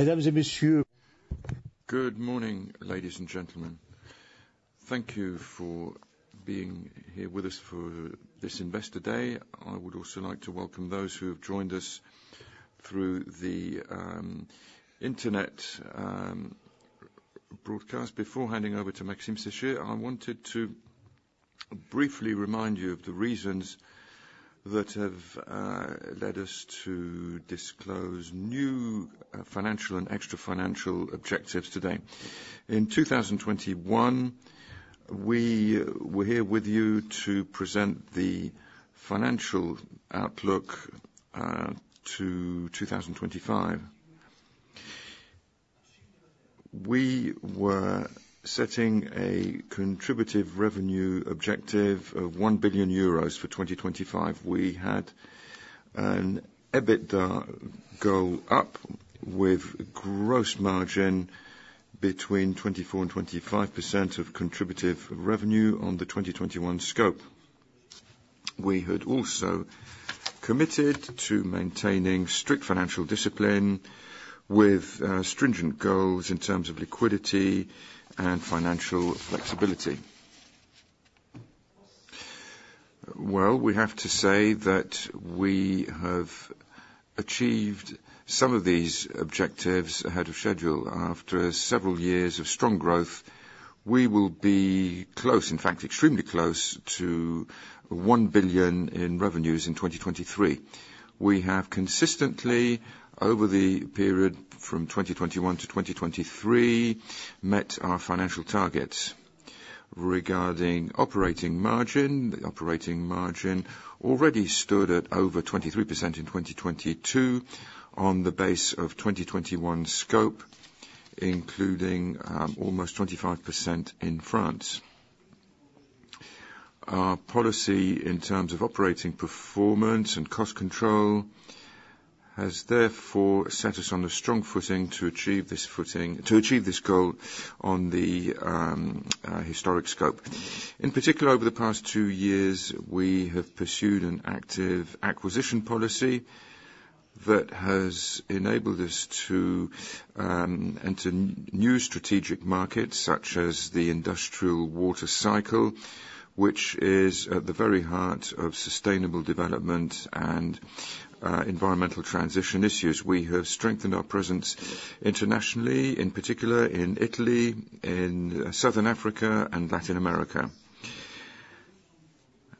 Mesdames et messieurs. Good morning, ladies and gentlemen. Thank you for being here with us for this Investor Day. I would also like to welcome those who have joined us through the internet broadcast. Before handing over to Maxime Séché, I wanted to briefly remind you of the reasons that have led us to disclose new financial and extra-financial objectives today. In 2021, we were here with you to present the financial outlook to 2025. We were setting a contributive revenue objective of 1 billion euros for 2025. We had an EBITDA go up with gross margin between 24%-25% of contributive revenue on the 2021 scope. We had also committed to maintaining strict financial discipline with stringent goals in terms of liquidity and financial flexibility. Well, we have to say that we have achieved some of these objectives ahead of schedule. After several years of strong growth, we will be close, in fact, extremely close to 1 billion in revenues in 2023. We have consistently, over the period from 2021 to 2023, met our financial targets. Regarding operating margin, the operating margin already stood at over 23% in 2022, on the base of 2021 scope, including almost 25% in France. Our policy in terms of operating performance and cost control has therefore set us on a strong footing to achieve this footing, to achieve this goal on the historic scope. In particular, over the past two years, we have pursued an active acquisition policy, that has enabled us to enter new strategic markets, such as the industrial water cycle, which is at the very heart of sustainable development and environmental transition issues. We have strengthened our presence internationally, in particular in Italy, in Southern Africa, and Latin America.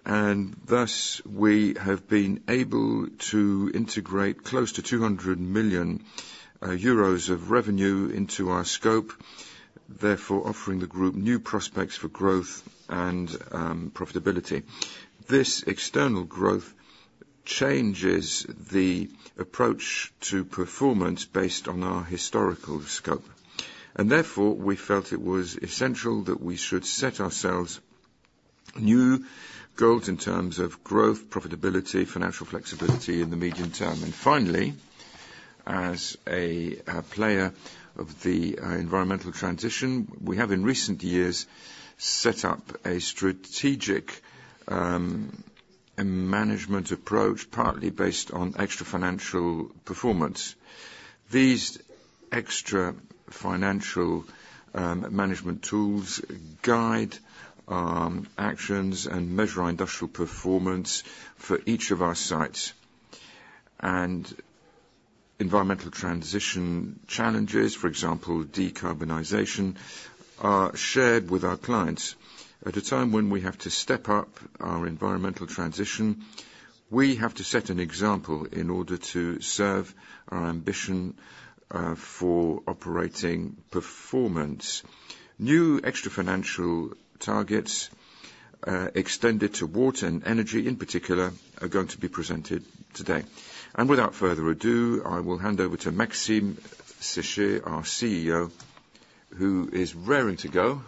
And thus, we have been able to integrate close to 200 million euros of revenue into our scope, therefore, offering the group new prospects for growth and profitability. This external growth changes the approach to performance based on our historical scope, and therefore, we felt it was essential that we should set ourselves new goals in terms of growth, profitability, financial flexibility in the medium term. Finally, as a player of the environmental transition, we have, in recent years, set up a strategic management approach, partly based on extra financial performance. These extra financial management tools guide actions and measure our industrial performance for each of our sites. Environmental transition challenges, for example, decarbonization, are shared with our clients. At a time when we have to step up our environmental transition, we have to set an example in order to serve our ambition for operating performance. New extra financial targets extended to water and energy in particular are going to be presented today. Without further ado, I will hand over to Maxime Séché, our CEO, who is raring to go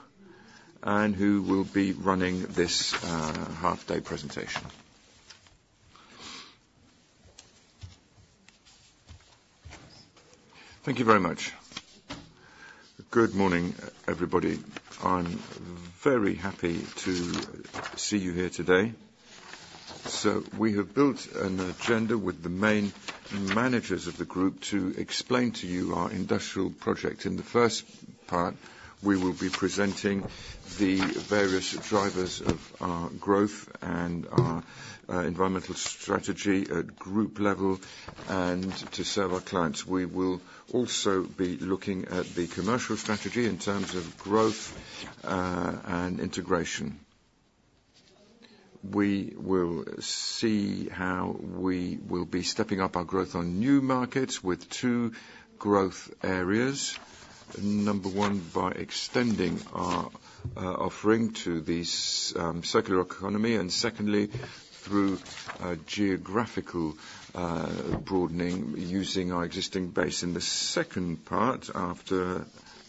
and who will be running this half-day presentation. Thank you very much. Good morning, everybody. I'm very happy to see you here today. So we have built an agenda with the main managers of the group to explain to you our industrial project. In the first part, we will be presenting the various drivers of our growth and our environmental strategy at group level and to serve our clients. We will also be looking at the commercial strategy in terms of growth and integration. We will see how we will be stepping up our growth on new markets with two growth areas. Number 1, by extending our offering to these circular economy, and secondly, through a geographical broadening using our existing base. In the second part, after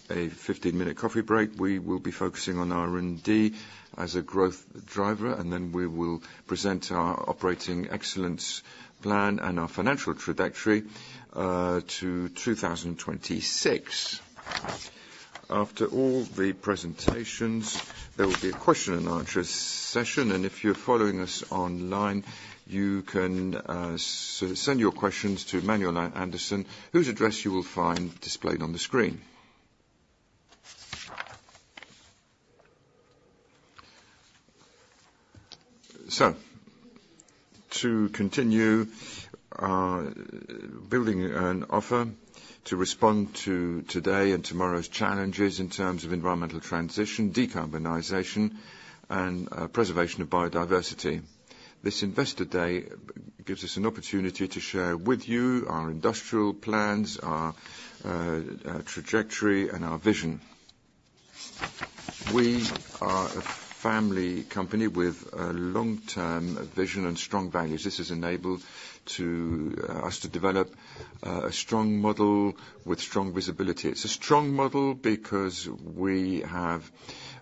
a 15-minute coffee break, we will be focusing on R&D as a growth driver, and then we will present our operating excellence plan and our financial trajectory to 2026. After all the presentations, there will be a question and answer session, and if you're following us online, you can send your questions to Manuel Andersen, whose address you will find displayed on the screen. To continue building an offer to respond to today and tomorrow's challenges in terms of environmental transition, decarbonization, and preservation of biodiversity. This Investor Day gives us an opportunity to share with you our industrial plans, our trajectory, and our vision. We are a family company with a long-term vision and strong values. This has enabled us to develop a strong model with strong visibility. It's a strong model because we have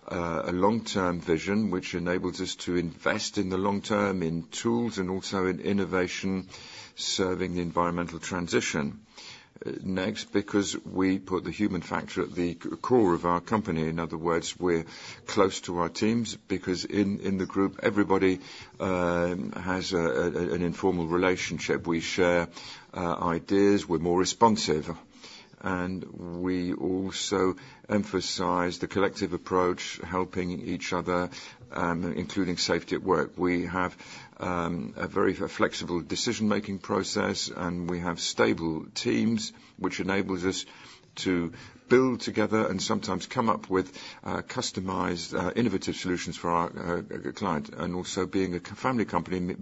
a long-term vision, which enables us to invest in the long term, in tools, and also in innovation, serving the environmental transition. Next, because we put the human factor at the core of our company. In other words, we're close to our teams because in the group, everybody has an informal relationship. We share ideas, we're more responsive, and we also emphasize the collective approach, helping each other, including safety at work. We have a very flexible decision-making process, and we have stable teams, which enables us to build together and sometimes come up with customized innovative solutions for our client. And also being a family company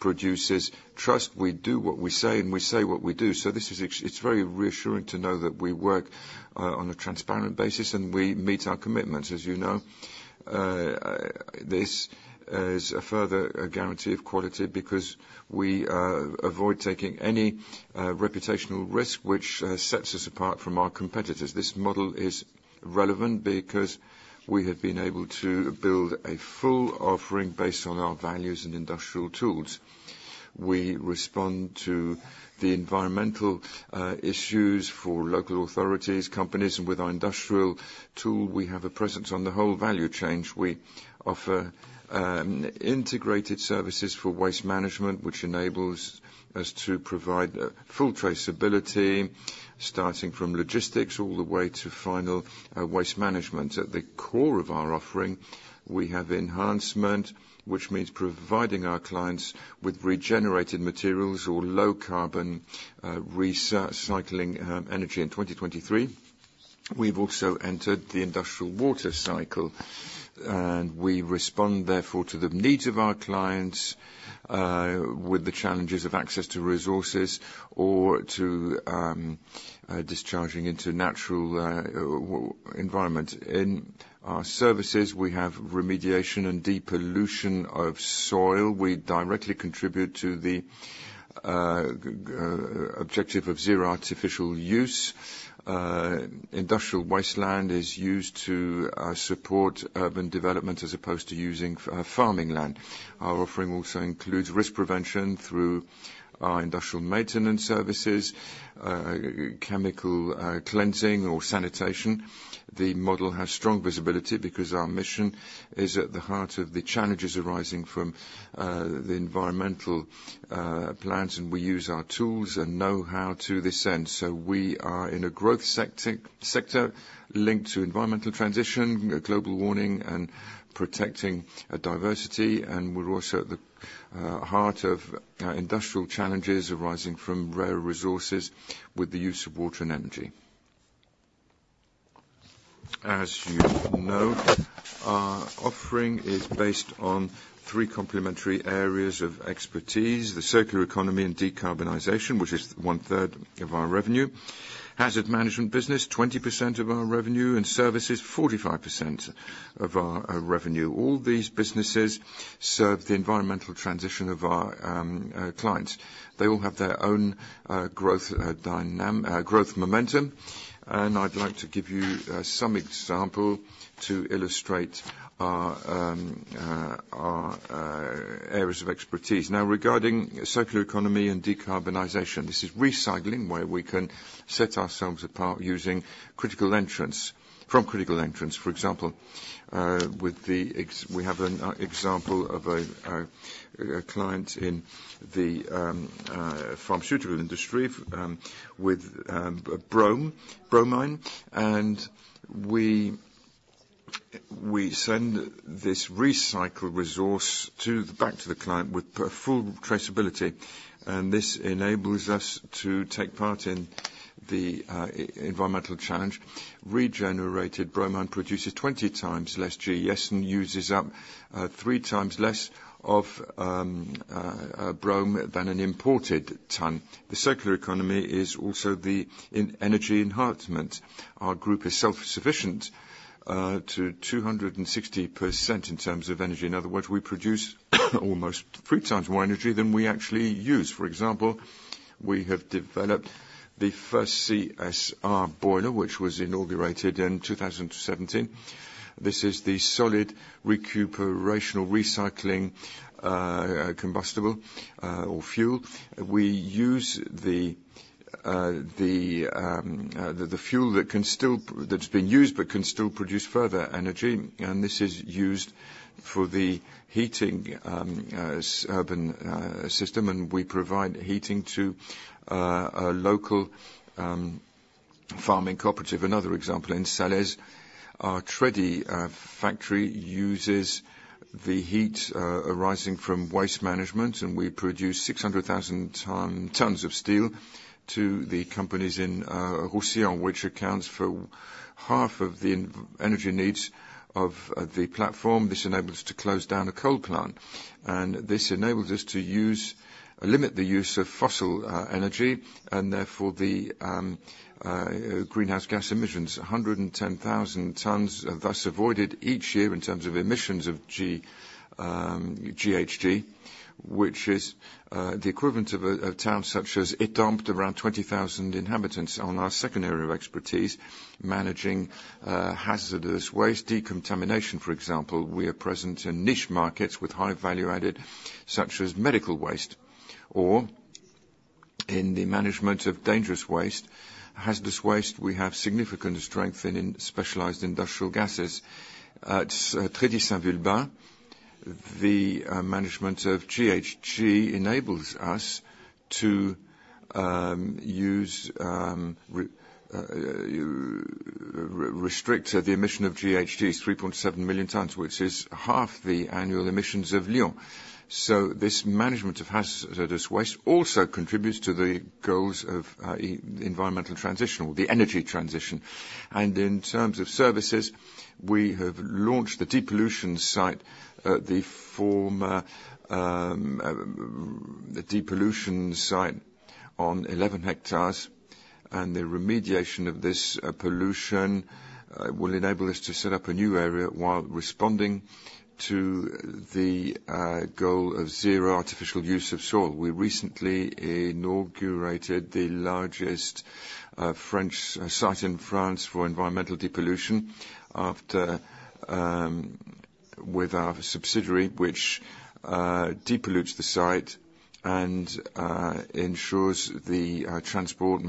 produces trust. We do what we say, and we say what we do. So this is it's very reassuring to know that we work on a transparent basis, and we meet our commitments. As you know, this is a further guarantee of quality because we avoid taking any reputational risk, which sets us apart from our competitors. This model is relevant because we have been able to build a full offering based on our values and industrial tools. We respond to the environmental issues for local authorities, companies, and with our industrial tool, we have a presence on the whole value chain. We offer integrated services for waste management, which enables us to provide full traceability, starting from logistics all the way to final waste management. At the core of our offering, we have enhancement, which means providing our clients with regenerated materials or low-carbon recycling energy. In 2023, we've also entered the industrial water cycle, and we respond, therefore, to the needs of our clients with the challenges of access to resources or to discharging into natural environment. In our services, we have remediation and depollution of soil. We directly contribute to the objective of zero artificial use. Industrial wasteland is used to support urban development as opposed to using farming land. Our offering also includes risk prevention through our industrial maintenance services, chemical cleaning or sanitation. The model has strong visibility because our mission is at the heart of the challenges arising from the environmental plans, and we use our tools and know-how to this end. So we are in a growth sector linked to environmental transition, global warming, and protecting diversity. We're also at the heart of industrial challenges arising from rare resources with the use of water and energy. As you know, our offering is based on three complementary areas of expertise: the circular economy and decarbonization, which is one third of our revenue; hazard management business, 20% of our revenue; and services, 45% of our revenue. All these businesses serve the environmental transition of our clients. They all have their own growth momentum, and I'd like to give you some example to illustrate our areas of expertise. Now, regarding circular economy and decarbonization, this is recycling, where we can set ourselves apart using critical entrants- from critical entrants. For example, we have an example of a client in the pharmaceutical industry, with bromine, and we send this recycled resource back to the client with full traceability, and this enables us to take part in the environmental challenge. Regenerated bromine produces 20 times less GHG and uses up three times less of bromine than an imported ton. The circular economy is also the in energy enhancement. Our group is self-sufficient to 260% in terms of energy. In other words, we produce almost three times more energy than we actually use. For example, we have developed the first CSR boiler, which was inaugurated in 2017. This is the solid recuperation or recycling combustible or fuel. We use the-... The fuel that can still—that's been used, but can still produce further energy, and this is used for the heating as urban system, and we provide heating to a local farming cooperative. Another example, in Salaise, our Trédi factory uses the heat arising from waste management, and we produce 600,000 tons of steam to the companies in Roussillon, which accounts for half of the energy needs of the platform. This enabled us to close down a coal plant, and this enables us to limit the use of fossil energy, and therefore, the greenhouse gas emissions. 110,000 tons are thus avoided each year in terms of emissions of GHG, which is the equivalent of a town such as Étampes, around 20,000 inhabitants. On our second area of expertise, managing hazardous waste decontamination, for example, we are present in niche markets with high value added, such as medical waste or in the management of dangerous waste. Hazardous waste, we have significant strength in specialized industrial gases. At Trédi Saint-Vulbas, the management of GHG enables us to restrict the emission of GHGs, 3.7 million tons, which is half the annual emissions of Lyon. So this management of hazardous waste also contributes to the goals of environmental transition or the energy transition. In terms of services, we have launched the depollution site, the former depollution site on 11 hectares, and the remediation of this pollution will enable us to set up a new area while responding to the goal of zero artificial use of soil. We recently inaugurated the largest French site in France for environmental depollution with our subsidiary, which depollutes the site and ensures the transport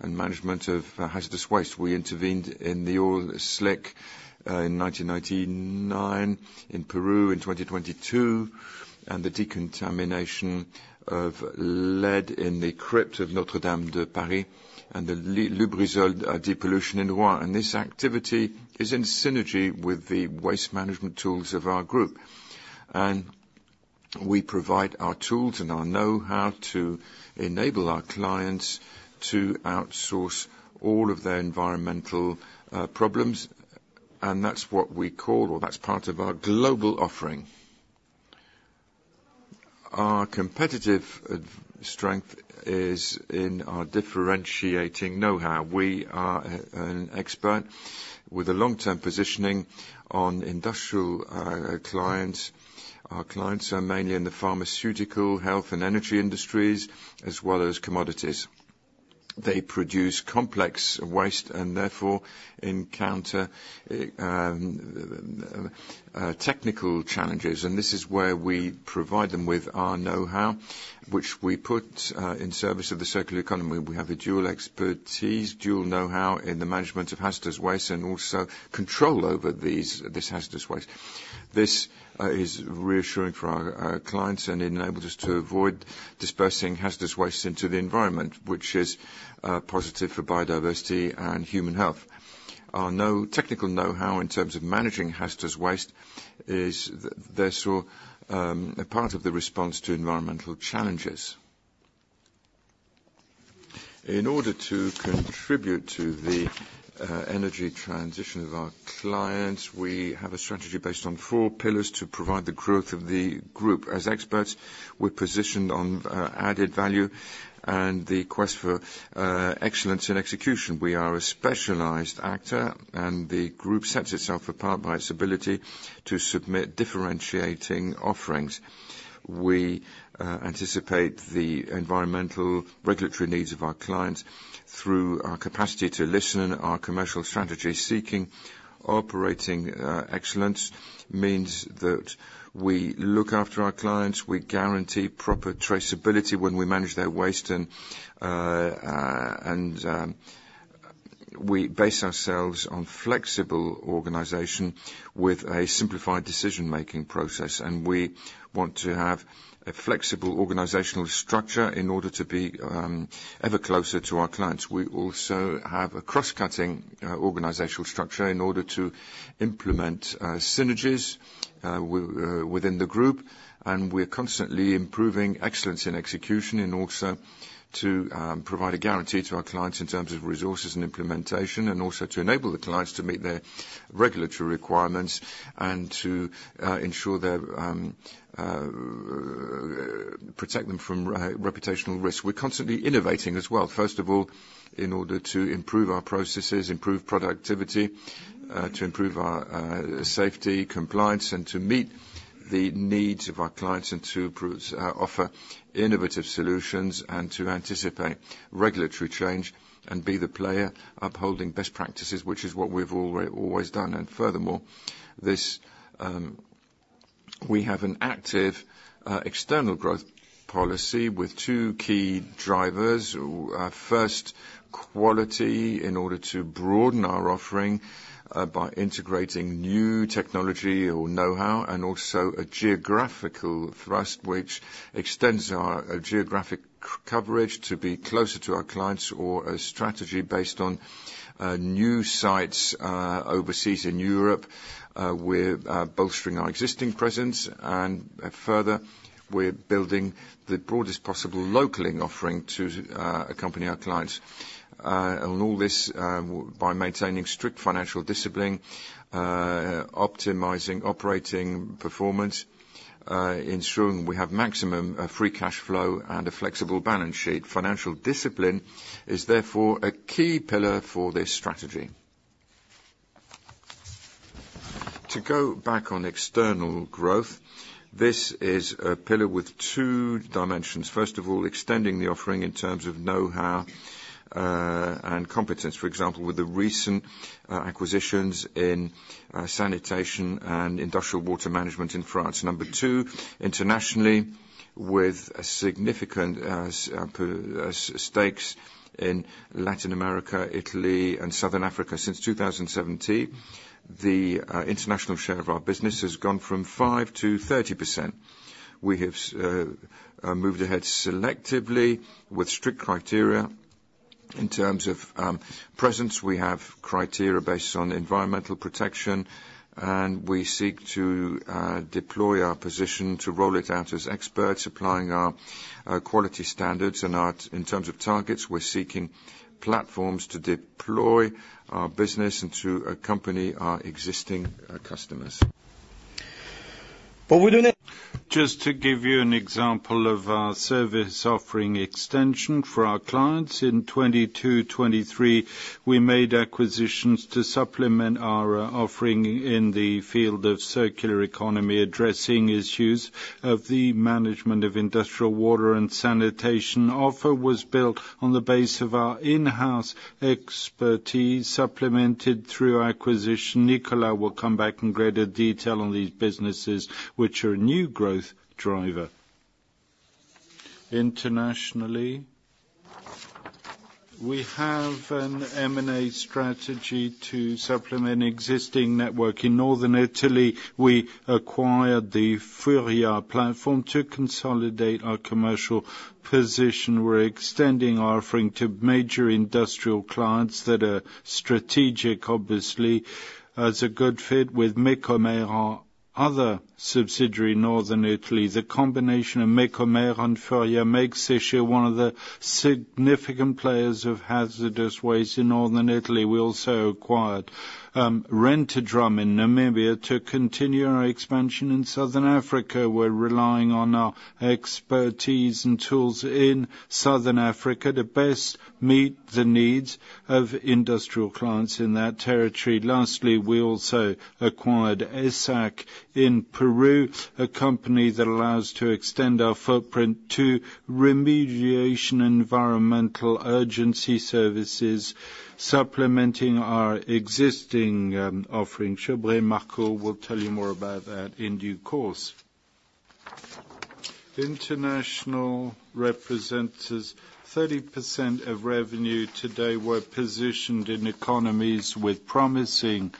and management of hazardous waste. We intervened in the oil slick in 1999, in Peru in 2022, and the decontamination of lead in the crypt of Notre-Dame de Paris, and the Lubrizol depollution in Rouen. This activity is in synergy with the waste management tools of our group, and we provide our tools and our know-how to enable our clients to outsource all of their environmental problems, and that's what we call or that's part of our global offering. Our competitive strength is in our differentiating know-how. We are an expert with a long-term positioning on industrial clients. Our clients are mainly in the pharmaceutical, health, and energy industries, as well as commodities. They produce complex waste and therefore encounter technical challenges, and this is where we provide them with our know-how, which we put in service of the circular economy. We have a dual expertise, dual know-how in the management of hazardous waste and also control over this hazardous waste. This is reassuring for our clients and enables us to avoid dispersing hazardous waste into the environment, which is positive for biodiversity and human health. Our technical know-how in terms of managing hazardous waste is there, so a part of the response to environmental challenges. In order to contribute to the energy transition of our clients, we have a strategy based on four pillars to provide the growth of the group. As experts, we're positioned on added value and the quest for excellence in execution. We are a specialized actor, and the group sets itself apart by its ability to submit differentiating offerings. We anticipate the environmental regulatory needs of our clients through our capacity to listen. Our commercial strategy, seeking operating excellence, means that we look after our clients, we guarantee proper traceability when we manage their waste, and we base ourselves on flexible organization with a simplified decision-making process. We want to have a flexible organizational structure in order to be ever closer to our clients. We also have a cross-cutting organizational structure in order to implement synergies within the group, and we're constantly improving excellence in execution, and also to provide a guarantee to our clients in terms of resources and implementation, and also to enable the clients to meet their regulatory requirements, and to ensure their protect them from reputational risk. We're constantly innovating as well, first of all, in order to improve our processes, improve productivity, to improve our safety, compliance, and to meet the needs of our clients, and to offer innovative solutions, and to anticipate regulatory change and be the player upholding best practices, which is what we've always done. And furthermore, we have an active external growth policy with two key drivers. First, quality, in order to broaden our offering by integrating new technology or know-how, and also a geographical thrust, which extends our geographic coverage to be closer to our clients, or a strategy based on new sites overseas in Europe. We're bolstering our existing presence, and further, we're building the broadest possible localing offering to accompany our clients. And all this by maintaining strict financial discipline, optimizing operating performance, ensuring we have maximum free cash flow and a flexible balance sheet. Financial discipline is therefore a key pillar for this strategy. To go back on external growth, this is a pillar with two dimensions. First of all, extending the offering in terms of know-how and competence, for example, with the recent acquisitions in sanitation and industrial water management in France. Number two, internationally, with significant stakes in Latin America, Italy, and Southern Africa. Since 2017, the international share of our business has gone from 5% to 30%. We have moved ahead selectively with strict criteria. In terms of presence, we have criteria based on environmental protection, and we seek to deploy our position to roll it out as experts, applying our quality standards. And our, in terms of targets, we're seeking platforms to deploy our business and to accompany our existing customers. Just to give you an example of our service offering extension for our clients, in 2022, 2023, we made acquisitions to supplement our offering in the field of circular economy, addressing issues of the management of industrial water and sanitation. Offer was built on the base of our in-house expertise, supplemented through acquisition. Nicolas will come back in greater detail on these businesses, which are a new growth driver. Internationally, we have an M&A strategy to supplement existing network. In Northern Italy, we acquired the Furia platform to consolidate our commercial position. We're extending our offering to major industrial clients that are strategic, obviously, as a good fit with Mecomer, our other subsidiary in Northern Italy. The combination of Mecomer and Furia makes Veolia one of the significant players of hazardous waste in Northern Italy. We also acquired Rent-A-Drum in Namibia to continue our expansion in Southern Africa. We're relying on our expertise and tools in Southern Africa to best meet the needs of industrial clients in that territory. Lastly, we also acquired ESSAC in Peru, a company that allows to extend our footprint to remediation environmental urgency services, supplementing our existing offering. Marco Paesano will tell you more about that in due course. International represents 30% of revenue today. We're positioned in economies with promising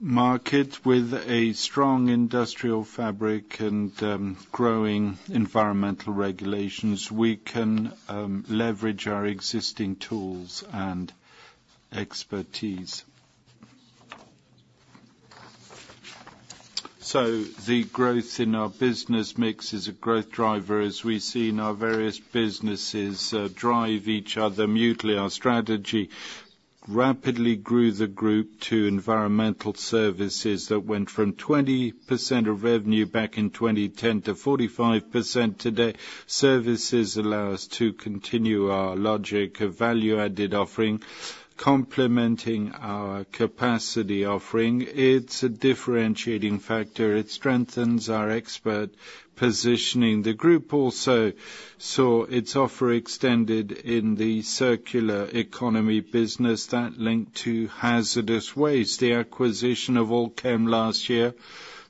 market, with a strong industrial fabric and growing environmental regulations. We can leverage our existing tools and expertise. So the growth in our business mix is a growth driver, as we see in our various businesses drive each other mutually. Our strategy rapidly grew the group to environmental services that went from 20% of revenue back in 2010 to 45% today. Services allow us to continue our logic of value-added offering, complementing our capacity offering. It's a differentiating factor. It strengthens our expert positioning. The group also saw its offer extended in the circular economy business that linked to hazardous waste. The acquisition of All'Chem last year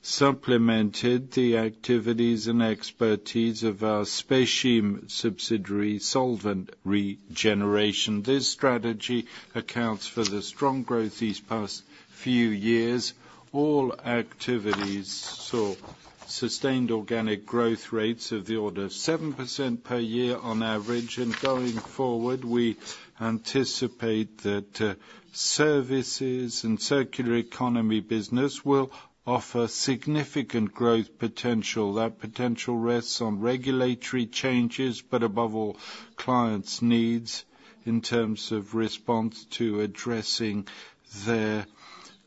supplemented the activities and expertise of our Speichim subsidiary, solvent regeneration. This strategy accounts for the strong growth these past few years. All activities saw sustained organic growth rates of the order of 7% per year on average, and going forward, we anticipate that services and circular economy business will offer significant growth potential. That potential rests on regulatory changes, but above all, clients' needs in terms of response to addressing their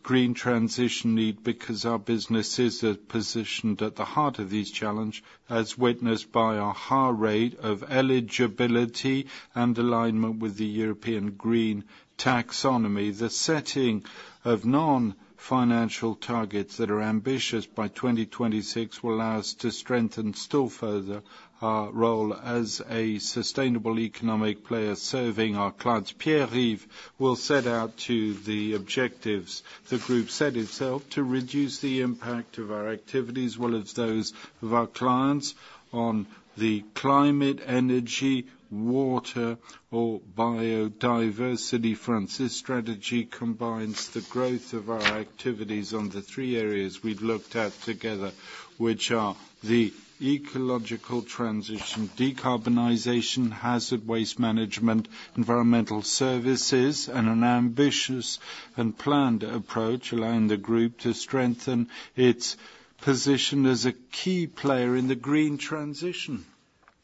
green transition need, because our business is positioned at the heart of this challenge, as witnessed by a high rate of eligibility and alignment with the European Green Taxonomy. The setting of non-financial targets that are ambitious by 2026 will allow us to strengthen still further our role as a sustainable economic player serving our clients. Pierre-Yves will set out the objectives. The group set itself to reduce the impact of our activities, well, as those of our clients on the climate, energy, water, or biodiversity. This strategy combines the growth of our activities on the three areas we've looked at together, which are the ecological transition, decarbonization, hazardous waste management, environmental services, and an ambitious and planned approach, allowing the group to strengthen its position as a key player in the green transition.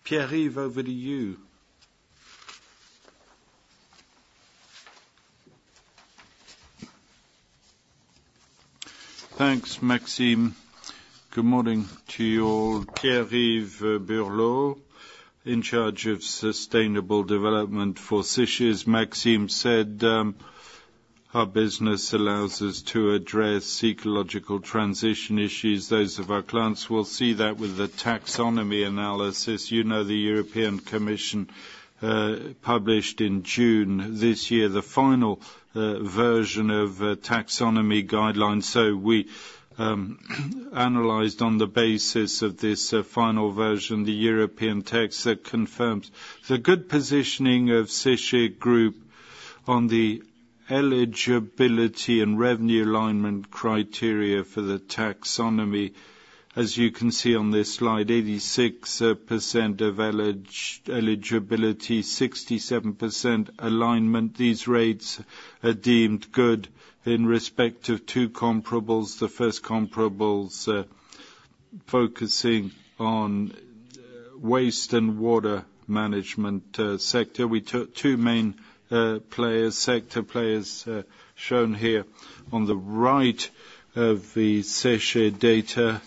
Pierre-Yves, over to you. Thanks, Maxime. Good morning to you all. Pierre-Yves Burlot in charge of sustainable development for Séché. As Maxime said, our business allows us to address ecological transition issues. Those of our clients will see that with the taxonomy analysis. You know, the European Commission published in June this year, the final version of taxonomy guidelines. So we analyzed on the basis of this final version, the European text that confirms the good positioning of Séché Group on the eligibility and revenue alignment criteria for the taxonomy. As you can see on this slide, 86% eligibility, 67% alignment. These rates are deemed good in respect to two comparables. The first comparables focusing on waste and water management sector. We took two main players, sector players, shown here on the right of the Séché data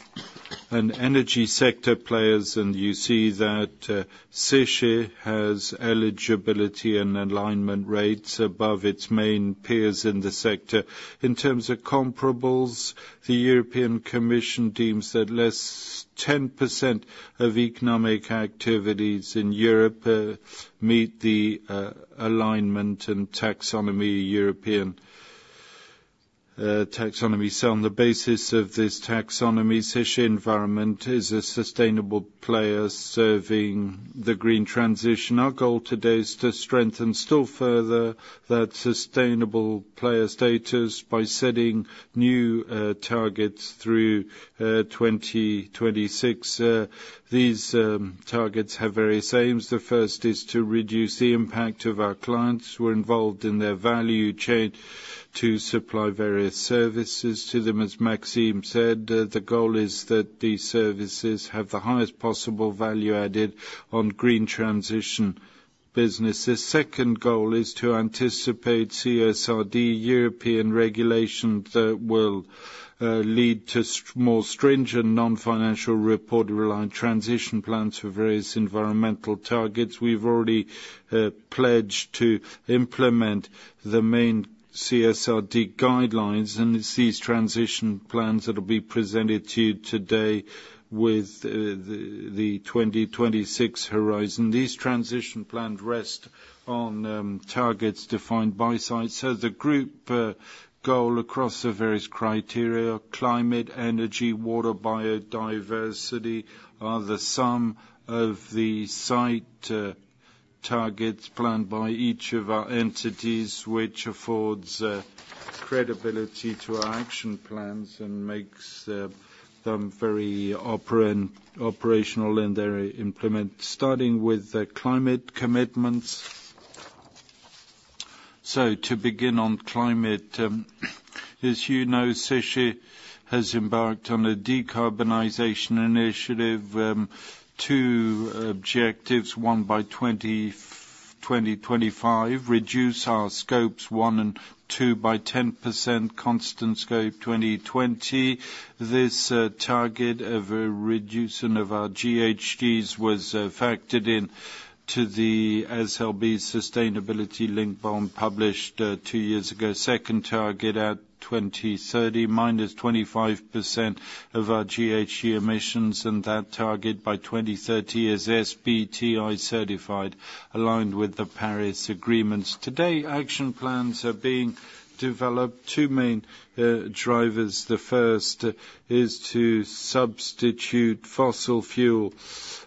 and energy sector players, and you see that Séché has eligibility and alignment rates above its main peers in the sector. In terms of comparables, the European Commission deems that less than 10% of economic activities in Europe meet the alignment and European taxonomy. So on the basis of this taxonomy, Séché Environnement is a sustainable player serving the green transition. Our goal today is to strengthen still further that sustainable player status by setting new targets through 2026. These targets have various aims. The first is to reduce the impact of our clients who are involved in their value chain to supply various services to them. As Maxime said, the goal is that these services have the highest possible value added on green transition businesses. Second goal is to anticipate CSRD, European regulation that will lead to more stringent non-financial reporting and transition plans for various environmental targets. We've already pledged to implement the main CSRD guidelines, and it's these transition plans that will be presented to you today with the 2026 horizon. These transition plans rest on targets defined by site. So the group goal across the various criteria, climate, energy, water, biodiversity, are the sum of the site targets planned by each of our entities, which affords credibility to our action plans and makes them very operational in their implement, starting with the climate commitments. So to begin on climate, as you know, Séché has embarked on a decarbonization initiative. Two objectives, one by 2025, reduce our scopes one and two by 10% constant scope 2020. This target of a reduction of our GHGs was factored in to the SLB Sustainability-linked bond, published two years ago. Second target at 2030, -25% of our GHG emissions, and that target by 2030 is SBTi certified, aligned with the Paris Agreement. Today, action plans are being developed. Two main drivers: the first is to substitute fossil fuel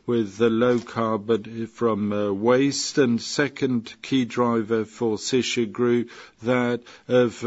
with the low carbon from waste, and second key driver for Séché Group, that of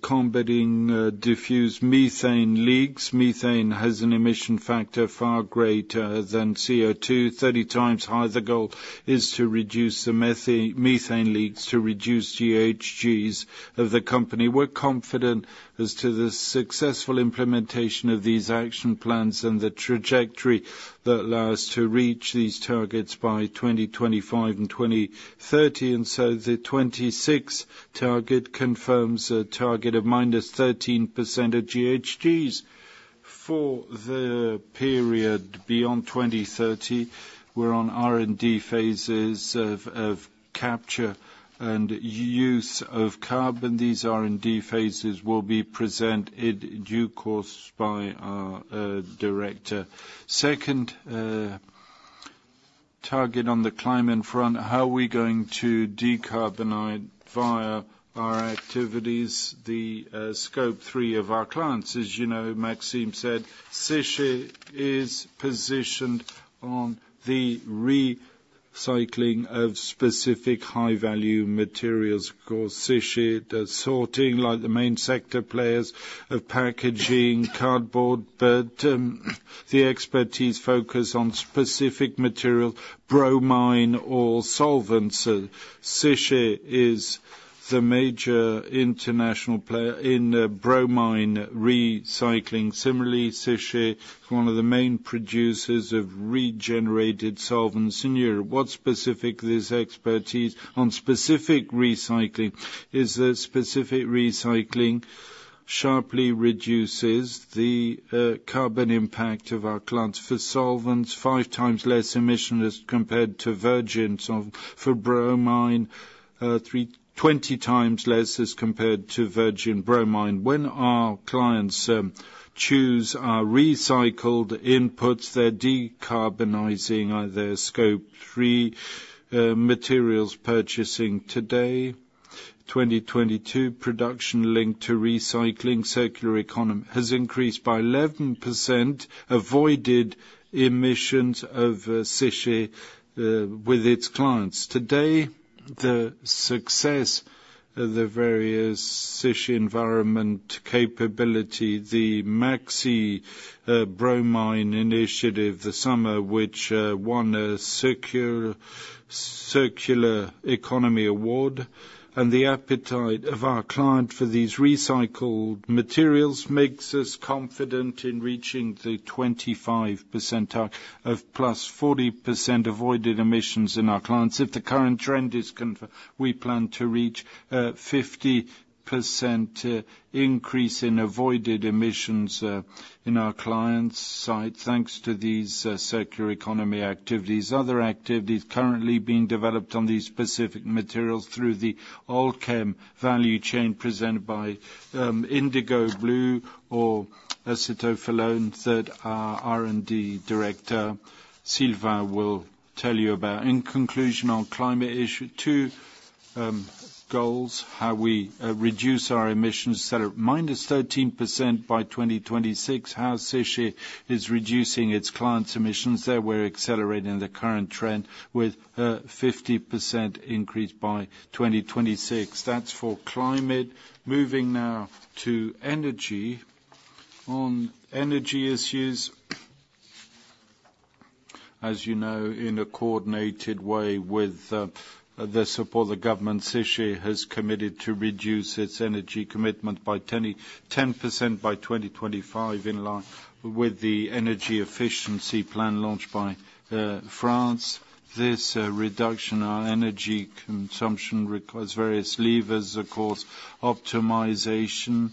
combating diffuse methane leaks. Methane has an emission factor far greater than CO₂, 30 times higher. The goal is to reduce the methane leaks, to reduce GHGs of the company. We're confident as to the successful implementation of these action plans and the trajectory that allow us to reach these targets by 2025 and 2030. And so the 2026 target confirms a target of -13% of GHGs. For the period beyond 2030, we're on R&D phases of capture and use of carbon. These R&D phases will be presented in due course by our director. Second target on the climate front, how are we going to decarbonize via our activities, the Scope 3 of our clients? As you know, Maxime said, Séché is positioned on the recycling of specific high-value materials. Of course, Séché does sorting, like the main sector players of packaging, cardboard, but the expertise focus on specific material, bromine, or solvents. Séché is the major international player in bromine recycling. Similarly, Séché, one of the main producers of regenerated solvents in Europe. What specific this expertise on specific recycling is that specific recycling sharply reduces the carbon impact of our clients. For solvents, five times less emission as compared to virgin. So for bromine, 320 times less as compared to virgin bromine. When our clients choose our recycled inputs, they're decarbonizing their Scope 3 materials purchasing. Today, 2022, production linked to recycling circular economy has increased by 11%, avoided emissions of Séché with its clients. Today, the success of the various Séché Environnement capability, the Maxibrome initiative, the solvent, which won a circular economy award, and the appetite of our client for these recycled materials, makes us confident in reaching the 25% target of +40% avoided emissions in our clients. If the current trend is confirmed, we plan to reach 50% increase in avoided emissions in our clients' site, thanks to these circular economy activities. Other activities currently being developed on these specific materials through the All'Chem value chain presented by indigo blue or acetophenone, that our R&D director, Sylvain, will tell you about. In conclusion, on climate issue, two goals, how we reduce our emissions that are -13% by 2026. How Séché is reducing its clients' emissions, that we're accelerating the current trend with a 50% increase by 2026. That's for climate. Moving now to energy. On energy issues, as you know, in a coordinated way with the support of the government, Séché has committed to reduce its energy commitment by 10% by 2025, in line with the energy efficiency plan launched by France. This reduction on energy consumption requires various levers, of course, optimization,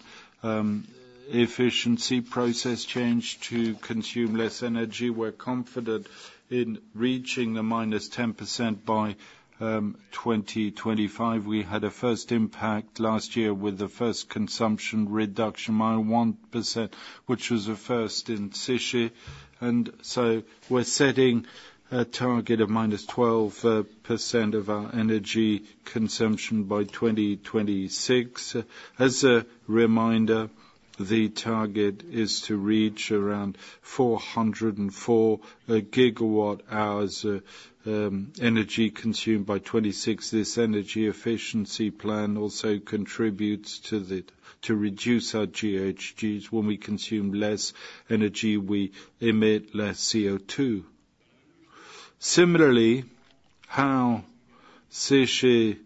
efficiency, process change to consume less energy. We're confident in reaching the -10% by 2025. We had a first impact last year with the first consumption reduction, -1%, which was a first in Séché. And so we're setting a target of -12% of our energy consumption by 2026. As a reminder, the target is to reach around 404 GWh energy consumed by 2026. This energy efficiency plan also contributes to reduce our GHGs. When we consume less energy, we emit less CO2. Similarly, how Séché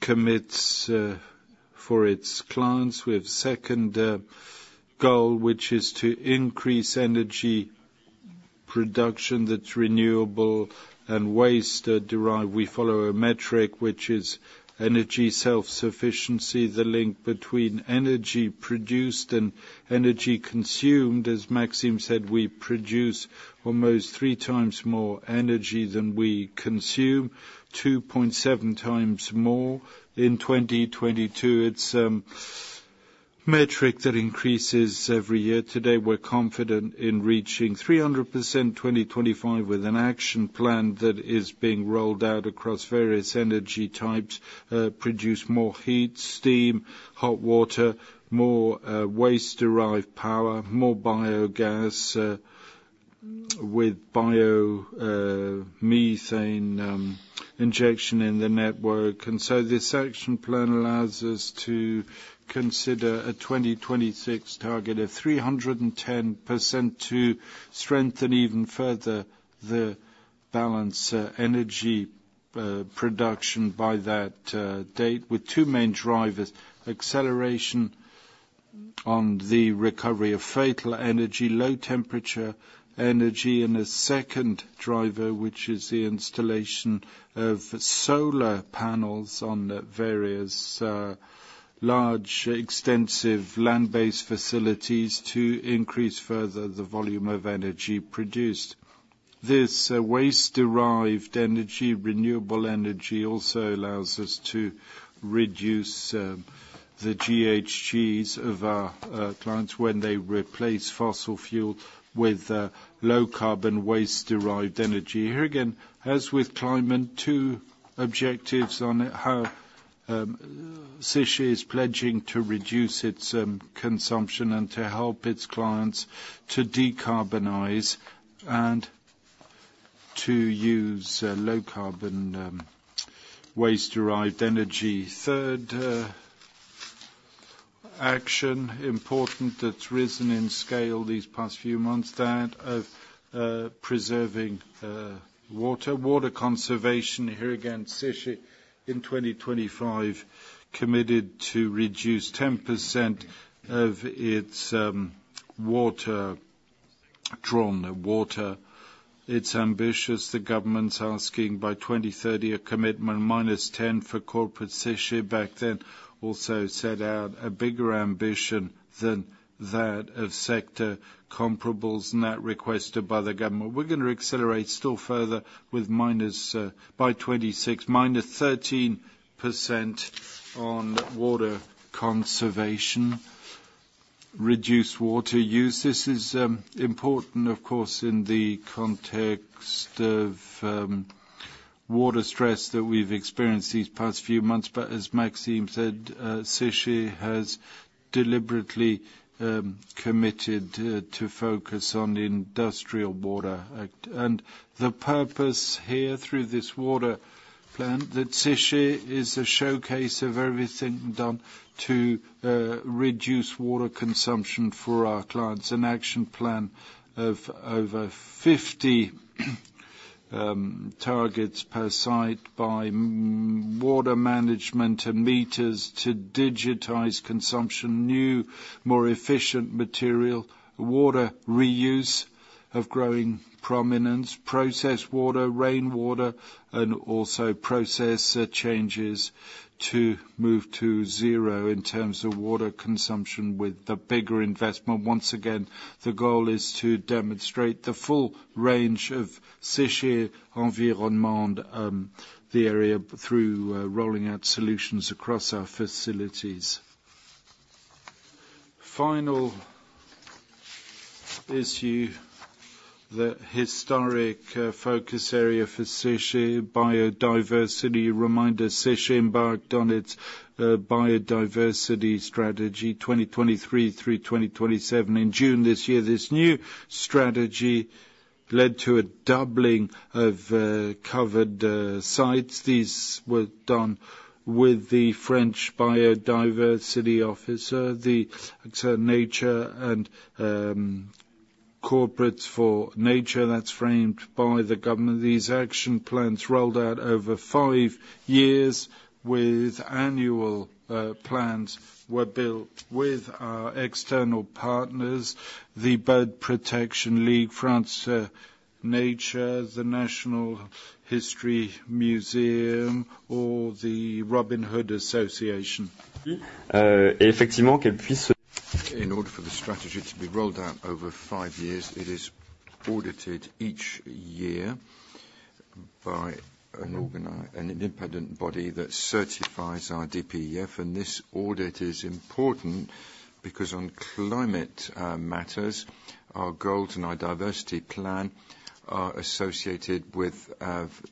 commits for its clients. We have second goal, which is to increase energy production that's renewable and waste-derived. We follow a metric, which is energy self-sufficiency, the link between energy produced and energy consumed. As Maxime said, we produce almost three times more energy than we consume, 2.7 times more in 2022. It's a metric that increases every year. Today, we're confident in reaching 300% in 2025 with an action plan that is being rolled out across various energy types. Produce more heat, steam, hot water, more waste-derived power, more biogas with biomethane injection in the network. And so this action plan allows us to consider a 2026 target of 310% to strengthen even further the balanced energy production by that date, with two main drivers: acceleration on the recovery of fatal energy, low temperature energy, and a second driver, which is the installation of solar panels on various large, extensive land-based facilities to increase further the volume of energy produced. This, waste-derived energy, renewable energy, also allows us to reduce the GHGs of our clients when they replace fossil fuel with low carbon waste-derived energy. Here again, as with climate, two objectives on how Séché is pledging to reduce its consumption and to help its clients to decarbonize and to use low carbon waste-derived energy. Third, action important that's risen in scale these past few months, that of preserving water. Water conservation, here again, Séché in 2025 committed to reduce 10% of its water drawn water. It's ambitious. The government's asking by 2030, a commitment -10% for corporate Séché. Back then, also set out a bigger ambition than that of sector comparables, not requested by the government. We're going to accelerate still further with minus by 26, -13% on water conservation, reduce water use. This is important, of course, in the context of water stress that we've experienced these past few months. But as Maxime said, Séché has deliberately committed to focus on industrial water. And the purpose here, through this water plan, that Séché is a showcase of everything done to reduce water consumption for our clients. An action plan of over 50 targets per site by water management and meters to digitize consumption, new, more efficient material, water reuse of growing prominence, process water, rainwater, and also process changes to move to zero in terms of water consumption with the bigger investment. Once again, the goal is to demonstrate the full range of Séché Environnement, the area through rolling out solutions across our facilities. Final issue, the historic focus area for Séché biodiversity. Reminder, Séché embarked on its biodiversity strategy, 2023 through 2027. In June this year, this new strategy led to a doubling of covered sites. These were done with the French Biodiversity Officer, the nature and corporates for nature that's framed by the government. These action plans rolled out over five years with annual plans, were built with our external partners, the Bird Protection League, France Nature, the National History Museum, or the Robin Hood Association. In order for the strategy to be rolled out over five years, it is audited each year by an independent body that certifies our DPEF. This audit is important because on climate matters, our goals and our diversity plan are associated with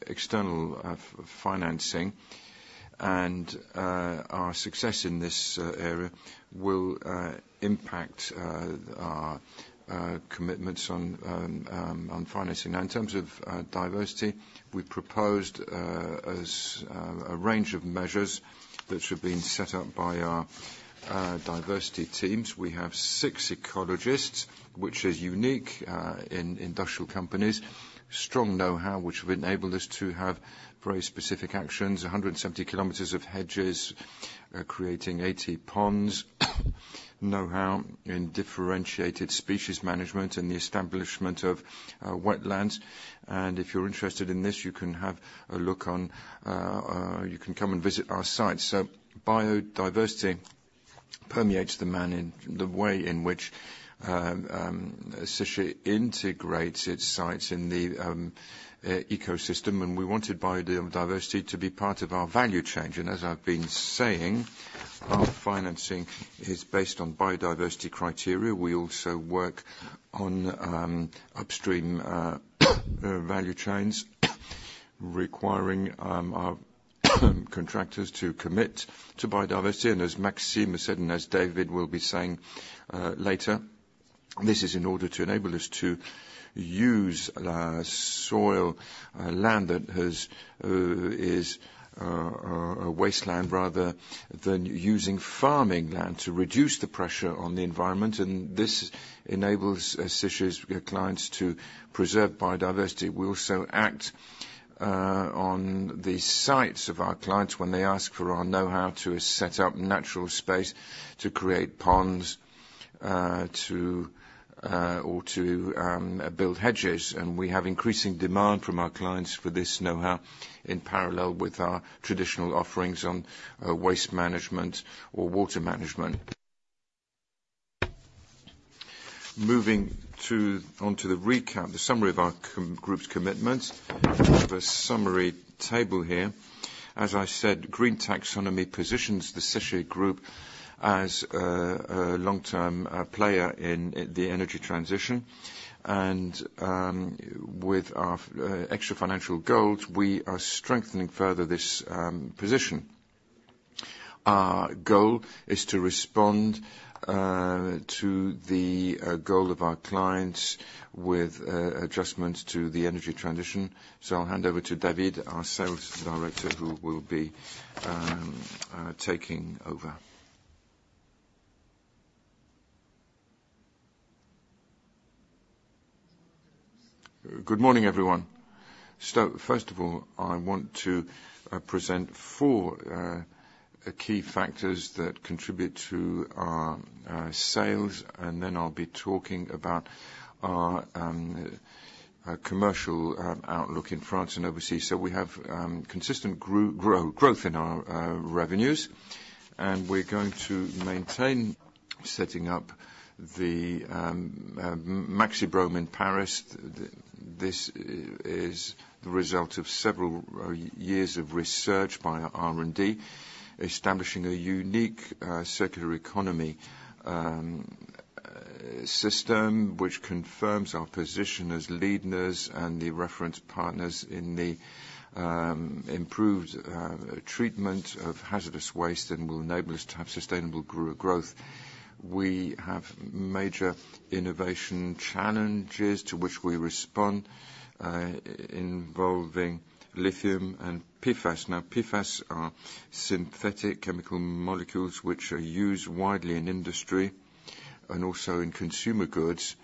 external financing. Our success in this area will impact our commitments on financing. Now, in terms of diversity, we proposed as a range of measures which have been set up by our diversity teams. We have six ecologists, which is unique in industrial companies. Strong know-how, which have enabled us to have very specific actions, 170 km of hedges, creating 80 ponds, know-how in differentiated species management and the establishment of wetlands. If you're interested in this, you can have a look on. You can come and visit our site. So biodiversity permeates the man in the way in which Séché integrates its sites in the ecosystem, and we wanted biodiversity to be part of our value chain. As I've been saying, our financing is based on biodiversity criteria. We also work on upstream value chains, requiring our contractors to commit to biodiversity. As Maxime has said, and as David will be saying later, this is in order to enable us to use soil land that is a wasteland, rather than using farming land to reduce the pressure on the environment, and this enables Séché's clients to preserve biodiversity. We also act on the sites of our clients when they ask for our know-how to set up natural space, to create ponds, or to build hedges. We have increasing demand from our clients for this know-how, in parallel with our traditional offerings on waste management or water management. Moving to, onto the recap, the summary of our group's commitments. I have a summary table here. As I said, Green Taxonomy positions the Séché group as a long-term player in the energy transition. And with our extra-financial goals, we are strengthening further this position. Our goal is to respond to the goal of our clients with adjustments to the energy transition. So I'll hand over to David, our Sales Director, who will be taking over. Good morning, everyone. So first of all, I want to present 4 key factors that contribute to our sales, and then I'll be talking about our commercial outlook in France and overseas. So we have consistent growth in our revenues, and we're going to maintain setting up the Maxibrome in Paris. This is the result of several years of research by our R&D, establishing a unique circular economy system, which confirms our position as leaders and the reference partners in the improved treatment of hazardous waste and will enable us to have sustainable growth. We have major innovation challenges to which we respond, involving lithium and PFAS. Now, PFAS are synthetic chemical molecules, which are used widely in industry and also in consumer goods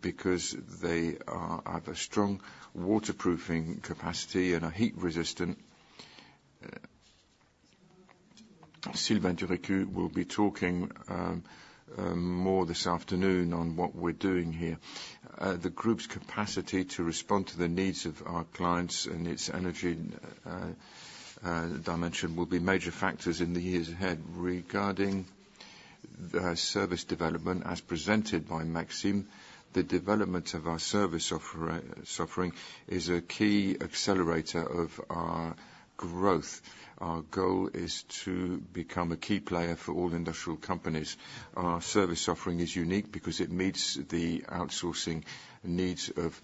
because they have a strong waterproofing capacity and are heat resistant. Sylvain Durécu will be talking more this afternoon on what we're doing here. The group's capacity to respond to the needs of our clients and its energy dimension will be major factors in the years ahead. Regarding the service development, as presented by Maxime, the development of our service offering is a key accelerator of our growth. Our goal is to become a key player for all industrial companies. Our service offering is unique because it meets the outsourcing needs of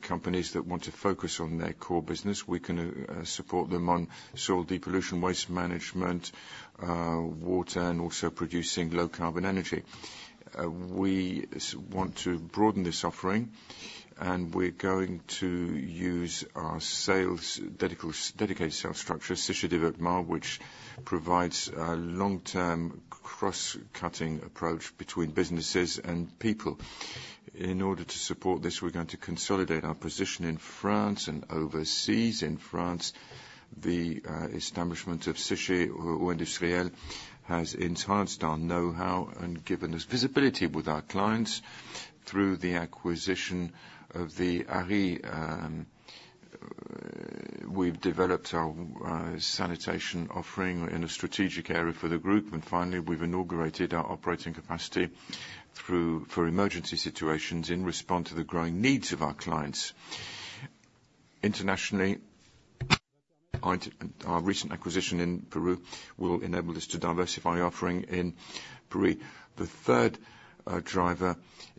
companies that want to focus on their core business. We can support them on soil depollution, waste management, water, and also producing low carbon energy. We want to broaden this offering, and we're going to use our dedicated sales structure, Séché Développement, which provides a long-term cross-cutting approach between businesses and people. In order to support this, we're going to consolidate our position in France and overseas. In France, the establishment of Séché Eau Industrielle has enhanced our know-how and given us visibility with our clients. Through the acquisition of the ARI, we've developed our sanitation offering in a strategic area for the group. And finally, we've inaugurated our operating capacity through, for emergency situations in response to the growing needs of our clients. Internationally, our recent acquisition in Peru will enable us to diversify offering in Peru. The third driver is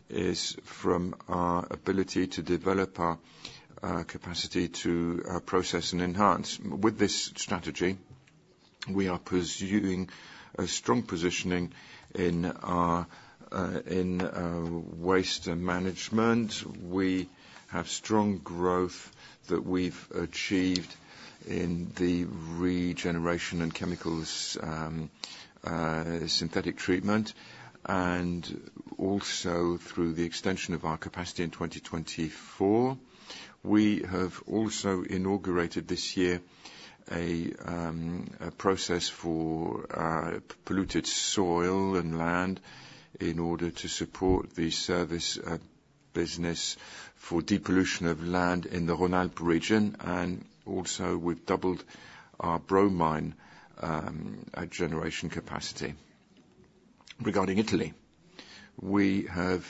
from our ability to develop our capacity to process and enhance. With this strategy, we are pursuing a strong positioning in our, in waste management. We have strong growth that we've achieved in the regeneration and chemical synthesis, and also through the extension of our capacity in 2024. We have also inaugurated this year a process for polluted soil and land in order to support the service business for depollution of land in the Rhône-Alpes region, and also we've doubled our bromine generation capacity. Regarding Italy, we have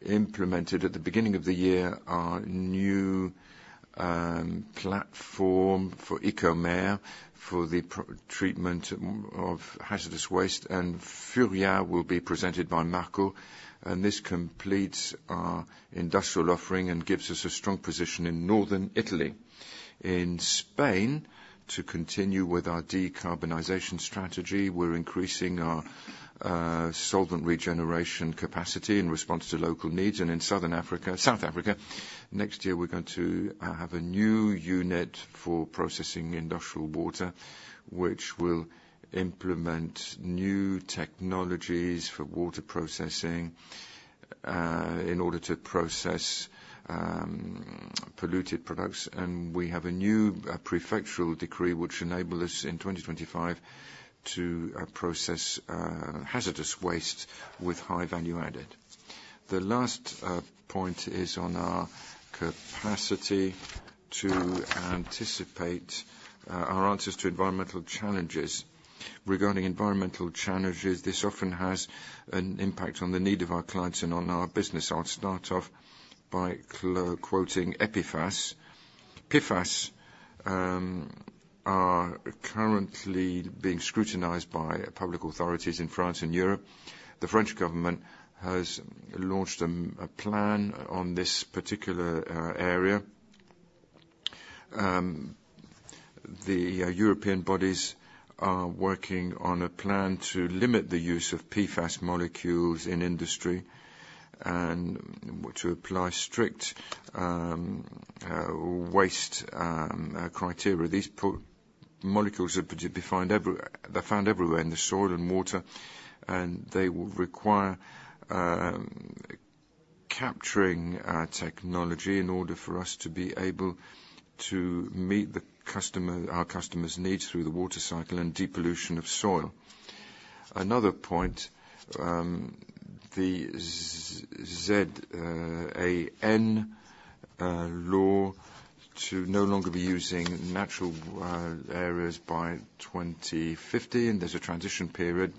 implemented at the beginning of the year our new platform for Mecomer for the pre-treatment of hazardous waste, and Furia will be presented by Marco, and this completes our industrial offering and gives us a strong position in northern Italy. In Spain, to continue with our decarbonization strategy, we're increasing our solvent regeneration capacity in response to local needs. In Southern Africa, South Africa, next year, we're going to have a new unit for processing industrial water, which will implement new technologies for water processing in order to process polluted products. We have a new prefectural decree, which enable us in 2025 to process hazardous waste with high value added. The last point is on our capacity to anticipate our answers to environmental challenges. Regarding environmental challenges, this often has an impact on the need of our clients and on our business. I'll start off by quoting PFAS. PFAS are currently being scrutinized by public authorities in France and Europe. The French government has launched a plan on this particular area. The European bodies are working on a plan to limit the use of PFAS molecules in industry, and to apply strict waste criteria. These PFAS molecules have been found; they're found everywhere in the soil and water, and they will require capturing technology in order for us to be able to meet our customer's needs through the water cycle and depollution of soil. Another point, the ZAN law to no longer be using natural areas by 2050, and there's a transition period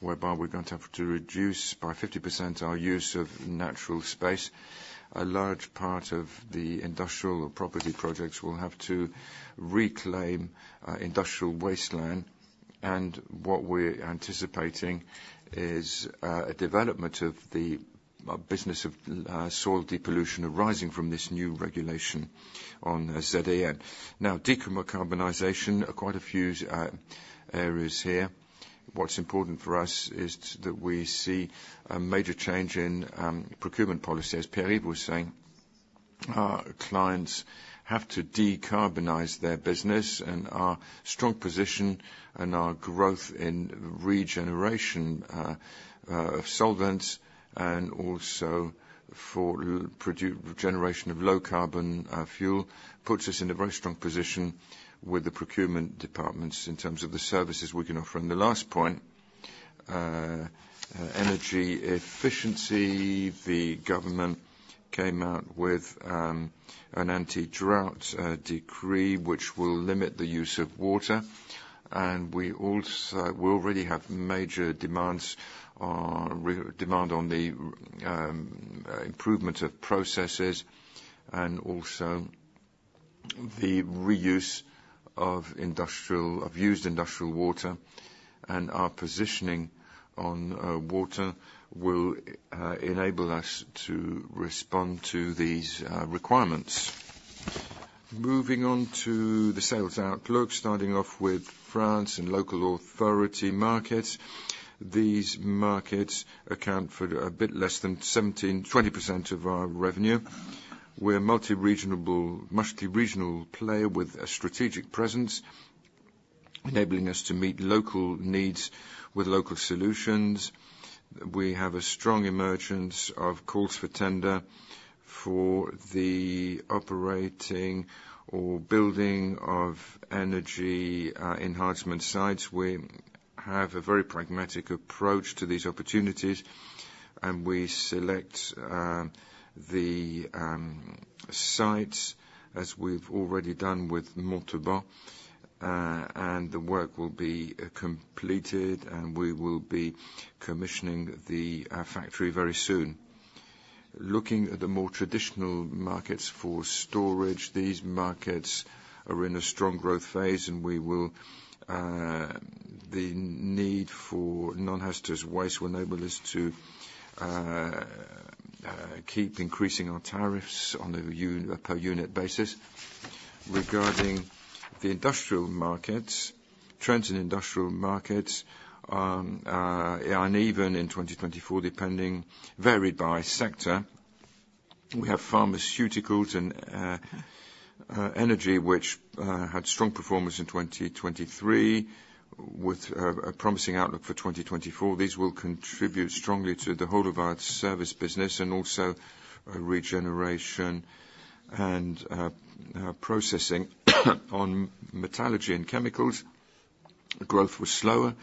whereby we're going to have to reduce by 50% our use of natural space. A large part of the industrial or property projects will have to reclaim industrial wasteland, and what we're anticipating is a development of the business of soil depollution arising from this new regulation on ZAN. Now, decarbonization; there are quite a few areas here. What's important for us is that we see a major change in procurement policy. As Pierre-Yves was saying, our clients have to decarbonize their business, and our strong position and our growth in regeneration of solvents, and also for generation of low carbon fuel, puts us in a very strong position with the procurement departments in terms of the services we can offer. And the last point, energy efficiency. The government came out with an anti-drought decree, which will limit the use of water, and we also we already have major demands on demand on the improvement of processes, and also the reuse of used industrial water, and our positioning on water will enable us to respond to these requirements. Moving on to the sales outlook, starting off with France and local authority markets. These markets account for a bit less than 17%-20% of our revenue. We're multi-regional, mostly regional player with a strategic presence, enabling us to meet local needs with local solutions. We have a strong emergence of calls for tender for the operating or building of energy enhancement sites. We have a very pragmatic approach to these opportunities, and we select the sites, as we've already done with Montauban, and the work will be completed, and we will be commissioning the factory very soon. Looking at the more traditional markets for storage, these markets are in a strong growth phase, and we will. The need for non-hazardous waste will enable us to keep increasing our tariffs on a per unit basis. Regarding the industrial markets, trends in industrial markets, are uneven in 2024, depending, varied by sector. We have pharmaceuticals and, energy, which, had strong performance in 2023, with, a promising outlook for 2024. These will contribute strongly to the whole of our service business and also a regeneration and, processing. On metallurgy and chemicals, growth was slower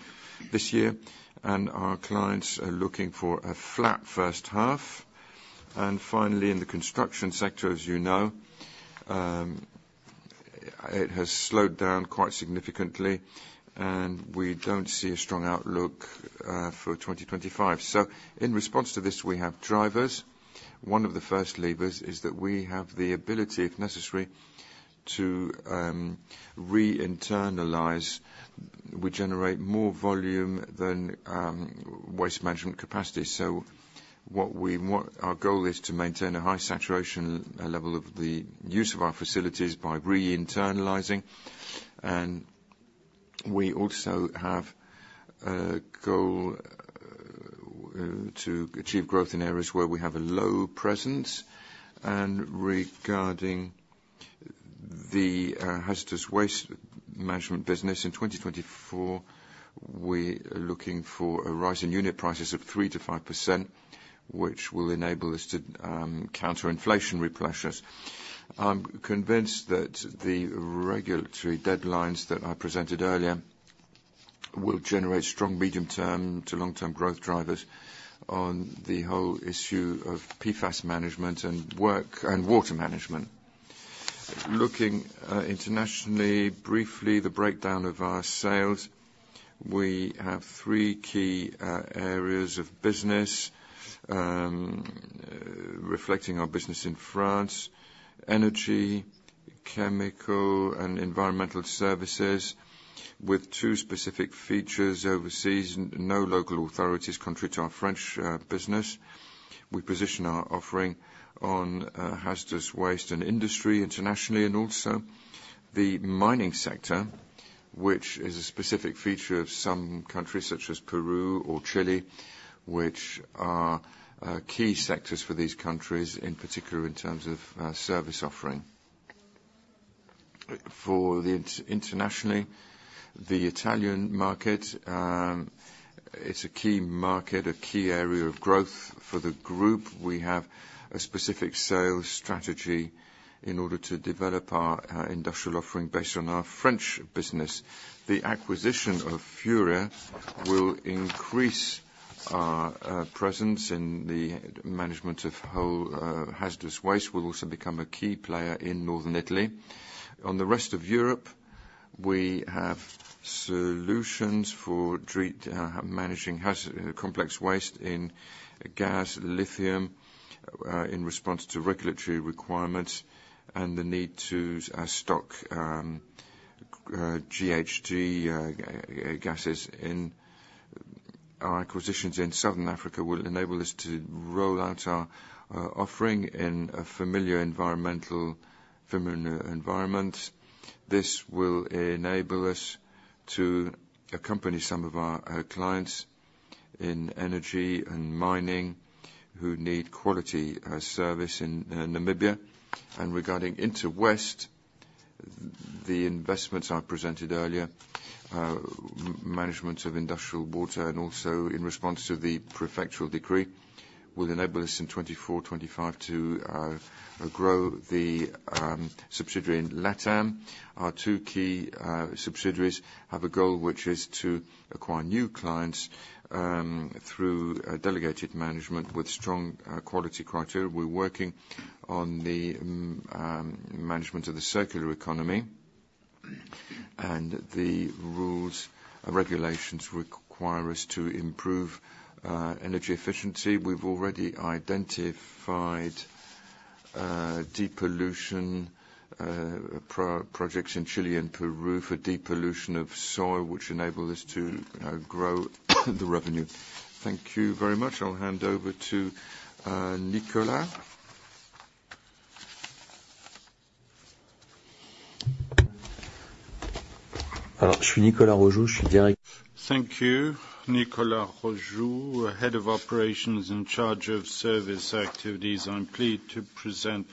this year, and our clients are looking for a flat first half. And finally, in the construction sector, as you know, it has slowed down quite significantly, and we don't see a strong outlook, for 2025. So in response to this, we have drivers. One of the first levers is that we have the ability, if necessary, to, re-internalize. We generate more volume than, waste management capacity. So what we want. Our goal is to maintain a high saturation level of the use of our facilities by re-internalizing. And we also have a goal to achieve growth in areas where we have a low presence. And regarding the hazardous waste management business, in 2024, we are looking for a rise in unit prices of 3%-5%, which will enable us to counter inflationary pressures. I'm convinced that the regulatory deadlines that I presented earlier will generate strong medium-term to long-term growth drivers on the whole issue of PFAS management and work and water management. Looking internationally, briefly, the breakdown of our sales, we have three key areas of business, reflecting our business in France, energy, chemical, and environmental services, with two specific features overseas, no local authorities country to our French business. We position our offering on hazardous waste and industry internationally, and also the mining sector, which is a specific feature of some countries, such as Peru or Chile, which are key sectors for these countries, in particular, in terms of service offering. Internationally, the Italian market, it's a key market, a key area of growth for the group. We have a specific sales strategy in order to develop our industrial offering based on our French business. The acquisition of Furia will increase our presence in the management of whole hazardous waste. We'll also become a key player in Northern Italy. On the rest of Europe, we have solutions for treating managing complex waste in gas, lithium, in response to regulatory requirements and the need to stock GHG gases in... Our acquisitions in Southern Africa will enable us to roll out our offering in a familiar environment. This will enable us to accompany some of our clients in energy and mining who need quality service in Namibia. Regarding Interwaste, the investments I presented earlier, management of industrial water and also in response to the prefectural decree, will enable us in 2024, 2025 to grow the subsidiary in Latam. Our two key subsidiaries have a goal, which is to acquire new clients through delegated management with strong quality criteria. We're working on the management of the circular economy, and the rules and regulations require us to improve energy efficiency. We've already identified depollution projects in Chile and Peru for depollution of soil, which enable us to grow the revenue. Thank you very much. I'll hand over to Nicolas. Thank you. Nicolas Rogeau, Head of Operations in Charge of Service Activities. I'm pleased to present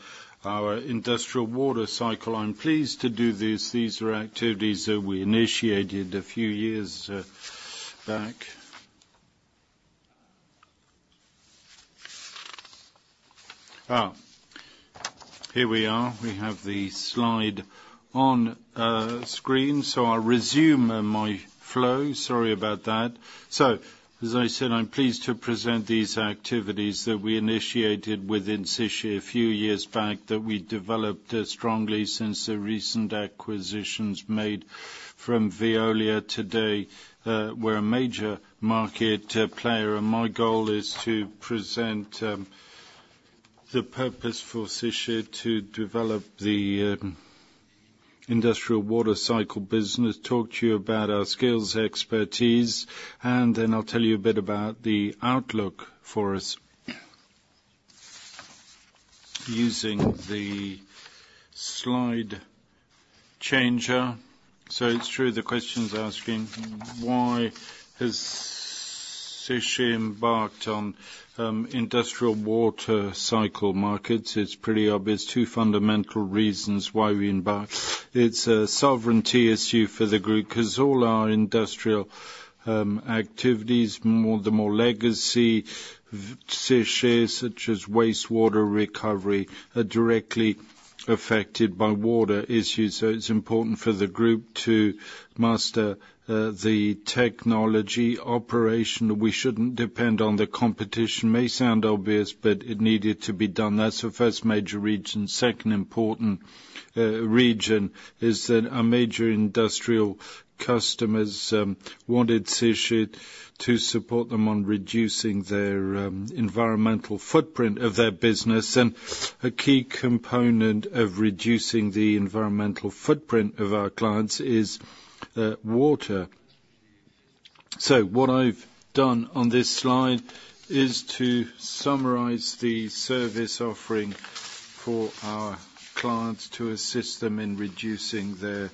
our industrial water cycle. I'm pleased to do this. These are activities that we initiated a few years back. Here we are. We have the slide on screen, so I'll resume my flow. Sorry about that. So, as I said, I'm pleased to present these activities that we initiated within Séché a few years back, that we developed strongly since the recent acquisitions made from Veolia. Today, we're a major market player, and my goal is to present the purpose for Séché to develop the industrial water cycle business, talk to you about our skills, expertise, and then I'll tell you a bit about the outlook for us. Using the slide changer. So it's true, the question's asking: Why has Séché embarked on industrial water cycle markets? It's pretty obvious. Two fundamental reasons why we embarked. It's a sovereignty issue for the group, 'cause all our industrial activities, more, the more legacy Séché, such as wastewater recovery, are directly affected by water issues, so it's important for the group to master the technology operation. We shouldn't depend on the competition. May sound obvious, but it needed to be done. That's the first major reason. Second important reason is that our major industrial customers wanted Séché to support them on reducing their environmental footprint of their business, and a key component of reducing the environmental footprint of our clients is water. So what I've done on this slide is to summarize the service offering for our clients to assist them in reducing their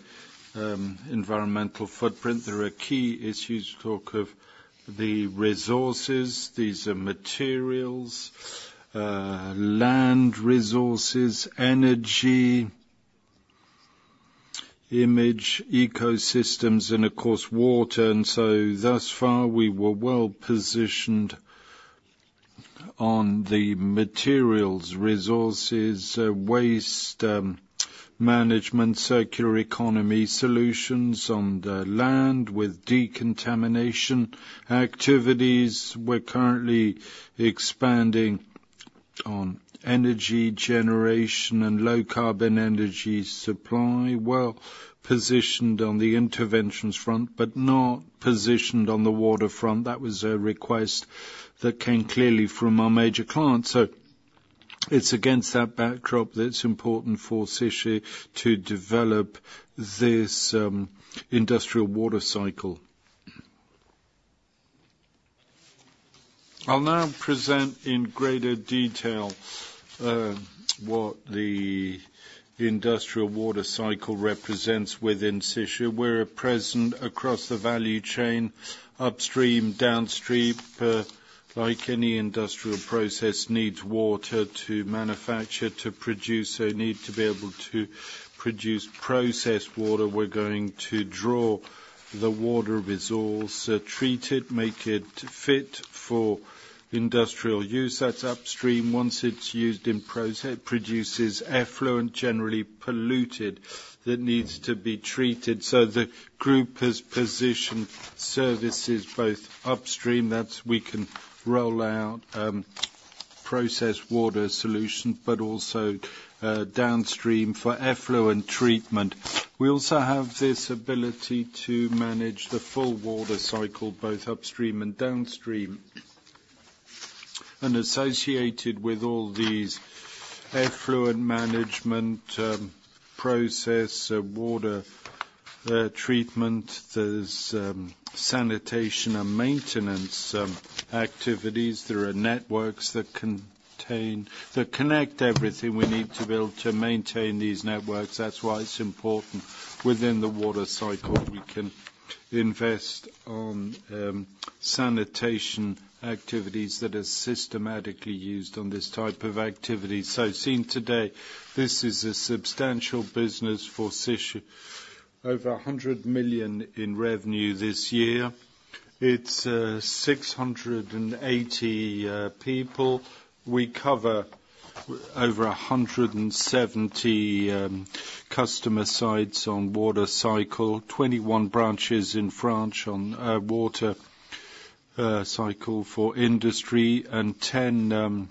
environmental footprint. There are key issues. Talk of the resources, these are materials, land resources, energy, image, ecosystems, and of course, water. And so thus far, we were well positioned on the materials, resources, waste management, circular economy solutions on the land with decontamination activities. We're currently expanding on energy generation and low carbon energy supply. Well-positioned on the interventions front, but not positioned on the water front. That was a request that came clearly from our major clients. So it's against that backdrop that it's important for Séché to develop this industrial water cycle. I'll now present in greater detail what the industrial water cycle represents within Séché. We're present across the value chain, upstream, downstream, like any industrial process needs water to manufacture, to produce, so need to be able to produce processed water. We're going to draw the water resource, treat it, make it fit for industrial use. That's upstream. Once it's used in process, it produces effluent, generally polluted, that needs to be treated. So the group has positioned services both upstream, that's we can roll out process water solution, but also downstream for effluent treatment. We also have this ability to manage the full water cycle, both upstream and downstream. And associated with all these effluent management, process water treatment, there's sanitation and maintenance activities. There are networks that connect everything we need to build to maintain these networks. That's why it's important within the water cycle, we can invest on sanitation activities that are systematically used on this type of activity. So seen today, this is a substantial business for Séché. Over 100 million in revenue this year. It's 680 people. We cover over 170 customer sites on water cycle, 21 branches in France on water cycle for industry, and 10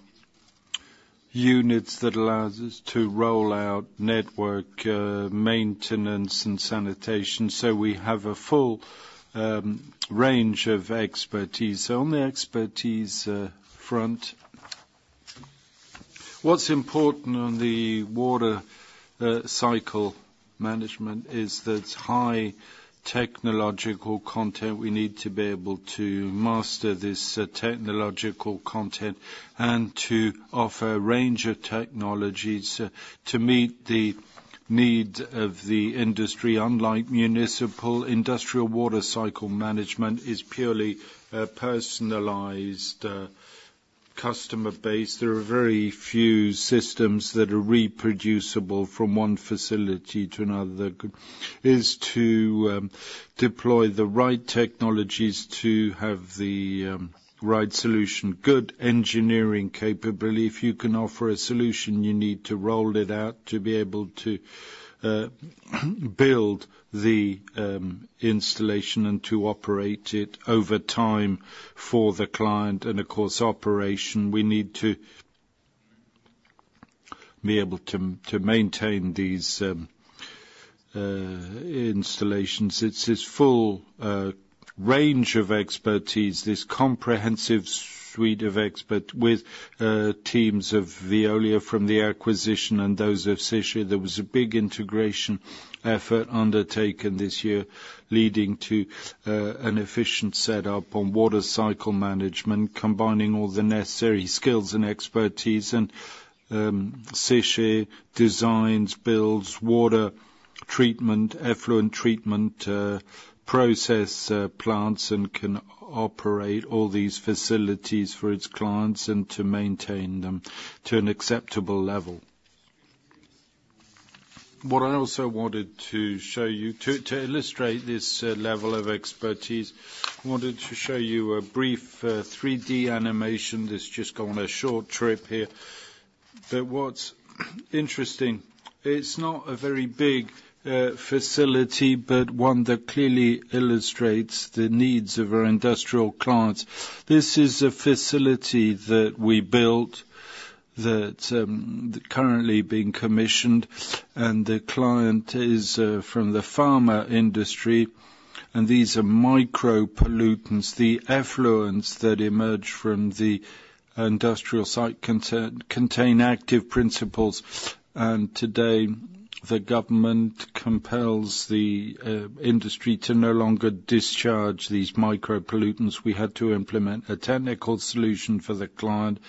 units that allows us to roll out network maintenance and sanitation. So we have a full range of expertise. So on the expertise front, what's important on the water cycle management is that high technological content, we need to be able to master this technological content and to offer a range of technologies to meet the need of the industry. Unlike municipal, industrial water cycle management is purely a personalized customer base. There are very few systems that are reproducible from one facility to another. It is to deploy the right technologies to have the right solution, good engineering capability. If you can offer a solution, you need to roll it out to be able to build the installation and to operate it over time for the client. And of course, operation, we need to be able to to maintain these installations. It's this full range of expertise, this comprehensive suite of expertise with teams of Veolia from the acquisition and those of Séché. There was a big integration effort undertaken this year, leading to an efficient setup on water cycle management, combining all the necessary skills and expertise. Séché designs, builds water treatment, effluent treatment, process, plants, and can operate all these facilities for its clients, and to maintain them to an acceptable level. What I also wanted to show you to illustrate this level of expertise, I wanted to show you a brief 3D animation that's just gone a short trip here. But what's interesting, it's not a very big facility, but one that clearly illustrates the needs of our industrial clients. This is a facility that we built that currently being commissioned, and the client is from the pharma industry, and these are micropollutants. The effluents that emerge from the industrial site contain active principles, and today, the government compels the industry to no longer discharge these micropollutants. We had to implement a technical solution for the client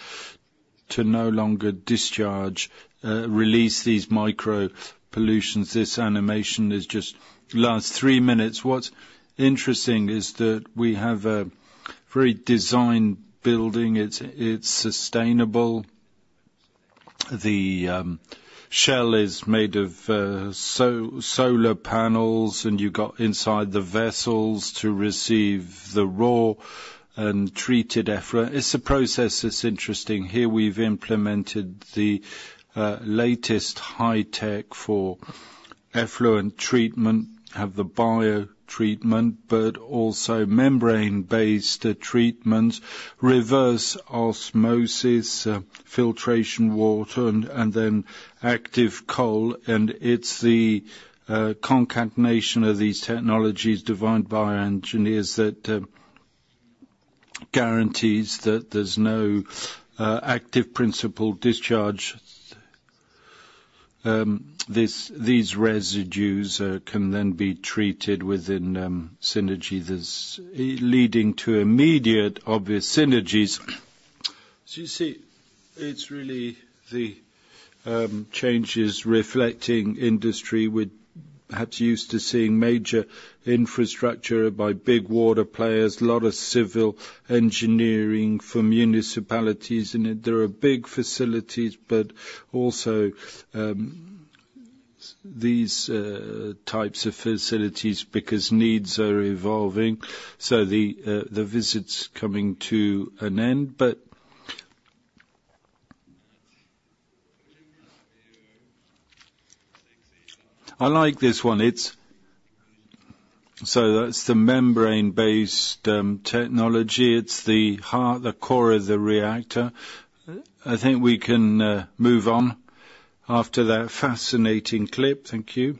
to no longer discharge, release these micropollutants. This animation is just last three minutes. What's interesting is that we have a very designed building. It's sustainable. The shell is made of solar panels, and you've got inside the vessels to receive the raw and treated effluent. It's the process that's interesting. Here, we've implemented the latest high tech for effluent treatment. Have the bio treatment, but also membrane-based treatment, reverse osmosis, filtration water, and then activated carbon. And it's the concatenation of these technologies defined by our engineers that guarantees that there's no active principle discharge. These residues can then be treated within synergy that's leading to immediate obvious synergies. So you see, it's really the changes reflecting industry. We're perhaps used to seeing major infrastructure by big water players, a lot of civil engineering from municipalities, and there are big facilities, but also, these types of facilities because needs are evolving. So the visit's coming to an end, but... I like this one. It's-- So that's the membrane-based technology. It's the heart, the core of the reactor. I think we can move on after that fascinating clip. Thank you.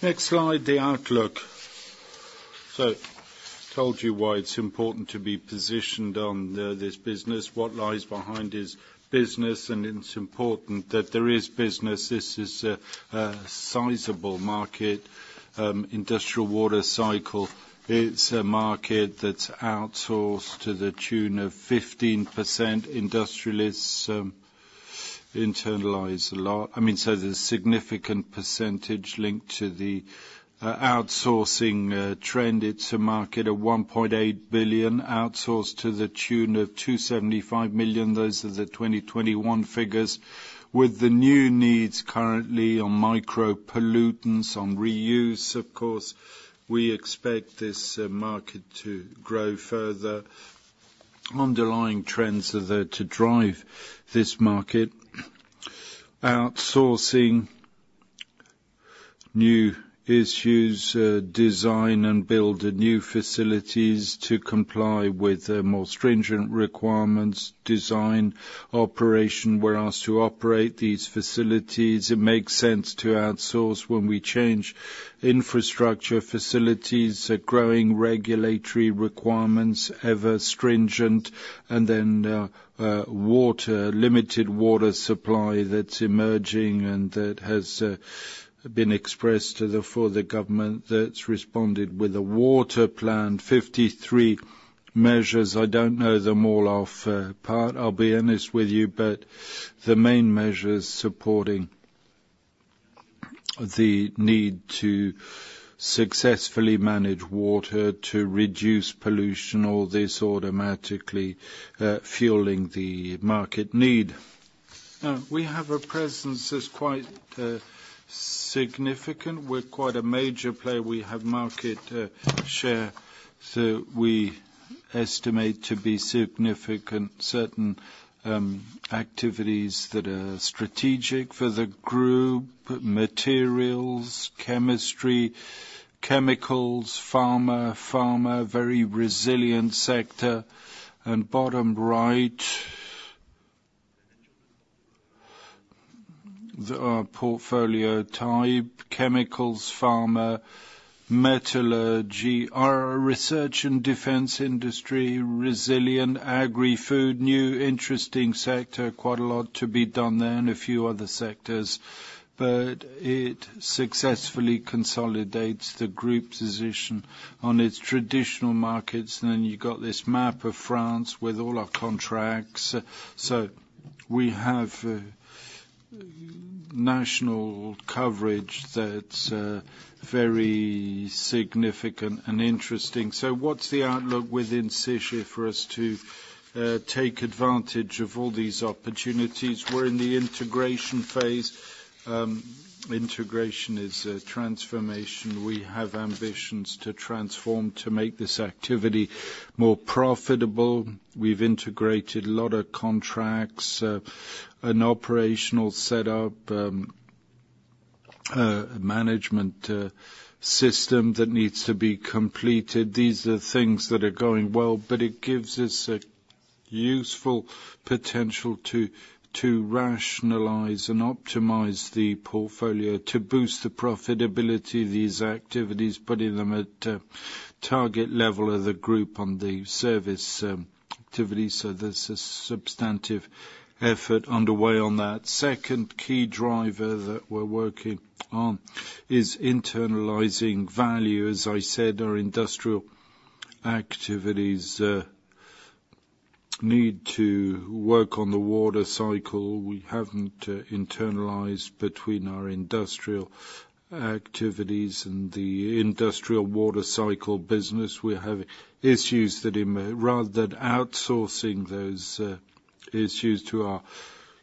Next slide, the outlook. So told you why it's important to be positioned on the- this business. What lies behind this business, and it's important that there is business. This is a sizable market, industrial water cycle. It's a market that's outsourced to the tune of 15%. Industrialists internalize a lot- I mean, so there's a significant percentage linked to the outsourcing trend. It's a market of 1.8 billion, outsourced to the tune of 275 million. Those are the 2021 figures. With the new needs currently on micropollutants, on reuse, of course, we expect this market to grow further. Underlying trends are there to drive this market. Outsourcing new issues, design and build new facilities to comply with more stringent requirements, design, operation. We're asked to operate these facilities. It makes sense to outsource when we change infrastructure facilities, growing regulatory requirements, ever stringent, and then water, limited water supply that's emerging and that has been expressed to the further government, that's responded with a water plan, 53 measures. I don't know them all off part, I'll be honest with you, but the main measure is supporting the need to successfully manage water, to reduce pollution, all this automatically fueling the market need. We have a presence that's quite significant. We're quite a major player. We have market share, so we estimate to be significant, certain activities that are strategic for the group, materials, chemistry, chemicals, pharma. Pharma, a very resilient sector. And bottom right, the portfolio type, chemicals, pharma, metallurgy, our research and defense industry, resilient agri-food, new interesting sector, quite a lot to be done there and a few other sectors. But it successfully consolidates the group's position on its traditional markets. Then you got this map of France with all our contracts. So we have national coverage that's very significant and interesting. So what's the outlook within Séché for us to take advantage of all these opportunities? We're in the integration phase. Integration is a transformation. We have ambitions to transform to make this activity more profitable. We've integrated a lot of contracts, an operational setup, a management system that needs to be completed. These are things that are going well, but it gives us a useful potential to rationalize and optimize the portfolio, to boost the profitability of these activities, putting them at a target level of the group on the service activities. So there's a substantive effort underway on that. Second key driver that we're working on is internalizing value. As I said, our industrial activities need to work on the water cycle. We haven't internalized between our industrial activities and the industrial water cycle business. We have issues that rather than outsourcing those is used to our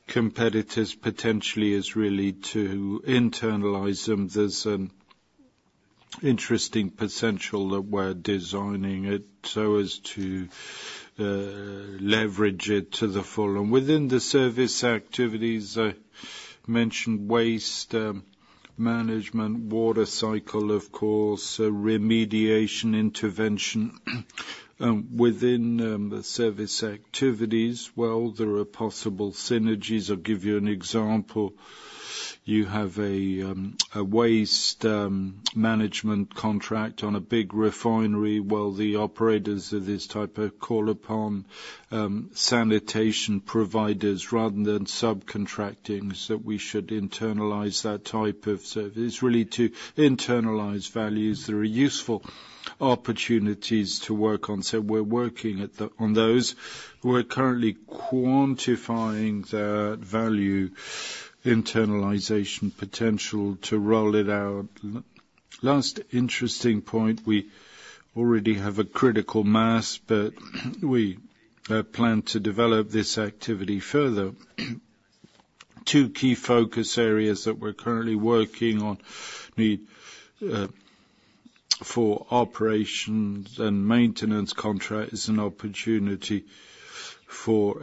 competitors potentially is really to internalize them. There's an interesting potential that we're designing it, so as to leverage it to the full. Within the service activities, I mentioned waste management, water cycle, of course, remediation, intervention. Within the service activities, well, there are possible synergies. I'll give you an example. You have a waste management contract on a big refinery, well, the operators of this type call upon sanitation providers rather than subcontracting, so we should internalize that type of service. Really, to internalize values, there are useful opportunities to work on, so we're working on those. We're currently quantifying the value internalization potential to roll it out. Last interesting point, we already have a critical mass, but we plan to develop this activity further. Two key focus areas that we're currently working on: need for operations and maintenance contracts, an opportunity for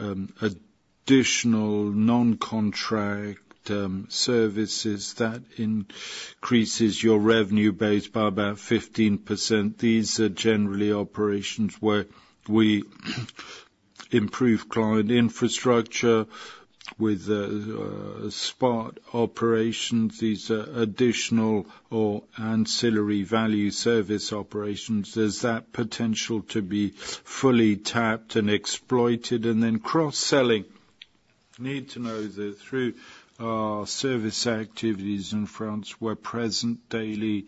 additional non-contract services that increases your revenue base by about 15%. These are generally operations where we improve client infrastructure with spot operations. These are additional or ancillary value service operations. There's that potential to be fully tapped and exploited, and then cross-selling. Need to know that through our service activities in France, we're present daily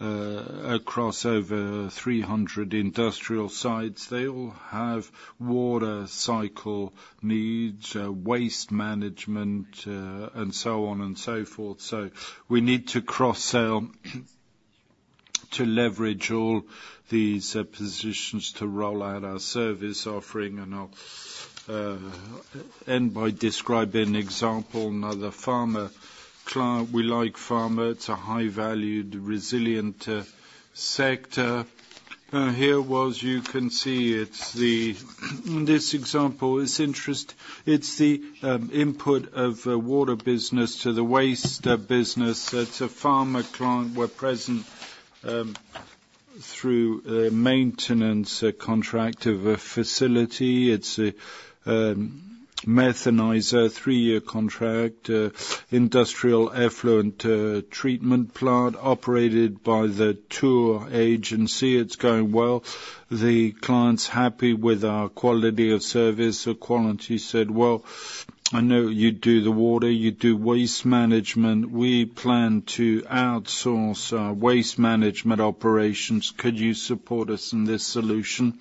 across over 300 industrial sites. They all have water cycle needs, waste management, and so on and so forth. So we need to cross-sell, to leverage all these positions to roll out our service offering. And I'll end by describing an example, another pharma client. We like pharma. It's a high-value, resilient sector. Here, well, as you can see, it's the input of a water business to the waste business. It's a pharma client. We're present through a maintenance contract of a facility. It's a methanizer, three-year contract, industrial effluent treatment plant operated by the Tours agency. It's going well. The client's happy with our quality of service. The client, he said, "Well, I know you do the water, you do waste management. We plan to outsource our waste management operations. Could you support us in this solution?"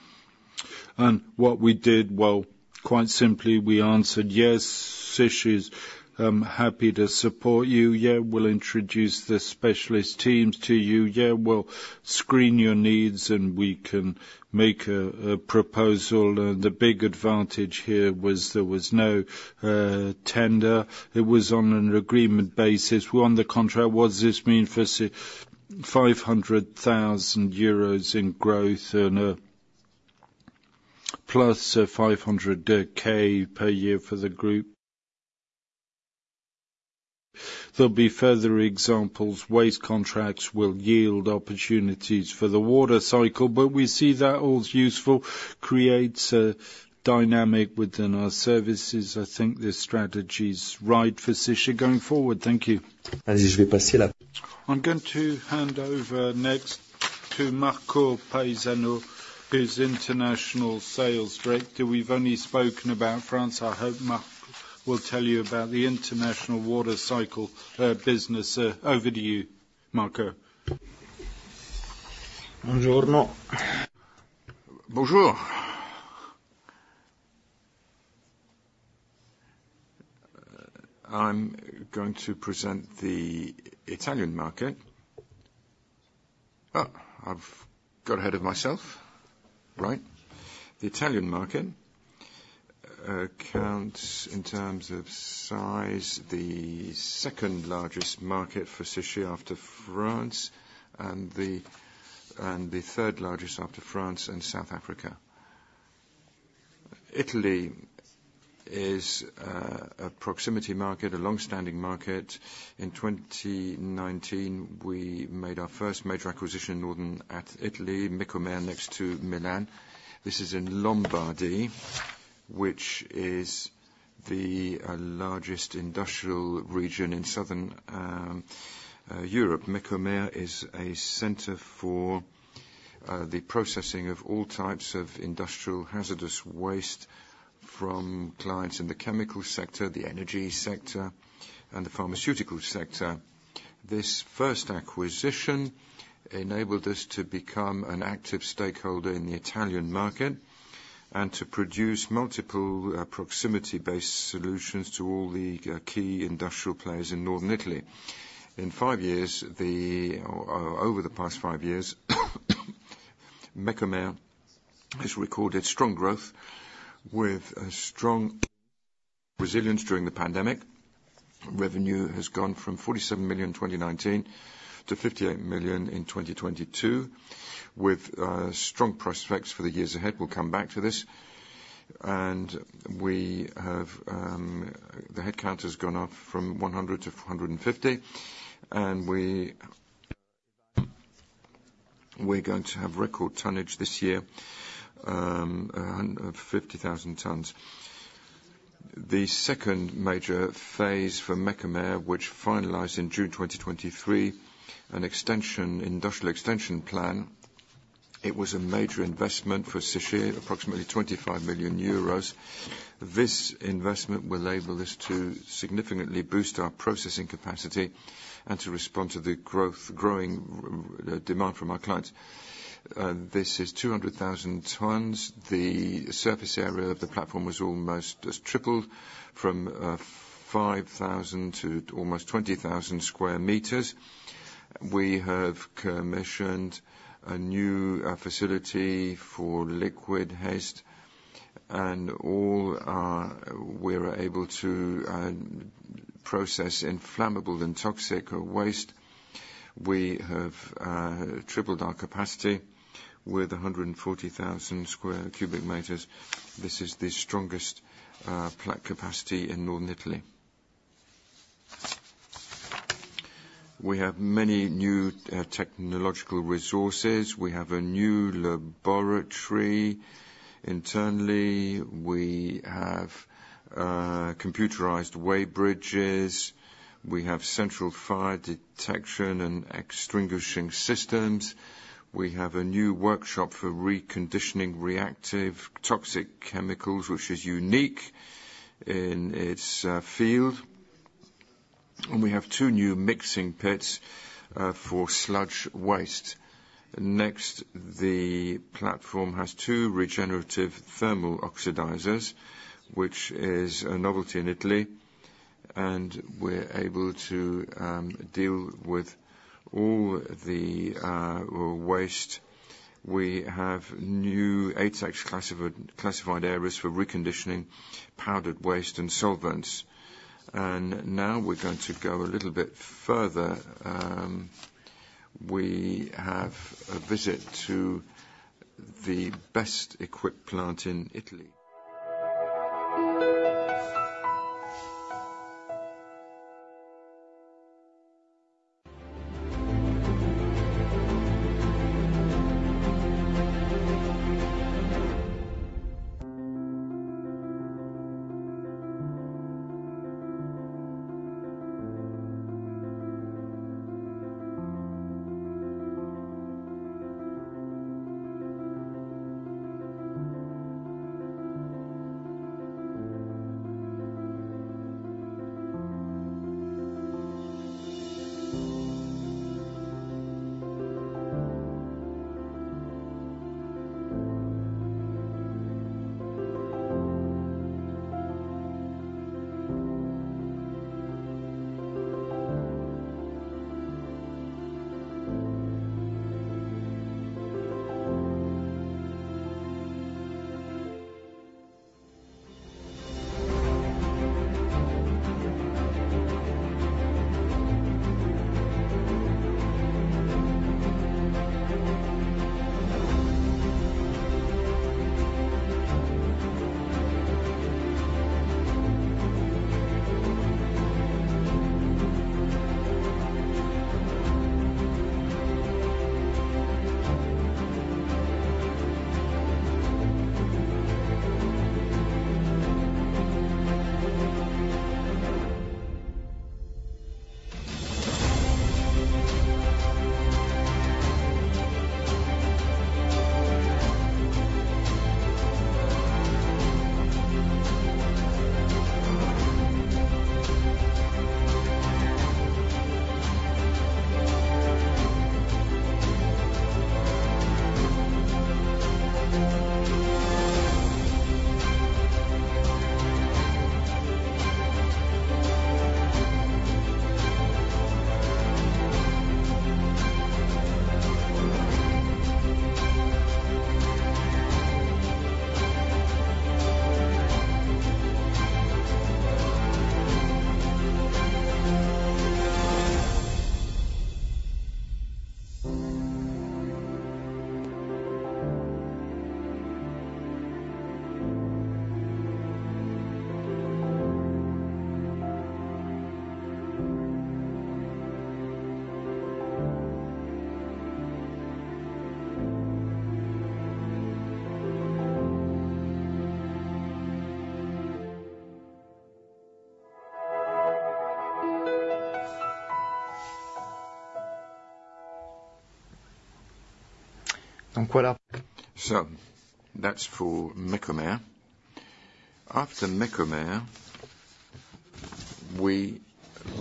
And what we did, well, quite simply, we answered, "Yes, Séché is happy to support you. Yeah, we'll introduce the specialist teams to you. Yeah, we'll screen your needs, and we can make a proposal." The big advantage here was there was no tender. It was on an agreement basis. We won the contract. What does this mean for Séché: 500,000 euros in growth and plus 500,000 per year for the group. There'll be further examples. Waste contracts will yield opportunities for the water cycle, but we see that all as useful, creates a dynamic within our services. I think this strategy is right for Séché going forward. Thank you. I'm going to hand over next to Marco Paesano, who's International Sales Director. We've only spoken about France. I hope Marco will tell you about the international water cycle business. Over to you, Marco. Buongiorno. Bonjour. I'm going to present the Italian market. I've got ahead of myself. Right. The Italian market counts in terms of size, the second-largest market for Séché after France, and the third largest after France and South Africa. Italy is a proximity market, a long-standing market. In 2019, we made our first major acquisition in northern Italy, Mecomer, next to Milan. This is in Lombardy, which is the largest industrial region in southern Europe. Mecomer is a center for the processing of all types of industrial hazardous waste from clients in the chemical sector, the energy sector, and the pharmaceutical sector. This first acquisition enabled us to become an active stakeholder in the Italian market, and to produce multiple proximity-based solutions to all the key industrial players in northern Italy. In five years, the... Over the past five years, Mecomer has recorded strong growth with a strong resilience during the pandemic. Revenue has gone from 47 million in 2019 to 58 million in 2022, with strong prospects for the years ahead. We'll come back to this. And we have, the headcount has gone up from 100 to 150, and we, we're going to have record tonnage this year, a 150,000 tons. The second major phase for Mecomer, which finalized in June 2023, an extension, industrial extension plan. It was a major investment for Séché, approximately 25 million euros. This investment will enable us to significantly boost our processing capacity and to respond to the growing demand from our clients. This is 200,000 tons. The surface area of the platform was almost just tripled from 5,000 to almost 20,000 sq. m. We have commissioned a new facility for liquid waste, and we're able to process inflammable and toxic waste. We have tripled our capacity with 140,000 cubic meters. This is the strongest plant capacity in northern Italy. We have many new technological resources. We have a new laboratory. Internally, we have computerized weigh bridges, we have central fire detection and extinguishing systems. We have a new workshop for reconditioning reactive toxic chemicals, which is unique in its field. And we have two new mixing pits for sludge waste. Next, the platform has two regenerative thermal oxidizers, which is a novelty in Italy, and we're able to deal with all the waste. We have new ATEX classified areas for reconditioning powdered waste and solvents. Now we're going to go a little bit further. We have a visit to the best-equipped plant in Italy. So that's for Mecomer. After Mecomer, we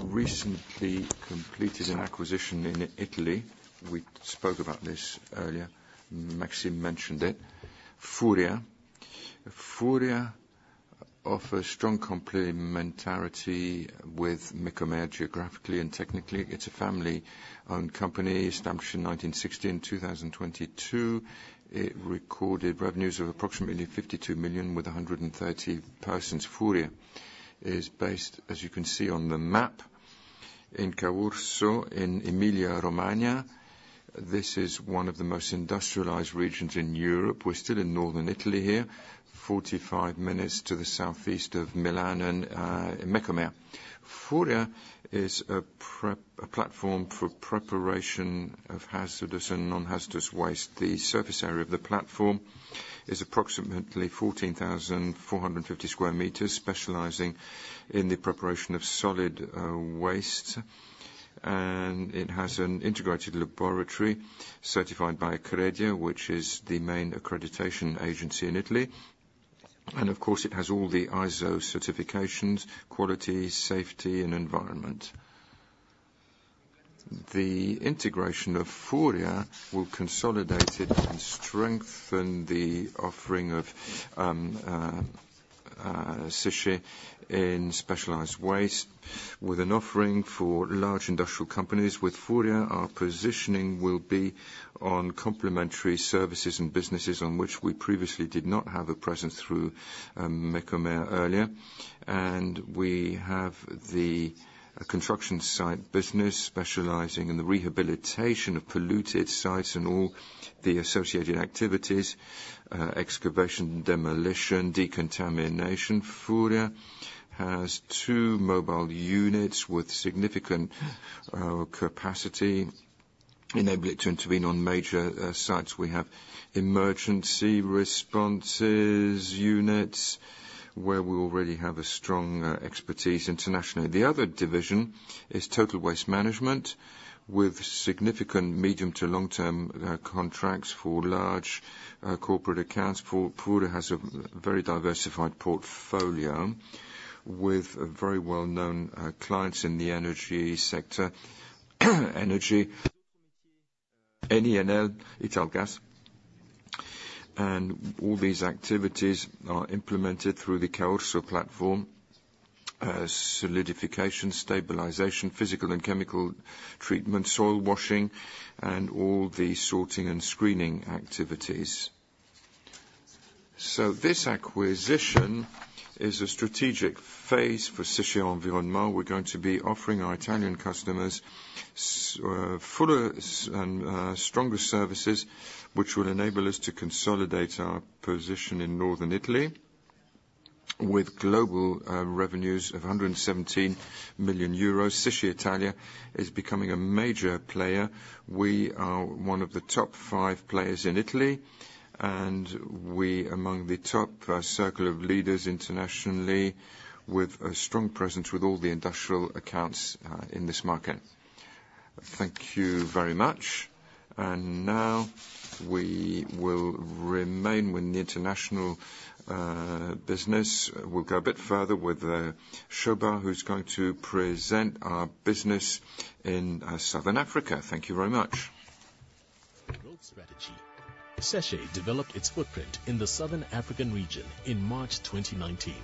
recently completed an acquisition in Italy. We spoke about this earlier. Maxime mentioned it. Furia offers strong complementarity with Mecomer geographically and technically. It's a family-owned company established in 1960. In 2022, it recorded revenues of approximately 52 million, with 130 persons. Furia is based, as you can see on the map, in Caorso, in Emilia-Romagna. This is one of the most industrialized regions in Europe. We're still in northern Italy here, 45 minutes to the southeast of Milan and Mecomer. Furia is a platform for preparation of hazardous and non-hazardous waste. The surface area of the platform is approximately 14,450 sq. m., specializing in the preparation of solid waste, and it has an integrated laboratory certified by Accredia, which is the main accreditation agency in Italy. Of course, it has all the ISO certifications, quality, safety, and environment. The integration of Furia will consolidate it and strengthen the offering of Séché in specialized waste, with an offering for large industrial companies. With Furia, our positioning will be on complementary services and businesses on which we previously did not have a presence through Mecomer earlier. We have the construction site business, specializing in the rehabilitation of polluted sites and all the associated activities, excavation, demolition, decontamination. Furia has two mobile units with significant capacity, enable it to intervene on major sites. We have emergency responses units, where we already have a strong expertise internationally. The other division is total waste management, with significant medium to long-term contracts for large corporate accounts. Furia has a very diversified portfolio with very well-known clients in the energy sector, energy, Enel, Italgas, and all these activities are implemented through the Caorso platform. Solidification, stabilization, physical and chemical treatment, soil washing, and all the sorting and screening activities. So this acquisition is a strategic phase for Séché Environnement. We're going to be offering our Italian customers fuller and stronger services, which will enable us to consolidate our position in northern Italy. With global revenues of 117 million euros, Séché Italia is becoming a major player. We are one of the top five players in Italy, and we among the top circle of leaders internationally, with a strong presence with all the industrial accounts in this market. Thank you very much. And now we will remain with the international business. We'll go a bit further with Shoba, who's going to present our business in Southern Africa. Thank you very much. Growth strategy. Séché developed its footprint in the Southern African region in March 2019,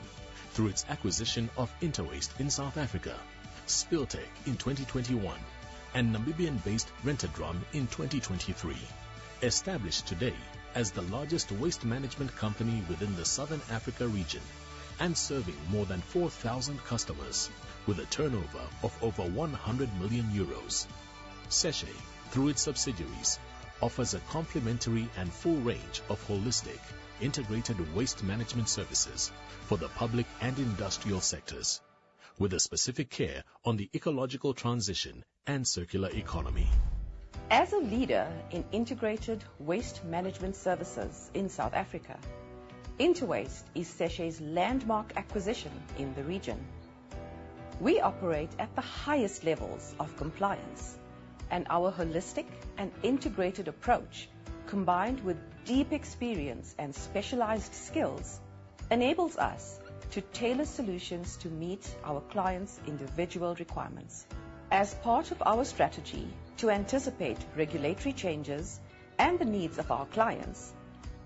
through its acquisition of Interwaste in South Africa, Spill Tech in 2021, and Namibian-based Rent-A-Drum in 2023. Established today as the largest waste management company within the Southern Africa region and serving more than 4,000 customers with a turnover of over 100 million euros. Séché, through its subsidiaries, offers a complementary and full range of holistic, integrated waste management services for the public and industrial sectors, with a specific care on the ecological transition and circular economy. As a leader in integrated waste management services in South Africa, Interwaste is Séché's landmark acquisition in the region. We operate at the highest levels of compliance, and our holistic and integrated approach, combined with deep experience and specialized skills, enables us to tailor solutions to meet our clients' individual requirements. As part of our strategy to anticipate regulatory changes and the needs of our clients,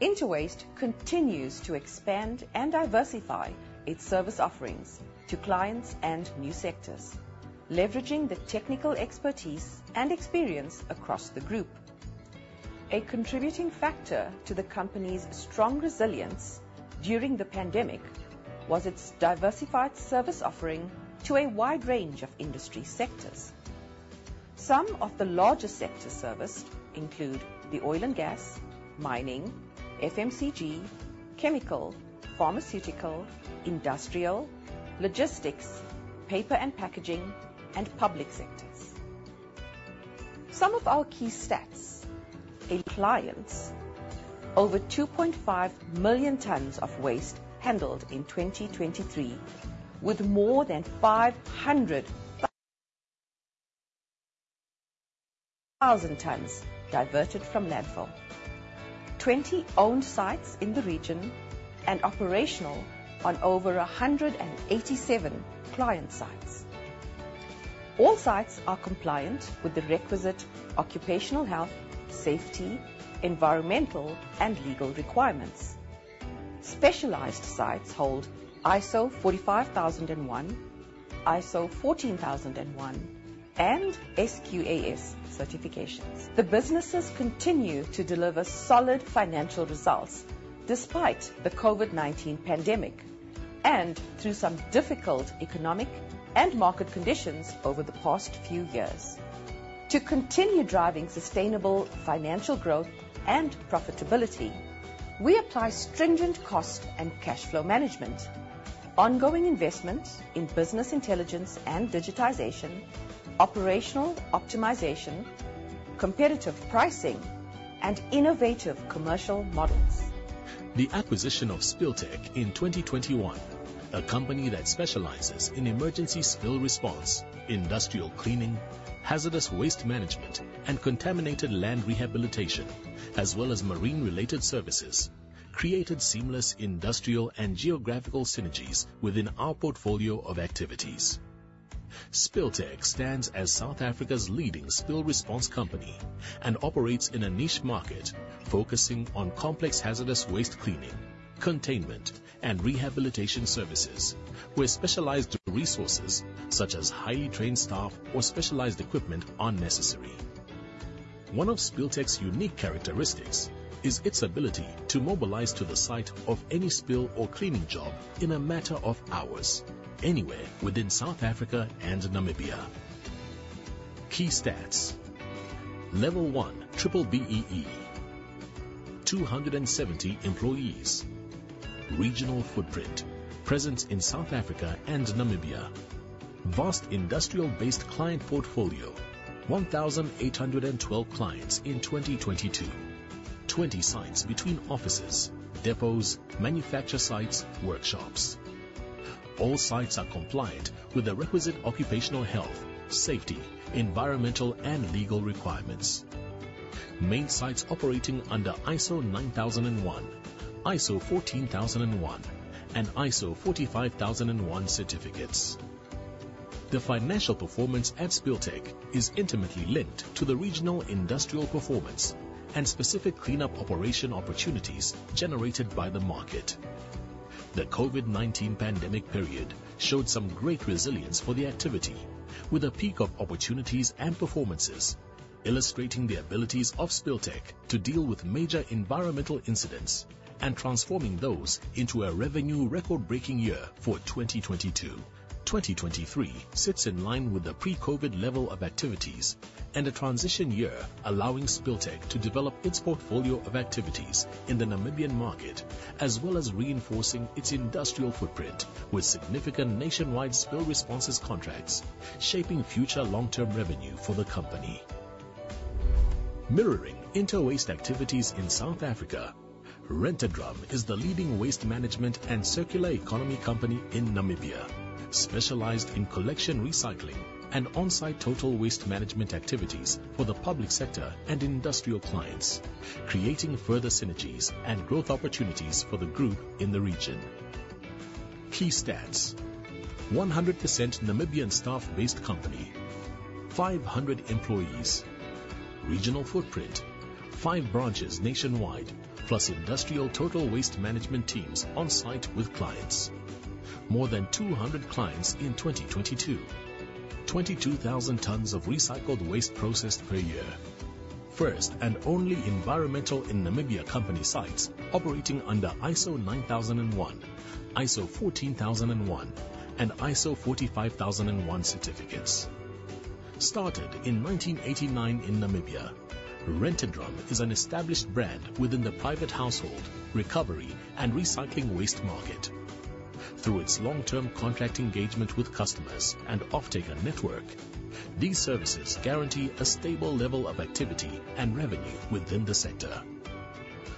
Interwaste continues to expand and diversify its service offerings to clients and new sectors, leveraging the technical expertise and experience across the group. A contributing factor to the company's strong resilience during the pandemic was its diversified service offering to a wide range of industry sectors. Some of the larger sectors serviced include the oil and gas, mining, FMCG, chemical, pharmaceutical, industrial, logistics, paper and packaging, and public sectors. Some of our key stats: clients, over 2.5 million tons of waste handled in 2023, with more than 500,000 tons diverted from landfill, 20 owned sites in the region, and operational on over 187 client sites... All sites are compliant with the requisite occupational health, safety, environmental, and legal requirements. Specialized sites hold ISO 45001, ISO 14001, and SQAS certifications. The businesses continue to deliver solid financial results despite the COVID-19 pandemic and through some difficult economic and market conditions over the past few years. To continue driving sustainable financial growth and profitability, we apply stringent cost and cash flow management, ongoing investments in business intelligence and digitization, operational optimization, competitive pricing, and innovative commercial models. The acquisition of Spill Tech in 2021, a company that specializes in emergency spill response, industrial cleaning, hazardous waste management, and contaminated land rehabilitation, as well as marine-related services, created seamless industrial and geographical synergies within our portfolio of activities. Spill Tech stands as South Africa's leading spill response company and operates in a niche market, focusing on complex, hazardous waste cleaning, containment, and rehabilitation services, where specialized resources, such as highly trained staff or specialized equipment, are necessary. One of Spill Tech's unique characteristics is its ability to mobilize to the site of any spill or cleaning job in a matter of hours, anywhere within South Africa and Namibia. Key stats: Level one, Triple BEE. 270 employees. Regional footprint: presence in South Africa and Namibia. Vast industrial-based client portfolio: 1,812 clients in 2022. 20 sites between offices, depots, manufacture sites, workshops. All sites are compliant with the requisite occupational health, safety, environmental, and legal requirements. Main sites operating under ISO 9001, ISO 14001, and ISO 45001 certificates. The financial performance at Spill Tech is intimately linked to the regional industrial performance and specific cleanup operation opportunities generated by the market. The COVID-19 pandemic period showed some great resilience for the activity, with a peak of opportunities and performances, illustrating the abilities of Spill Tech to deal with major environmental incidents and transforming those into a revenue record-breaking year for 2022. 2023 sits in line with the pre-COVID level of activities and a transition year, allowing Spill Tech to develop its portfolio of activities in the Namibian market, as well as reinforcing its industrial footprint with significant nationwide spill responses contracts, shaping future long-term revenue for the company. Mirroring Interwaste activities in South Africa, Rent-A-Drum is the leading waste management and circular economy company in Namibia, specialized in collection, recycling, and on-site total waste management activities for the public sector and industrial clients, creating further synergies and growth opportunities for the group in the region. Key stats: 100% Namibian staff-based company. 500 employees. Regional footprint: 5 branches nationwide, plus industrial total waste management teams on site with clients. More than 200 clients in 2022. 22,000 tons of recycled waste processed per year. First and only environmental in Namibia company sites operating under ISO 9001, ISO 14001, and ISO 45001 certificates. Started in 1989 in Namibia, Rent-A-Drum is an established brand within the private household, recovery, and recycling waste market. Through its long-term contract engagement with customers and offtaker network, these services guarantee a stable level of activity and revenue within the sector.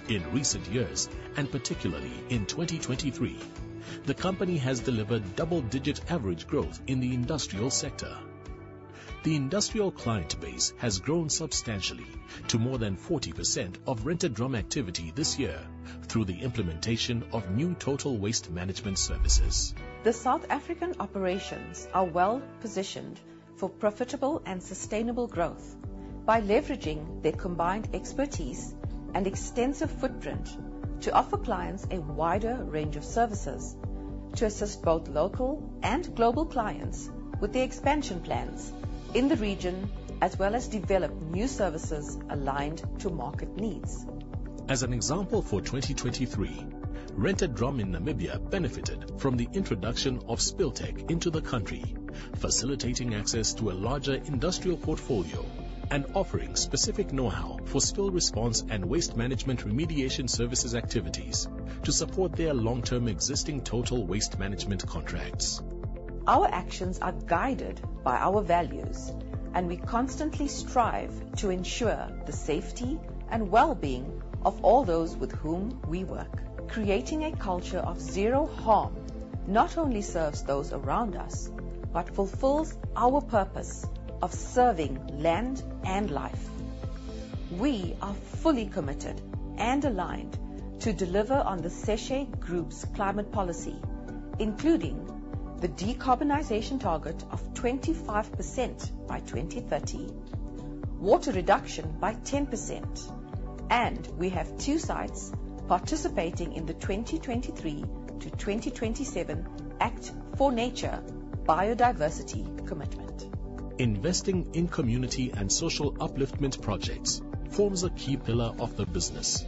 In recent years, and particularly in 2023, the company has delivered double-digit average growth in the industrial sector. The industrial client base has grown substantially to more than 40% of Rent-A-Drum activity this year through the implementation of new total waste management services. The South African operations are well-positioned for profitable and sustainable growth by leveraging their combined expertise and extensive footprint to offer clients a wider range of services to assist both local and global clients with their expansion plans in the region, as well as develop new services aligned to market needs. As an example, for 2023, Rent-A-Drum in Namibia benefited from the introduction of Spill Tech into the country, facilitating access to a larger industrial portfolio and offering specific know-how for spill response and waste management remediation services activities to support their long-term existing total waste management contracts. Our actions are guided by our values, and we constantly strive to ensure the safety and well-being of all those with whom we work. Creating a culture of zero harm not only serves those around us but fulfills our purpose of serving land and life.... We are fully committed and aligned to deliver on the Séché Group's climate policy, including the decarbonization target of 25% by 2030, water reduction by 10%, and we have two sites participating in the 2023-2027 Act for Nature Biodiversity Commitment. Investing in community and social upliftment projects forms a key pillar of the business.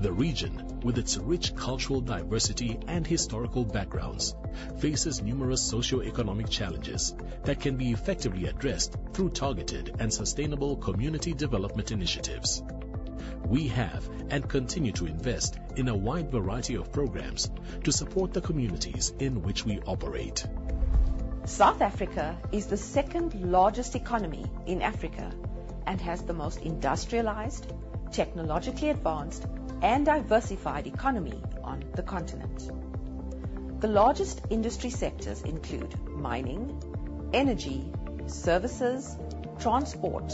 The region, with its rich cultural diversity and historical backgrounds, faces numerous socioeconomic challenges that can be effectively addressed through targeted and sustainable community development initiatives. We have and continue to invest in a wide variety of programs to support the communities in which we operate. South Africa is the second largest economy in Africa and has the most industrialized, technologically advanced, and diversified economy on the continent. The largest industry sectors include mining, energy, services, transport,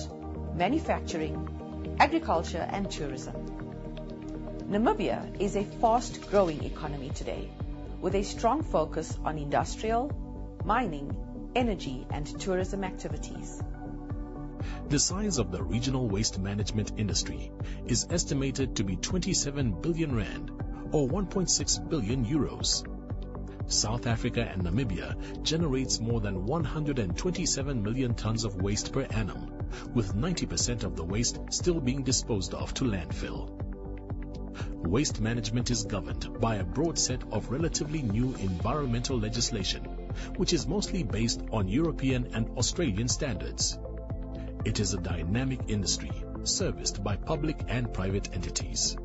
manufacturing, agriculture, and tourism. Namibia is a fast-growing economy today, with a strong focus on industrial, mining, energy, and tourism activities. The size of the regional waste management industry is estimated to be 27 billion rand, or 1.6 billion euros. South Africa and Namibia generates more than 127 million tons of waste per annum, with 90% of the waste still being disposed of to landfill. Waste management is governed by a broad set of relatively new environmental legislation, which is mostly based on European and Australian standards. It is a dynamic industry serviced by public and private entities.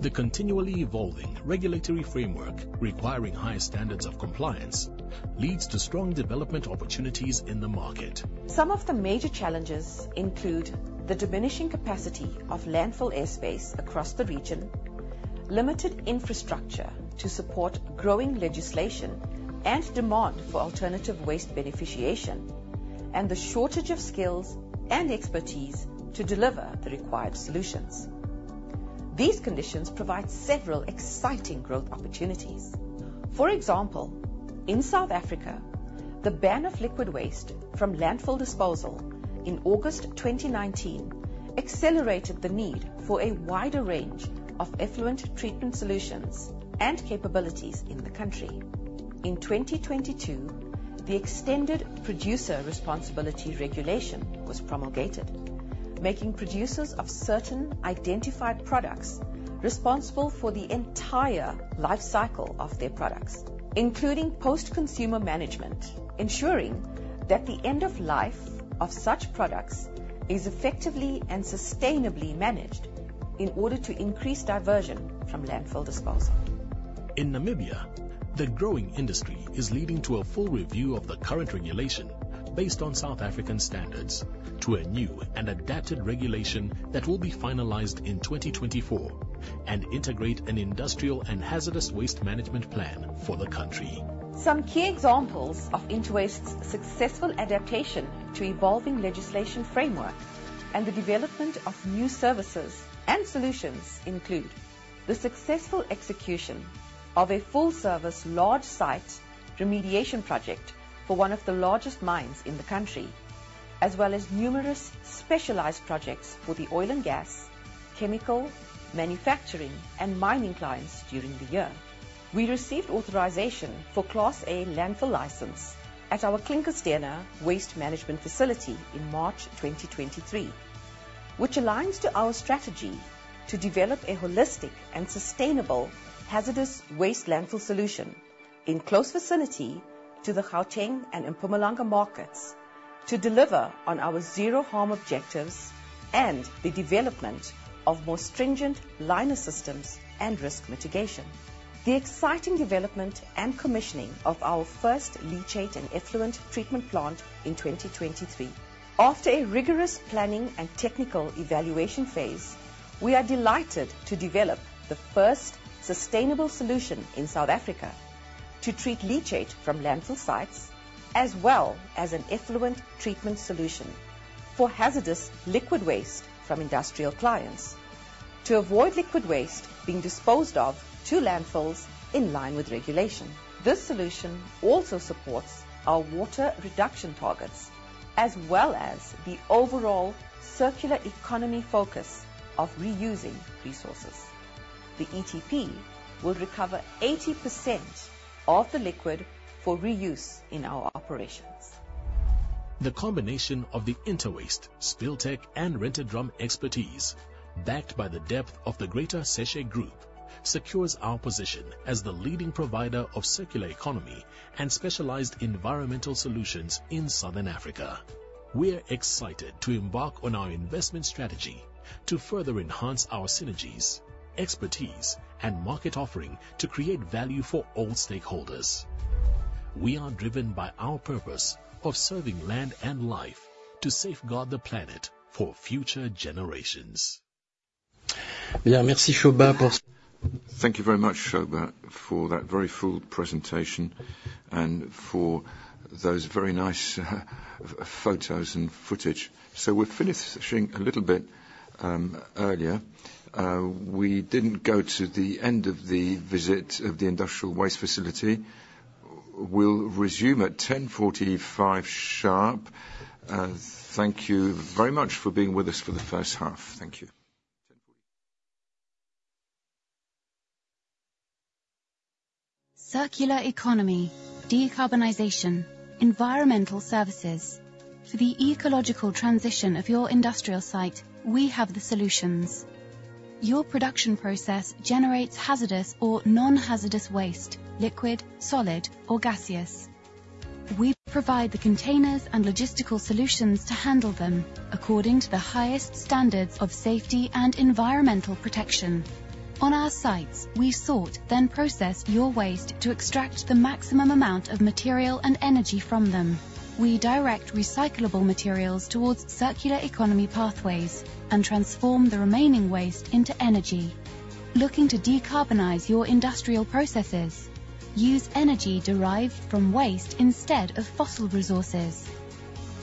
The continually evolving regulatory framework, requiring high standards of compliance, leads to strong development opportunities in the market. Some of the major challenges include the diminishing capacity of landfill airspace across the region, limited infrastructure to support growing legislation and demand for alternative waste beneficiation, and the shortage of skills and expertise to deliver the required solutions. These conditions provide several exciting growth opportunities. For example, in South Africa, the ban of liquid waste from landfill disposal in August 2019 accelerated the need for a wider range of effluent treatment solutions and capabilities in the country. In 2022, the extended producer responsibility regulation was promulgated, making producers of certain identified products responsible for the entire life cycle of their products, including post-consumer management, ensuring that the end of life of such products is effectively and sustainably managed in order to increase diversion from landfill disposal. In Namibia, the growing industry is leading to a full review of the current regulation based on South African standards to a new and adapted regulation that will be finalized in 2024 and integrate an industrial and hazardous waste management plan for the country. Some key examples of Interwaste's successful adaptation to evolving legislation framework and the development of new services and solutions include the successful execution of a full-service, large site remediation project for one of the largest mines in the country, as well as numerous specialized projects for the oil and gas, chemical, manufacturing, and mining clients during the year. We received authorization for Class A landfill license at our Klinkerstorp Waste Management Facility in March 2023, which aligns to our strategy to develop a holistic and sustainable hazardous waste landfill solution in close vicinity to the Gauteng and Mpumalanga markets to deliver on our zero harm objectives and the development of more stringent liner systems and risk mitigation. The exciting development and commissioning of our first leachate and effluent treatment plant in 2023. After a rigorous planning and technical evaluation phase, we are delighted to develop the first sustainable solution in South Africa to treat leachate from landfill sites, as well as an effluent treatment solution for hazardous liquid waste from industrial clients to avoid liquid waste being disposed of to landfills in line with regulation. This solution also supports our water reduction targets, as well as the overall circular economy focus of reusing resources. The ETP will recover 80% of the liquid for reuse in our operations. The combination of the Interwaste, Spill Tech, and Rent-A-Drum expertise, backed by the depth of the greater Séché Group, secures our position as the leading provider of circular economy and specialized environmental solutions in Southern Africa. We're excited to embark on our investment strategy to further enhance our synergies, expertise, and market offering to create value for all stakeholders. We are driven by our purpose of serving land and life to safeguard the planet for future generations. Well, merci, Shoba, for thank you very much, Shoba, for that very full presentation and for those very nice photos and footage. So we're finishing a little bit earlier. We didn't go to the end of the visit of the industrial waste facility. We'll resume at 10:45 sharp. Thank you very much for being with us for the first half. Thank you. Circular economy, decarbonization, environmental services. For the ecological transition of your industrial site, we have the solutions. Your production process generates hazardous or non-hazardous waste, liquid, solid, or gaseous. We provide the containers and logistical solutions to handle them according to the highest standards of safety and environmental protection. On our sites, we sort, then process your waste to extract the maximum amount of material and energy from them. We direct recyclable materials towards circular economy pathways and transform the remaining waste into energy. Looking to decarbonize your industrial processes? Use energy derived from waste instead of fossil resources.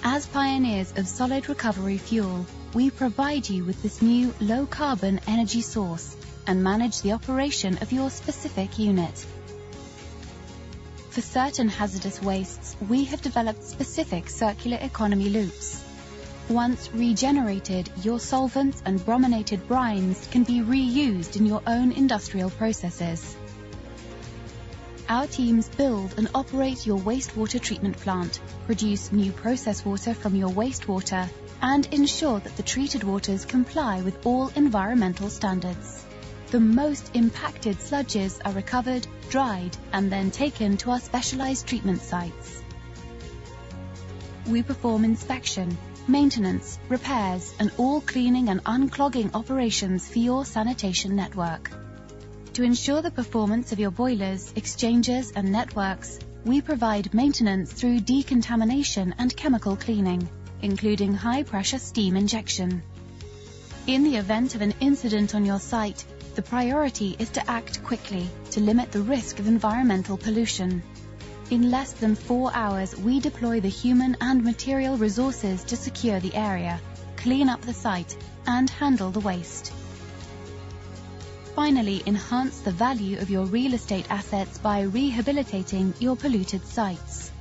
As pioneers of solid recovery fuel, we provide you with this new low-carbon energy source and manage the operation of your specific unit. For certain hazardous wastes, we have developed specific circular economy loops. Once regenerated, your solvents and brominated brines can be reused in your own industrial processes. Our teams build and operate your wastewater treatment plant, produce new process water from your wastewater, and ensure that the treated waters comply with all environmental standards. The most impacted sludges are recovered, dried, and then taken to our specialized treatment sites. We perform inspection, maintenance, repairs, and all cleaning and unclogging operations for your sanitation network. To ensure the performance of your boilers, exchangers, and networks, we provide maintenance through decontamination and chemical cleaning, including high-pressure steam injection. In the event of an incident on your site, the priority is to act quickly to limit the risk of environmental pollution. In less than four hours, we deploy the human and material resources to secure the area, clean up the site, and handle the waste. Finally, enhance the value of your real estate assets by rehabilitating your polluted sites.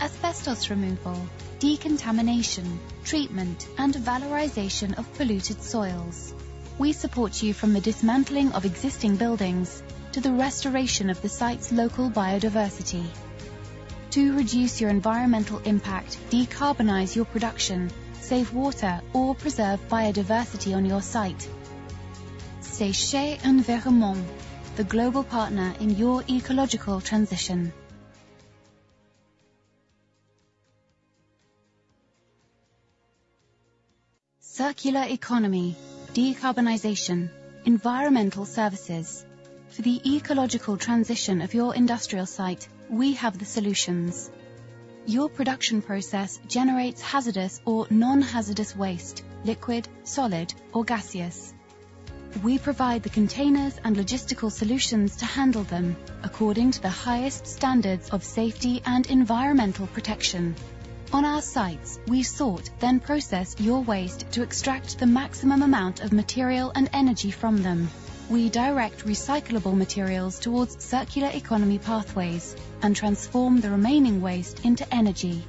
Asbestos removal, decontamination, treatment, and valorization of polluted soils. We support you from the dismantling of existing buildings to the restoration of the site's local biodiversity. To reduce your environmental impact, decarbonize your production, save water, or preserve biodiversity on your site, Séché Environnement, the global partner in your ecological transition. Circular economy, decarbonization, environmental services. For the ecological transition of your industrial site, we have the solutions. Your production process generates hazardous or non-hazardous waste, liquid, solid, or gaseous. We provide the containers and logistical solutions to handle them according to the highest standards of safety and environmental protection. On our sites, we sort, then process your waste to extract the maximum amount of material and energy from them. We direct recyclable materials towards circular economy pathways and transform the remaining waste into energy.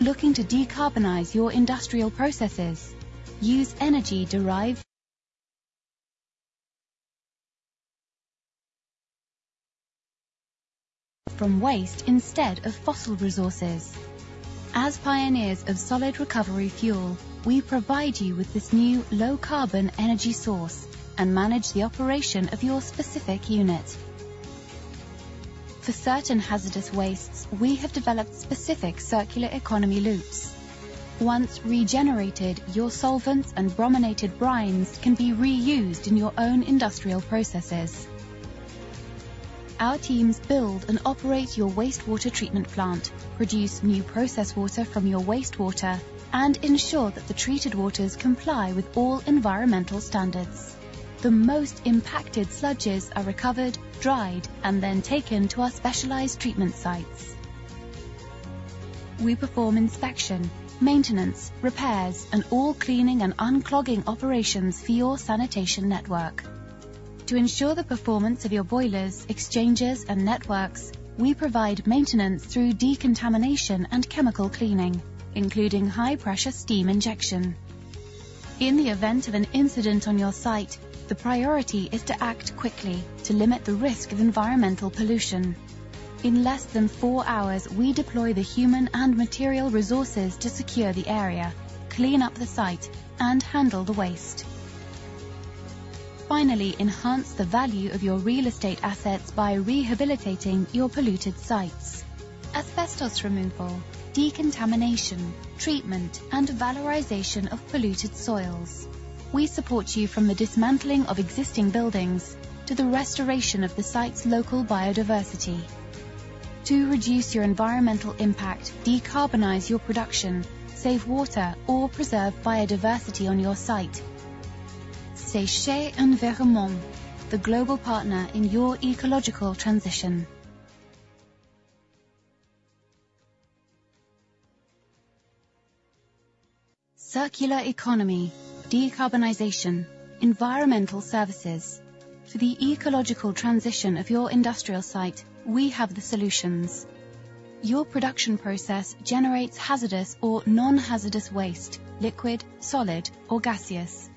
Looking to decarbonize your industrial processes? Use energy derived from waste instead of fossil resources. As pioneers of solid recovery fuel, we provide you with this new low-carbon energy source and manage the operation of your specific unit. For certain hazardous wastes, we have developed specific circular economy loops. Once regenerated, your solvents and brominated brines can be reused in your own industrial processes. Our teams build and operate your wastewater treatment plant, produce new process water from your wastewater, and ensure that the treated waters comply with all environmental standards. The most impacted sludges are recovered, dried, and then taken to our specialized treatment sites. We perform inspection, maintenance, repairs, and all cleaning and unclogging operations for your sanitation network. To ensure the performance of your boilers, exchangers, and networks, we provide maintenance through decontamination and chemical cleaning, including high-pressure steam injection. In the event of an incident on your site, the priority is to act quickly to limit the risk of environmental pollution. In less than four hours, we deploy the human and material resources to secure the area, clean up the site, and handle the waste. Finally, enhance the value of your real estate assets by rehabilitating your polluted sites. Asbestos removal, decontamination, treatment, and valorization of polluted soils. We support you from the dismantling of existing buildings to the restoration of the site's local biodiversity. To reduce your environmental impact, decarbonize your production, save water, or preserve biodiversity on your site. Séché Environnement, the global partner in your ecological transition. Circular economy, decarbonization, environmental services. For the ecological transition of your industrial site, we have the solutions. Your production process generates hazardous or non-hazardous waste, liquid, solid, or gaseous.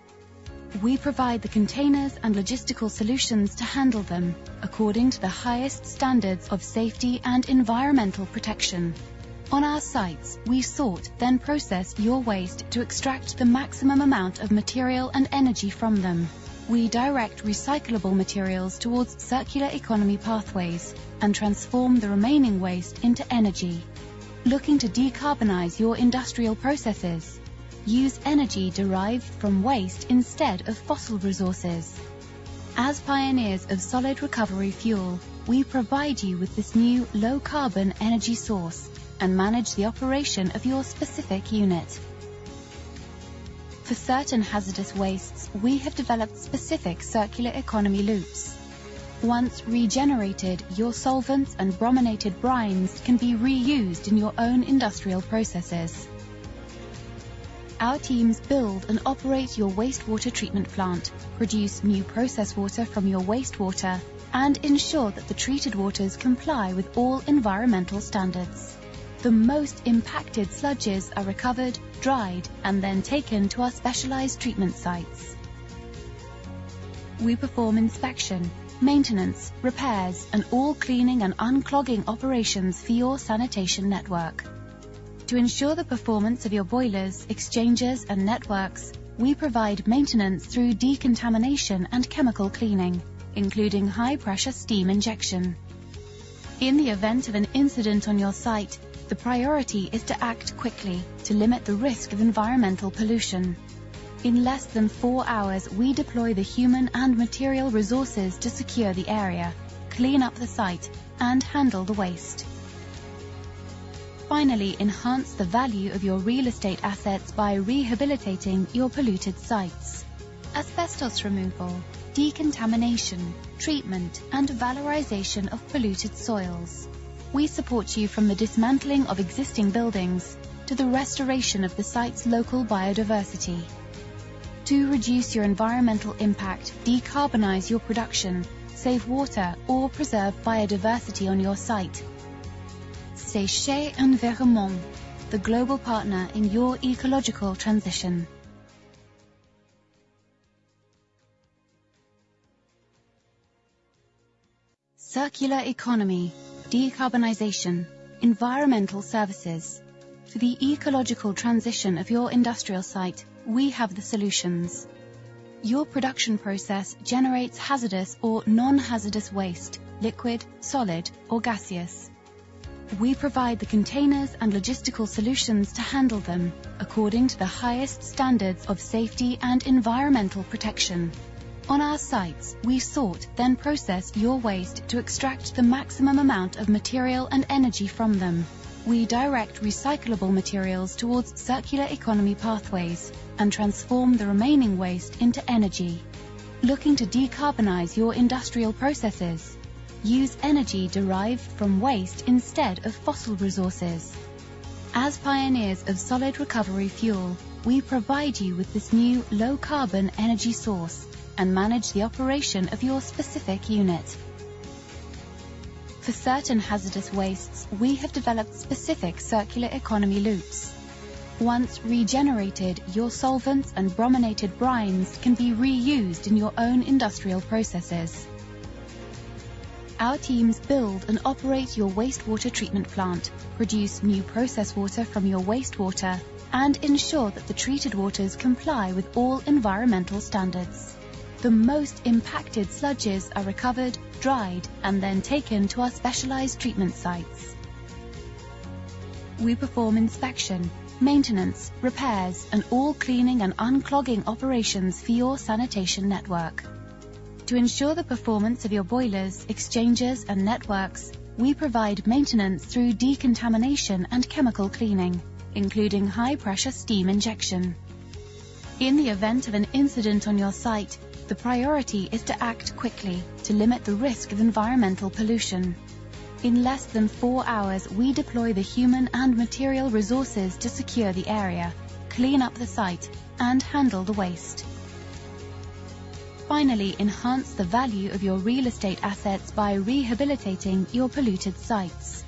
We provide the containers and logistical solutions to handle them according to the highest standards of safety and environmental protection. On our sites, we sort, then process your waste to extract the maximum amount of material and energy from them. We direct recyclable materials towards circular economy pathways and transform the remaining waste into energy. Looking to decarbonize your industrial processes? Use energy derived from waste instead of fossil resources. As pioneers of solid recovery fuel, we provide you with this new low-carbon energy source and manage the operation of your specific unit. For certain hazardous wastes, we have developed specific circular economy loops. Once regenerated, your solvents and brominated brines can be reused in your own industrial processes. Our teams build and operate your wastewater treatment plant, produce new process water from your wastewater, and ensure that the treated waters comply with all environmental standards. The most impacted sludges are recovered, dried, and then taken to our specialized treatment sites. We perform inspection, maintenance, repairs, and all cleaning and unclogging operations for your sanitation network. To ensure the performance of your boilers, exchangers, and networks, we provide maintenance through decontamination and chemical cleaning, including high-pressure steam injection. In the event of an incident on your site, the priority is to act quickly to limit the risk of environmental pollution. In less than four hours, we deploy the human and material resources to secure the area, clean up the site, and handle the waste. Finally, enhance the value of your real estate assets by rehabilitating your polluted sites. Asbestos removal, decontamination, treatment, and valorization of polluted soils. We support you from the dismantling of existing buildings to the restoration of the site's local biodiversity. To reduce your environmental impact, decarbonize your production, save water, or preserve biodiversity on your site, Séché Environnement, the global partner in your ecological transition. Circular economy, decarbonization, environmental services. For the ecological transition of your industrial site, we have the solutions. Your production process generates hazardous or non-hazardous waste, liquid, solid, or gaseous. We provide the containers and logistical solutions to handle them according to the highest standards of safety and environmental protection. On our sites, we sort, then process your waste to extract the maximum amount of material and energy from them. We direct recyclable materials towards circular economy pathways and transform the remaining waste into energy. Looking to decarbonize your industrial processes? Use energy derived from waste instead of fossil resources. As pioneers of Solid Recovery Fuel, we provide you with this new low-carbon energy source and manage the operation of your specific unit. For certain hazardous wastes, we have developed specific circular economy loops. Once regenerated, your solvents and brominated brines can be reused in your own industrial processes. Our teams build and operate your wastewater treatment plant, produce new process water from your wastewater, and ensure that the treated waters comply with all environmental standards. The most impacted sludges are recovered, dried, and then taken to our specialized treatment sites. We perform inspection, maintenance, repairs, and all cleaning and unclogging operations for your sanitation network. To ensure the performance of your boilers, exchangers, and networks, we provide maintenance through decontamination and chemical cleaning, including high-pressure steam injection. In the event of an incident on your site, the priority is to act quickly to limit the risk of environmental pollution. In less than four hours, we deploy the human and material resources to secure the area, clean up the site, and handle the waste. Finally, enhance the value of your real estate assets by rehabilitating your polluted sites.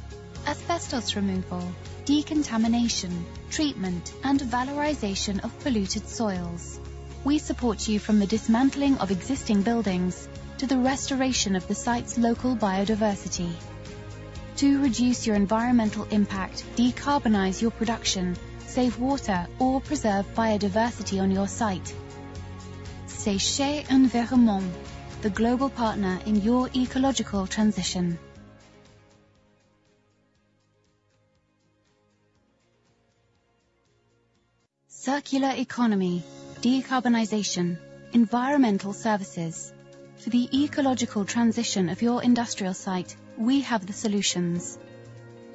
Asbestos removal, decontamination, treatment, and valorization of polluted soils. We support you from the dismantling of existing buildings to the restoration of the site's local biodiversity. To reduce your environmental impact, decarbonize your production, save water, or preserve biodiversity on your site, Séché Environnement, the global partner in your ecological transition. Circular economy, decarbonization, environmental services. For the ecological transition of your industrial site, we have the solutions.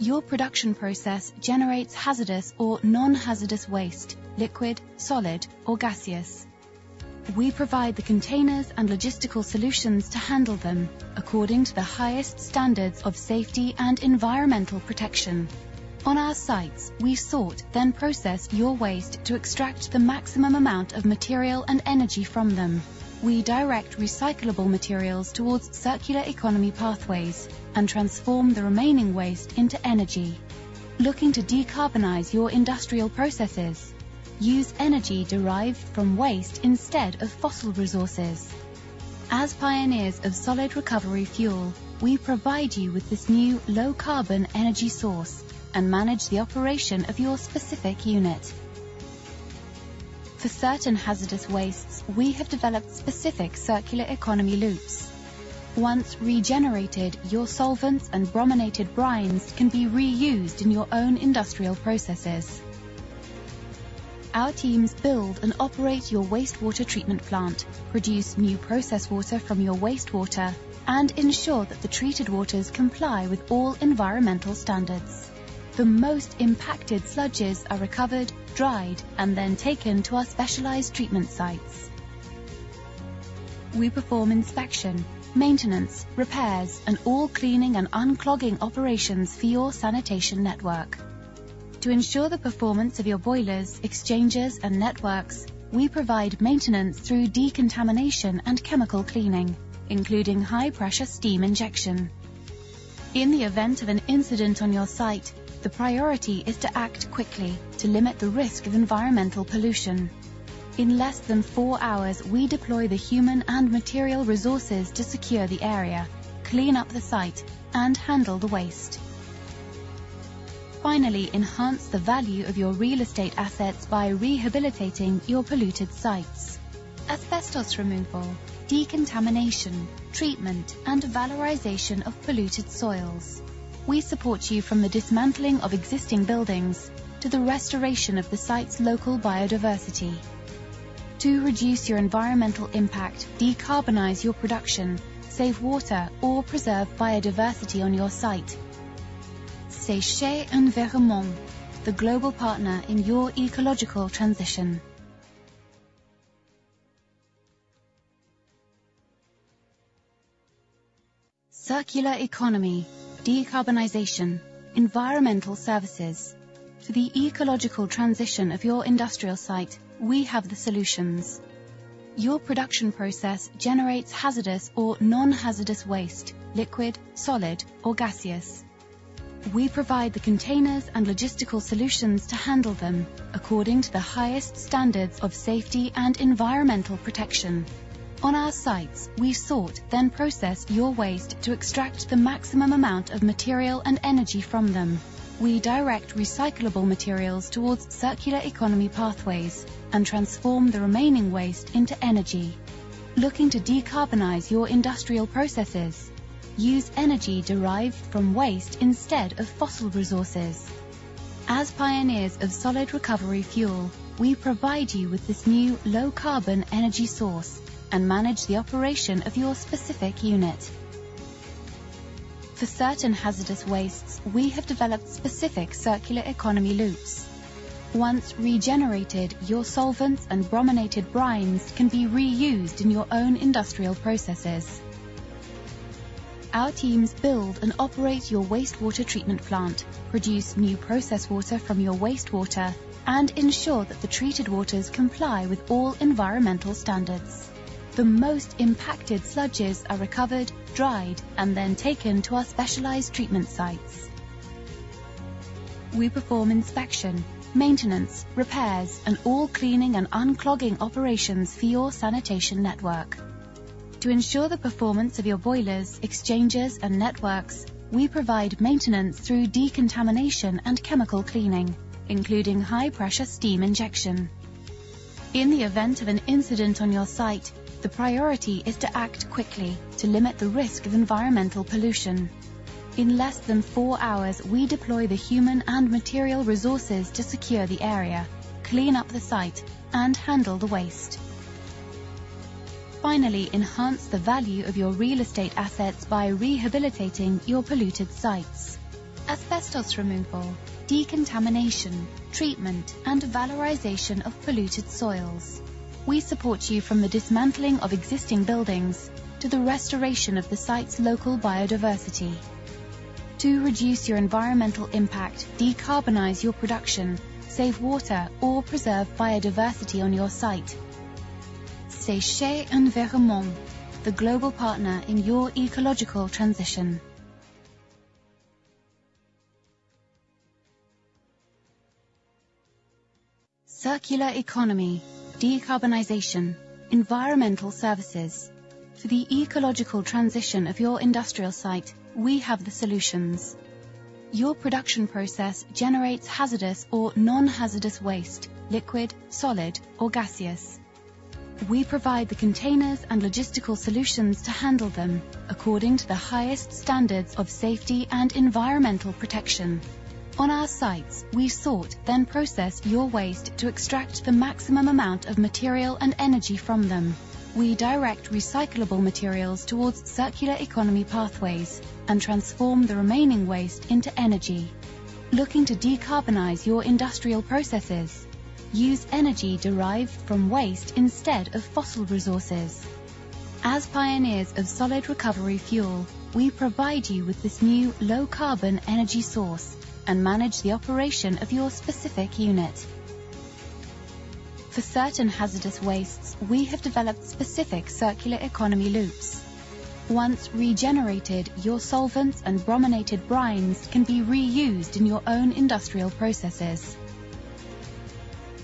Your production process generates hazardous or non-hazardous waste, liquid, solid, or gaseous. We provide the containers and logistical solutions to handle them according to the highest standards of safety and environmental protection. On our sites, we sort, then process your waste to extract the maximum amount of material and energy from them. We direct recyclable materials towards circular economy pathways and transform the remaining waste into energy. Looking to decarbonize your industrial processes? Use energy derived from waste instead of fossil resources. As pioneers of solid recovery fuel, we provide you with this new low-carbon energy source and manage the operation of your specific unit. For certain hazardous wastes, we have developed specific circular economy loops. Once regenerated, your solvents and brominated brines can be reused in your own industrial processes. Our teams build and operate your wastewater treatment plant, produce new process water from your wastewater, and ensure that the treated waters comply with all environmental standards. The most impacted sludges are recovered, dried, and then taken to our specialized treatment sites. We perform inspection, maintenance, repairs, and all cleaning and unclogging operations for your sanitation network. To ensure the performance of your boilers, exchangers, and networks, we provide maintenance through decontamination and chemical cleaning, including high-pressure steam injection. In the event of an incident on your site, the priority is to act quickly to limit the risk of environmental pollution. In less than four hours, we deploy the human and material resources to secure the area, clean up the site, and handle the waste. Finally, enhance the value of your real estate assets by rehabilitating your polluted sites. Asbestos removal, decontamination, treatment, and valorization of polluted soils. We support you from the dismantling of existing buildings to the restoration of the site's local biodiversity. To reduce your environmental impact, decarbonize your production, save water, or preserve biodiversity on your site. Séché Environnement, the global partner in your ecological transition. Circular economy, decarbonization, environmental services. For the ecological transition of your industrial site, we have the solutions. Your production process generates hazardous or non-hazardous waste, liquid, solid, or gaseous. We provide the containers and logistical solutions to handle them according to the highest standards of safety and environmental protection. On our sites, we sort, then process your waste to extract the maximum amount of material and energy from them. We direct recyclable materials towards circular economy pathways and transform the remaining waste into energy. Looking to decarbonize your industrial processes? Use energy derived from waste instead of fossil resources. As pioneers of solid recovery fuel, we provide you with this new low-carbon energy source and manage the operation of your specific unit. For certain hazardous wastes, we have developed specific circular economy loops. Once regenerated, your solvents and brominated brines can be reused in your own industrial processes. Our teams build and operate your wastewater treatment plant, produce new process water from your wastewater, and ensure that the treated waters comply with all environmental standards. The most impacted sludges are recovered, dried, and then taken to our specialized treatment sites. We perform inspection, maintenance, repairs, and all cleaning and unclogging operations for your sanitation network. To ensure the performance of your boilers, exchangers, and networks, we provide maintenance through decontamination and chemical cleaning, including high-pressure steam injection. In the event of an incident on your site, the priority is to act quickly to limit the risk of environmental pollution. In less than four hours, we deploy the human and material resources to secure the area, clean up the site, and handle the waste. Finally, enhance the value of your real estate assets by rehabilitating your polluted sites. Asbestos removal, decontamination, treatment, and valorization of polluted soils. We support you from the dismantling of existing buildings to the restoration of the site's local biodiversity. To reduce your environmental impact, decarbonize your production, save water, or preserve biodiversity on your site. Séché Environnement, the global partner in your ecological transition. Circular economy, decarbonization, environmental services. For the ecological transition of your industrial site, we have the solutions. Your production process generates hazardous or non-hazardous waste, liquid, solid, or gaseous.... We provide the containers and logistical solutions to handle them according to the highest standards of safety and environmental protection. On our sites, we sort, then process your waste to extract the maximum amount of material and energy from them. We direct recyclable materials towards circular economy pathways and transform the remaining waste into energy. Looking to decarbonize your industrial processes? Use energy derived from waste instead of fossil resources. As pioneers of solid recovery fuel, we provide you with this new low-carbon energy source and manage the operation of your specific unit. For certain hazardous wastes, we have developed specific circular economy loops. Once regenerated, your solvents and brominated brines can be reused in your own industrial processes.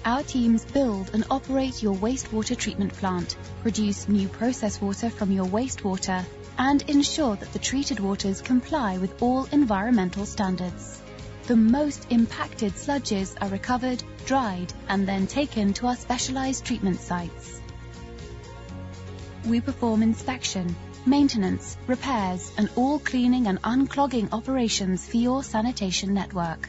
Our teams build and operate your wastewater treatment plant, produce new process water from your wastewater, and ensure that the treated waters comply with all environmental standards. The most impacted sludges are recovered, dried, and then taken to our specialized treatment sites. We perform inspection, maintenance, repairs, and all cleaning and unclogging operations for your sanitation network.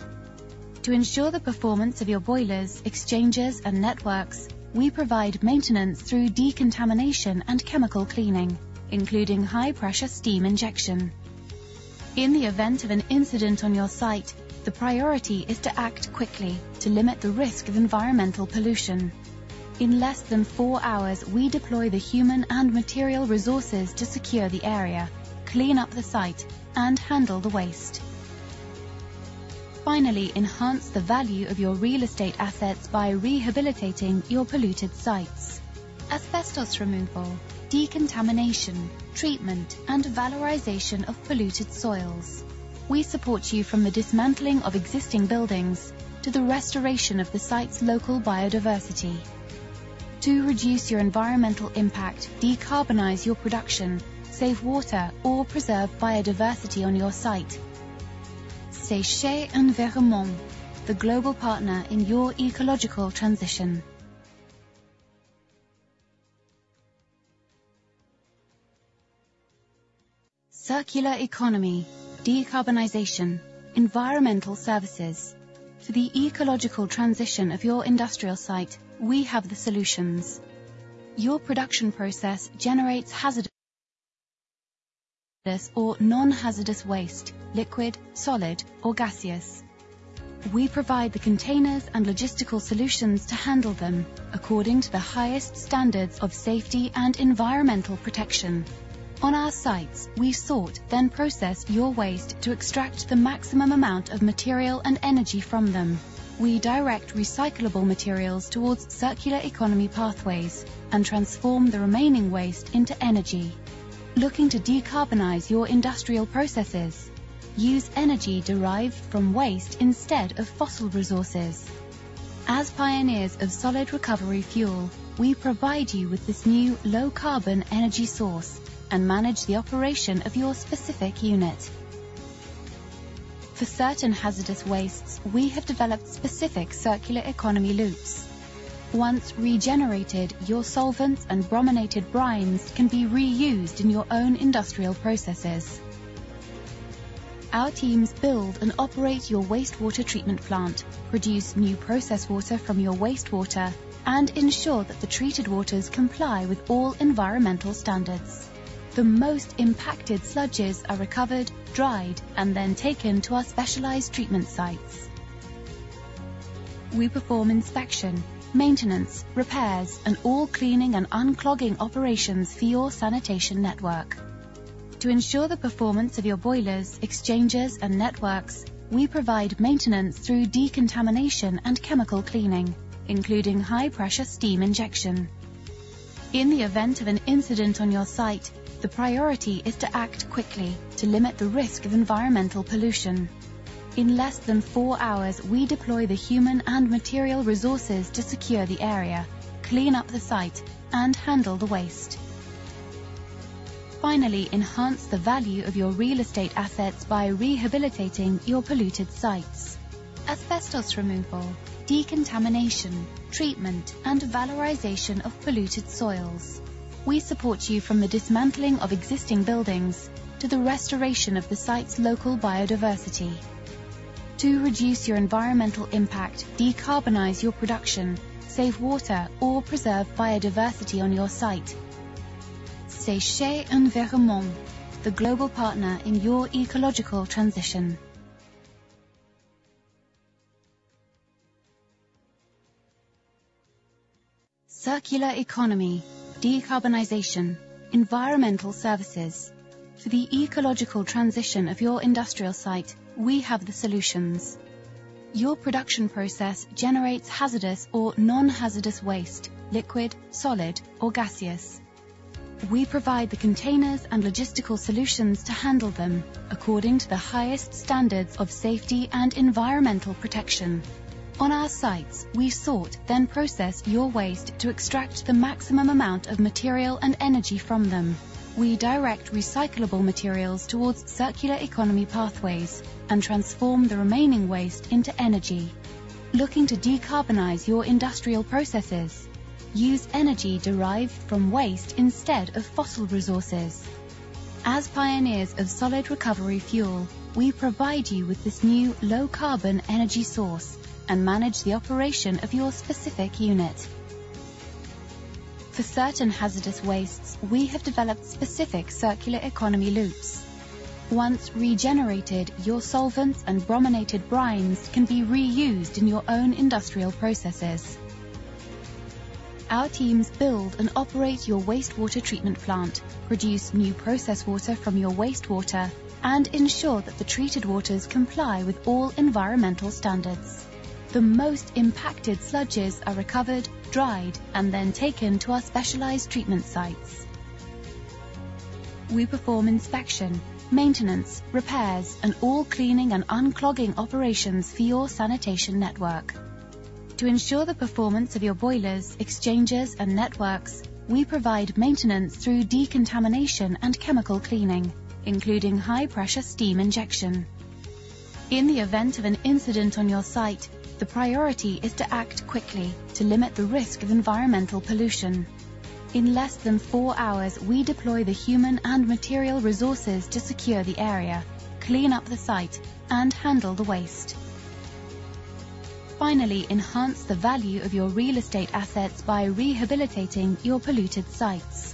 Finally, enhance the value of your real estate assets by rehabilitating your polluted sites. Asbestos removal, decontamination, treatment, and valorization of polluted soils. We support you from the dismantling of existing buildings to the restoration of the site's local biodiversity. To reduce your environmental impact, decarbonize your production, save water, or preserve biodiversity on your site. Séché Environnement, the global partner in your ecological transition. Circular economy, decarbonization, environmental services. For the ecological transition of your industrial site, we have the solutions. Your production process generates hazardous or non-hazardous waste, liquid, solid, or gaseous. We provide the containers and logistical solutions to handle them according to the highest standards of safety and environmental protection. On our sites, we sort, then process your waste to extract the maximum amount of material and energy from them. We direct recyclable materials towards circular economy pathways and transform the remaining waste into energy. Looking to decarbonize your industrial processes? Use energy derived from waste instead of fossil resources... As pioneers of solid recovery fuel, we provide you with this new low-carbon energy source and manage the operation of your specific unit. For certain hazardous wastes, we have developed specific circular economy loops. Once regenerated, your solvents and brominated brines can be reused in your own industrial processes. Our teams build and operate your wastewater treatment plant, produce new process water from your wastewater, and ensure that the treated waters comply with all environmental standards. The most impacted sludges are recovered, dried, and then taken to our specialized treatment sites. We perform inspection, maintenance, repairs, and all cleaning and unclogging operations for your sanitation network. To ensure the performance of your boilers, exchangers, and networks, we provide maintenance through decontamination and chemical cleaning, including high-pressure steam injection. In the event of an incident on your site, the priority is to act quickly to limit the risk of environmental pollution. In less than four hours, we deploy the human and material resources to secure the area, clean up the site, and handle the waste. Finally, enhance the value of your real estate assets by rehabilitating your polluted sites. Asbestos removal, decontamination, treatment, and valorization of polluted soils. We support you from the dismantling of existing buildings to the restoration of the site's local biodiversity. To reduce your environmental impact, decarbonize your production, save water, or preserve biodiversity on your site. Séché Environnement, the global partner in your ecological transition. Circular economy, decarbonization, environmental services. For the ecological transition of your industrial site, we have the solutions. Your production process generates hazardous or non-hazardous waste, liquid, solid, or gaseous. We provide the containers and logistical solutions to handle them according to the highest standards of safety and environmental protection. On our sites, we sort, then process your waste to extract the maximum amount of material and energy from them. We direct recyclable materials towards circular economy pathways and transform the remaining waste into energy. Looking to decarbonize your industrial processes? Use energy derived from waste instead of fossil resources. As pioneers of solid recovery fuel, we provide you with this new low-carbon energy source and manage the operation of your specific unit. For certain hazardous wastes, we have developed specific circular economy loops. Once regenerated, your solvents and brominated brines can be reused in your own industrial processes. Our teams build and operate your wastewater treatment plant, produce new process water from your wastewater, and ensure that the treated waters comply with all environmental standards. The most impacted sludges are recovered, dried, and then taken to our specialized treatment sites. We perform inspection, maintenance, repairs, and all cleaning and unclogging operations for your sanitation network. To ensure the performance of your boilers, exchangers, and networks, we provide maintenance through decontamination and chemical cleaning, including high-pressure steam injection. In the event of an incident on your site, the priority is to act quickly to limit the risk of environmental pollution. In less than four hours, we deploy the human and material resources to secure the area, clean up the site, and handle the waste. Finally, enhance the value of your real estate assets by rehabilitating your polluted sites.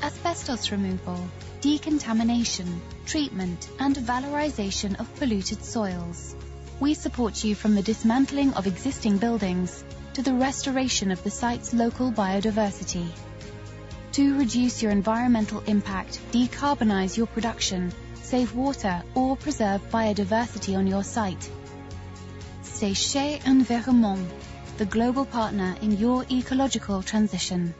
Asbestos removal, decontamination, treatment, and valorization of polluted soils. We support you from the dismantling of existing buildings to the restoration of the site's local biodiversity. To reduce your environmental impact, decarbonize your production, save water, or preserve biodiversity on your site. Séché Environnement, the global partner in your ecological transition.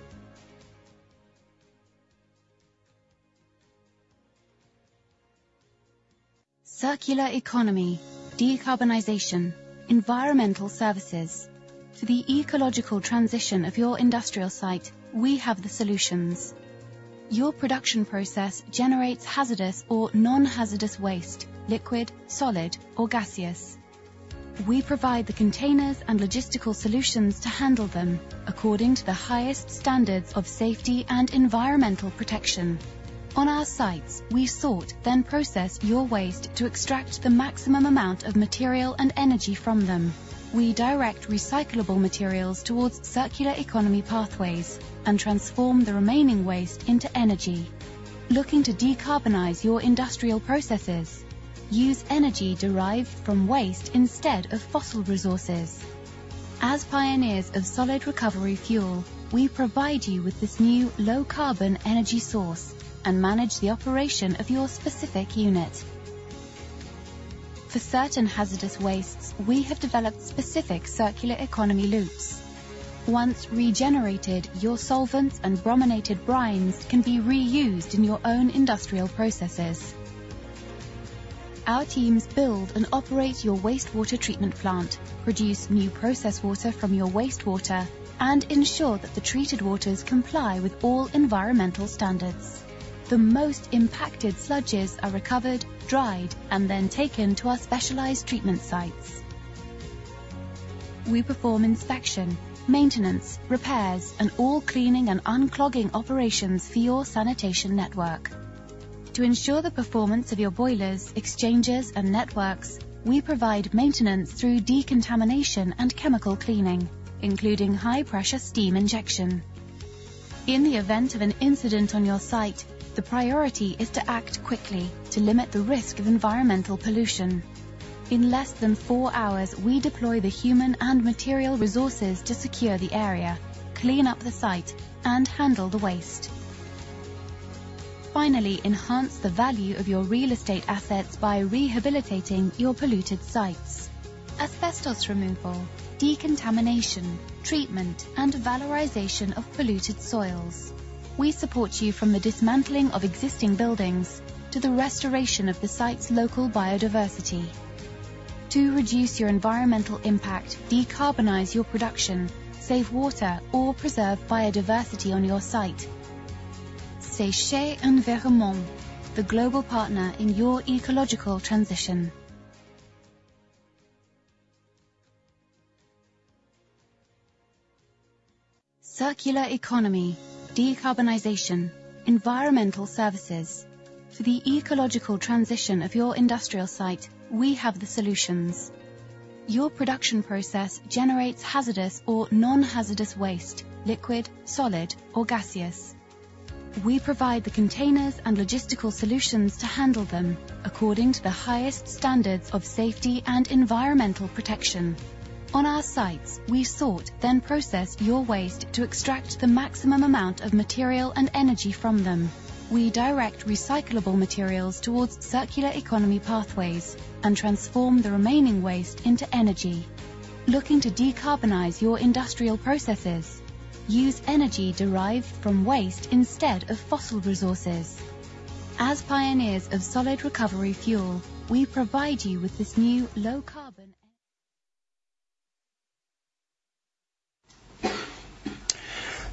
Circular economy, decarbonization, environmental services. For the ecological transition of your industrial site, we have the solutions. Your production process generates hazardous or non-hazardous waste, liquid, solid, or gaseous. We provide the containers and logistical solutions to handle them according to the highest standards of safety and environmental protection. On our sites, we sort, then process your waste to extract the maximum amount of material and energy from them. We direct recyclable materials towards circular economy pathways and transform the remaining waste into energy. Looking to decarbonize your industrial processes? Use energy derived from waste instead of fossil resources. As pioneers of Solid Recovery Fuel, we provide you with this new low-carbon-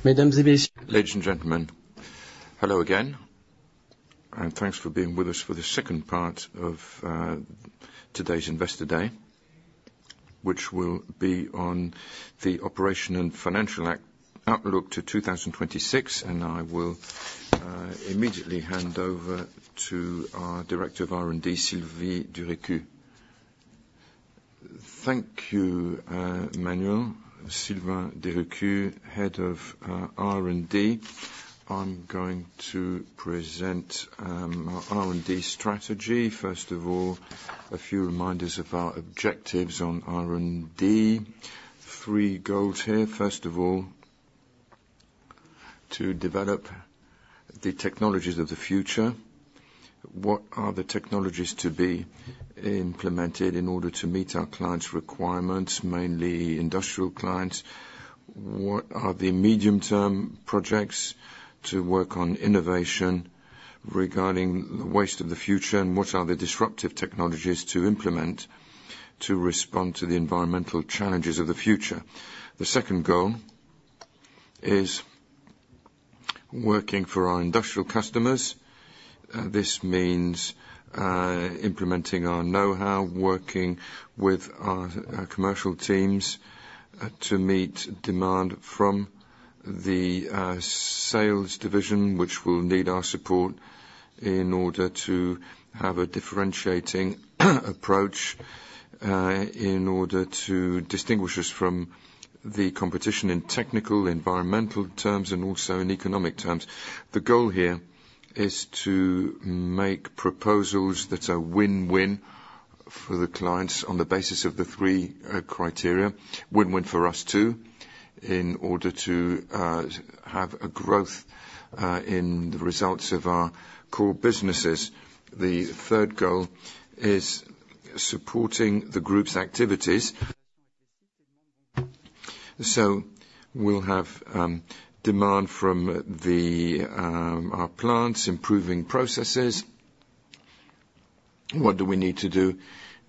Ladies and gentlemen, hello again, and thanks for being with us for the second part of today's Investor Day. Which will be on the operation and financial outlook to 2026, and I will immediately hand over to our Director of R&D, Sylvain Durécu. Thank you, Manuel. Sylvain Durécu, Head of R&D. I'm going to present our R&D strategy. First of all, a few reminders of our objectives on R&D. Three goals here. First of all, to develop the technologies of the future. What are the technologies to be implemented in order to meet our clients' requirements, mainly industrial clients? What are the medium-term projects to work on innovation regarding the waste of the future? And what are the disruptive technologies to implement to respond to the environmental challenges of the future? The second goal is working for our industrial customers. This means implementing our know-how, working with our commercial teams to meet demand from the sales division, which will need our support in order to have a differentiating approach in order to distinguish us from the competition in technical, environmental terms and also in economic terms. The goal here is to make proposals that are win-win for the clients on the basis of the three criteria. Win-win for us, too, in order to have a growth in the results of our core businesses. The third goal is supporting the group's activities. So we'll have demand from our plants, improving processes. What do we need to do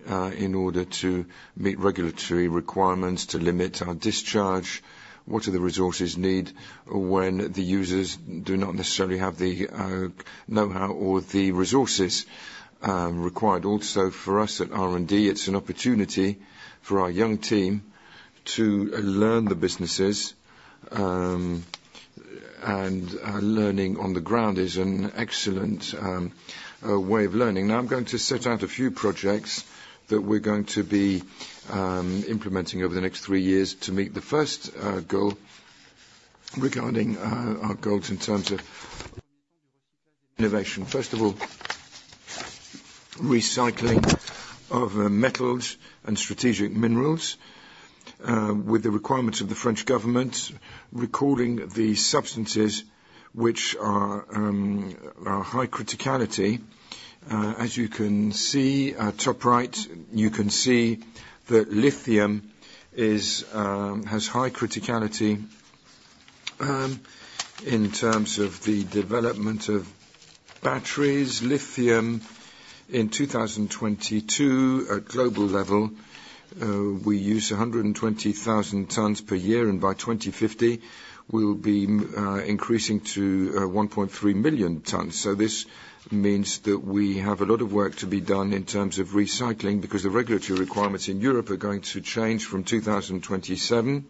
in order to meet regulatory requirements to limit our discharge? What do the resources need when the users do not necessarily have the know-how or the resources required? Also, for us at R&D, it's an opportunity for our young team to learn the businesses. Learning on the ground is an excellent way of learning. Now, I'm going to set out a few projects that we're going to be implementing over the next three years to meet the first goal regarding our goals in terms of innovation. First of all, recycling of metals and strategic minerals with the requirements of the French government, recording the substances which are high criticality. As you can see at top right, you can see that lithium is has high criticality in terms of the development of batteries. Lithium, in 2022, at global level, we used 120,000 tons per year, and by 2050, we'll be increasing to 1.3 million tons. So this means that we have a lot of work to be done in terms of recycling, because the regulatory requirements in Europe are going to change from 2027.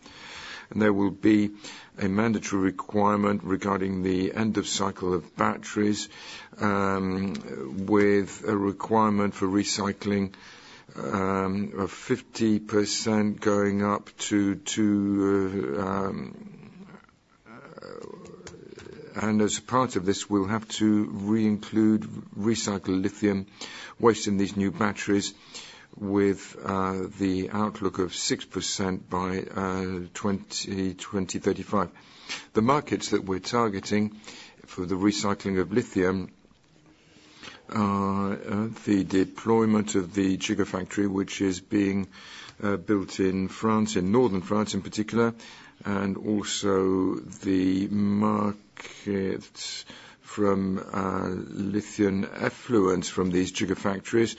There will be a mandatory requirement regarding the end of cycle of batteries, with a requirement for recycling of 50% going up to... And as a part of this, we'll have to re-include recycled lithium waste in these new batteries with the outlook of 6% by 2035. The markets that we're targeting for the recycling of lithium are the deployment of the gigafactory, which is being built in France, in northern France, in particular, and also the markets from lithium effluents from these gigafactories.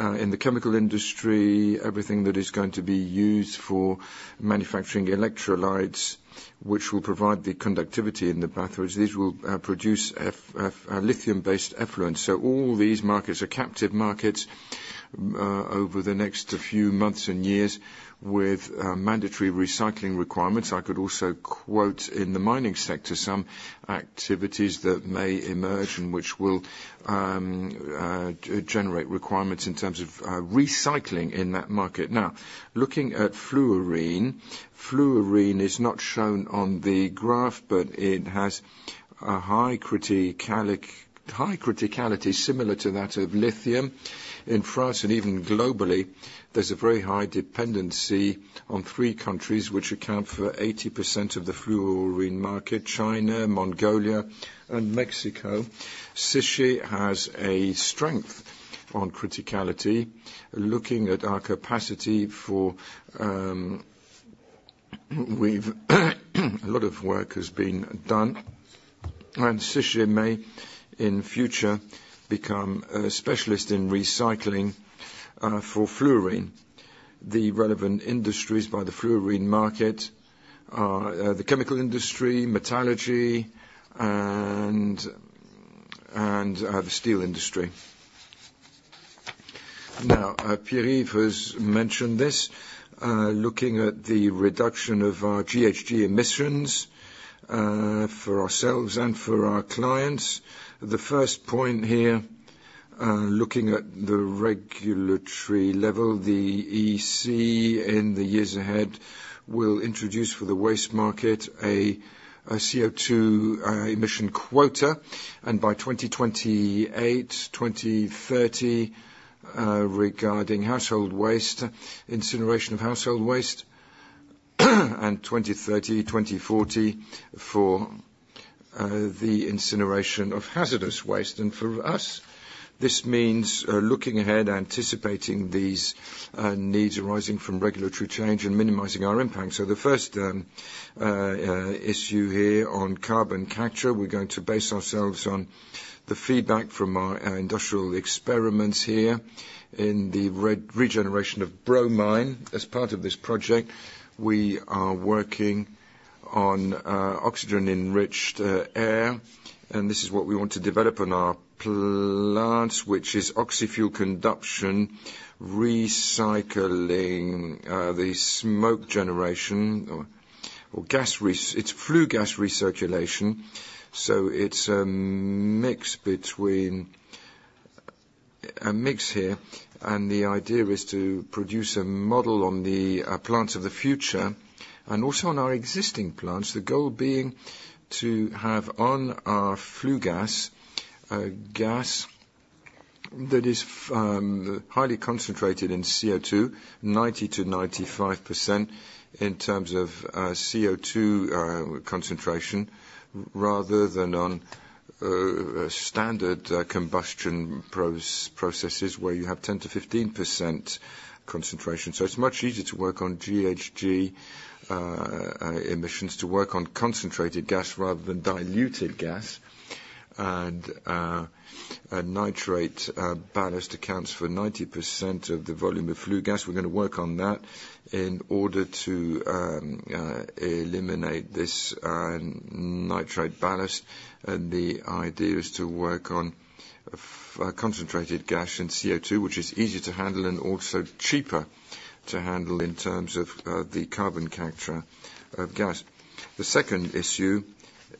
In the chemical industry, everything that is going to be used for manufacturing electrolytes, which will provide the conductivity in the batteries, these will produce a lithium-based effluent. So all these markets are captive markets over the next few months and years, with mandatory recycling requirements. I could also quote, in the mining sector, some activities that may emerge and which will generate requirements in terms of recycling in that market. Now, looking at fluorine. Fluorine is not shown on the graph, but it has a high criticality, similar to that of lithium. In France, and even globally, there's a very high dependency on three countries, which account for 80% of the fluorine market: China, Mongolia, and Mexico. Séché has a strength on criticality. Looking at our capacity for, a lot of work has been done, and Séché may, in future, become a specialist in recycling, for fluorine. The relevant industries by the fluorine market are, the chemical industry, metallurgy, and the steel industry. Now, Pierre-Yves has mentioned this, looking at the reduction of our GHG emissions, for ourselves and for our clients. The first point here, looking at the regulatory level, the EC, in the years ahead, will introduce for the waste market, a CO2 emission quota, and by 2028, 2030, regarding household waste, incineration of household waste, and 2030, 2040 for the incineration of hazardous waste. And for us, this means, looking ahead, anticipating these needs arising from regulatory change and minimizing our impact. So the first issue here on carbon capture, we're going to base ourselves on the feedback from our industrial experiments here in the regeneration of bromine. As part of this project, we are working on oxygen-enriched air, and this is what we want to develop in our plants, which is oxy-fuel combustion, recycling the smoke generation or gas, it's flue gas recirculation. So it's a mix here, and the idea is to produce a model on the plants of the future, and also on our existing plants. The goal being to have on our flue gas gas that is highly concentrated in CO2, 90%-95% in terms of CO2 concentration, rather than on a standard combustion processes, where you have 10%-15% concentration. So it's much easier to work on GHG emissions, to work on concentrated gas rather than diluted gas. And a nitrogen ballast accounts for 90% of the volume of flue gas. We're gonna work on that in order to eliminate this nitrogen ballast. The idea is to work on concentrated gas and CO2, which is easier to handle and also cheaper to handle in terms of the carbon capture of gas. The second issue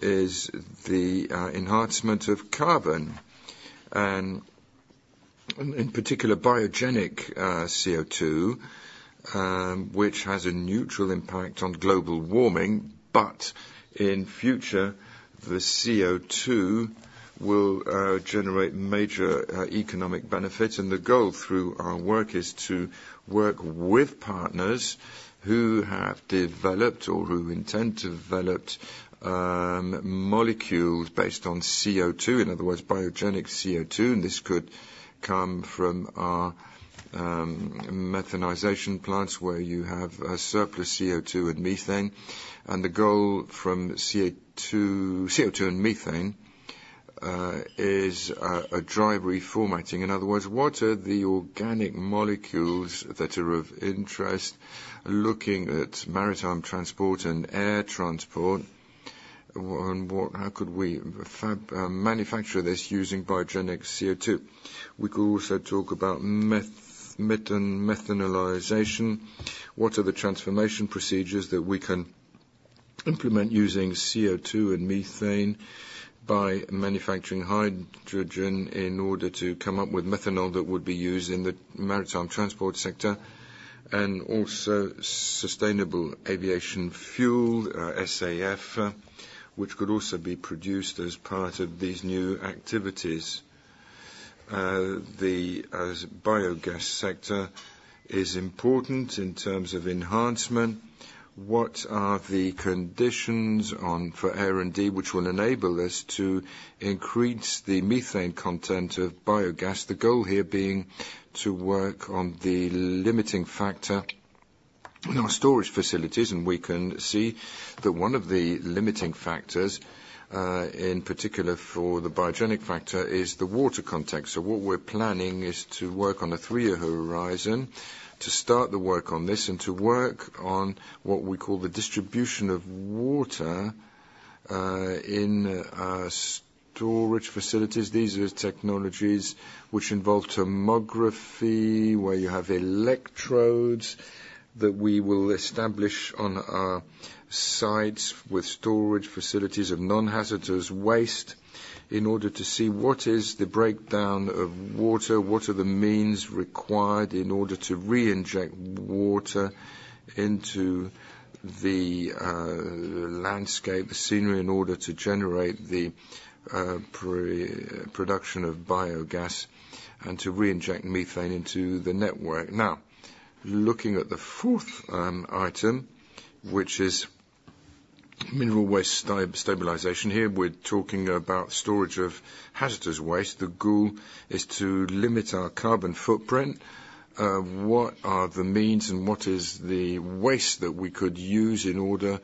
is the enhancement of carbon and, and in particular, biogenic CO2, which has a neutral impact on global warming, but in future, the CO2 will generate major economic benefits. The goal through our work is to work with partners who have developed or who intend to develop, molecules based on CO2, in other words, biogenic CO2, and this could come from our methanization plants, where you have a surplus CO2 and methane. The goal from CO2 and methane is a dry reformatting. In other words, what are the organic molecules that are of interest, looking at maritime transport and air transport? And what—how could we manufacture this using biogenic CO₂? We could also talk about methanization. What are the transformation procedures that we can implement using CO₂ and methane by manufacturing hydrogen, in order to come up with methanol that would be used in the maritime transport sector, and also sustainable aviation fuel, SAF, which could also be produced as part of these new activities. The biogas sector is important in terms of enhancement. What are the conditions for R&D, which will enable us to increase the methane content of biogas? The goal here being to work on the limiting factor in our storage facilities, and we can see that one of the limiting factors, in particular for the biogenic factor, is the water content. So what we're planning is to work on a three-year horizon, to start the work on this, and to work on what we call the distribution of water in our storage facilities. These are technologies which involve tomography, where you have electrodes that we will establish on our sites with storage facilities of non-hazardous waste, in order to see what is the breakdown of water, what are the means required in order to re-inject water into the landscape, the scenery, in order to generate the production of biogas and to reinject methane into the network. Now, looking at the fourth item, which is mineral waste stabilization. Here, we're talking about storage of hazardous waste. The goal is to limit our carbon footprint. What are the means and what is the waste that we could use in order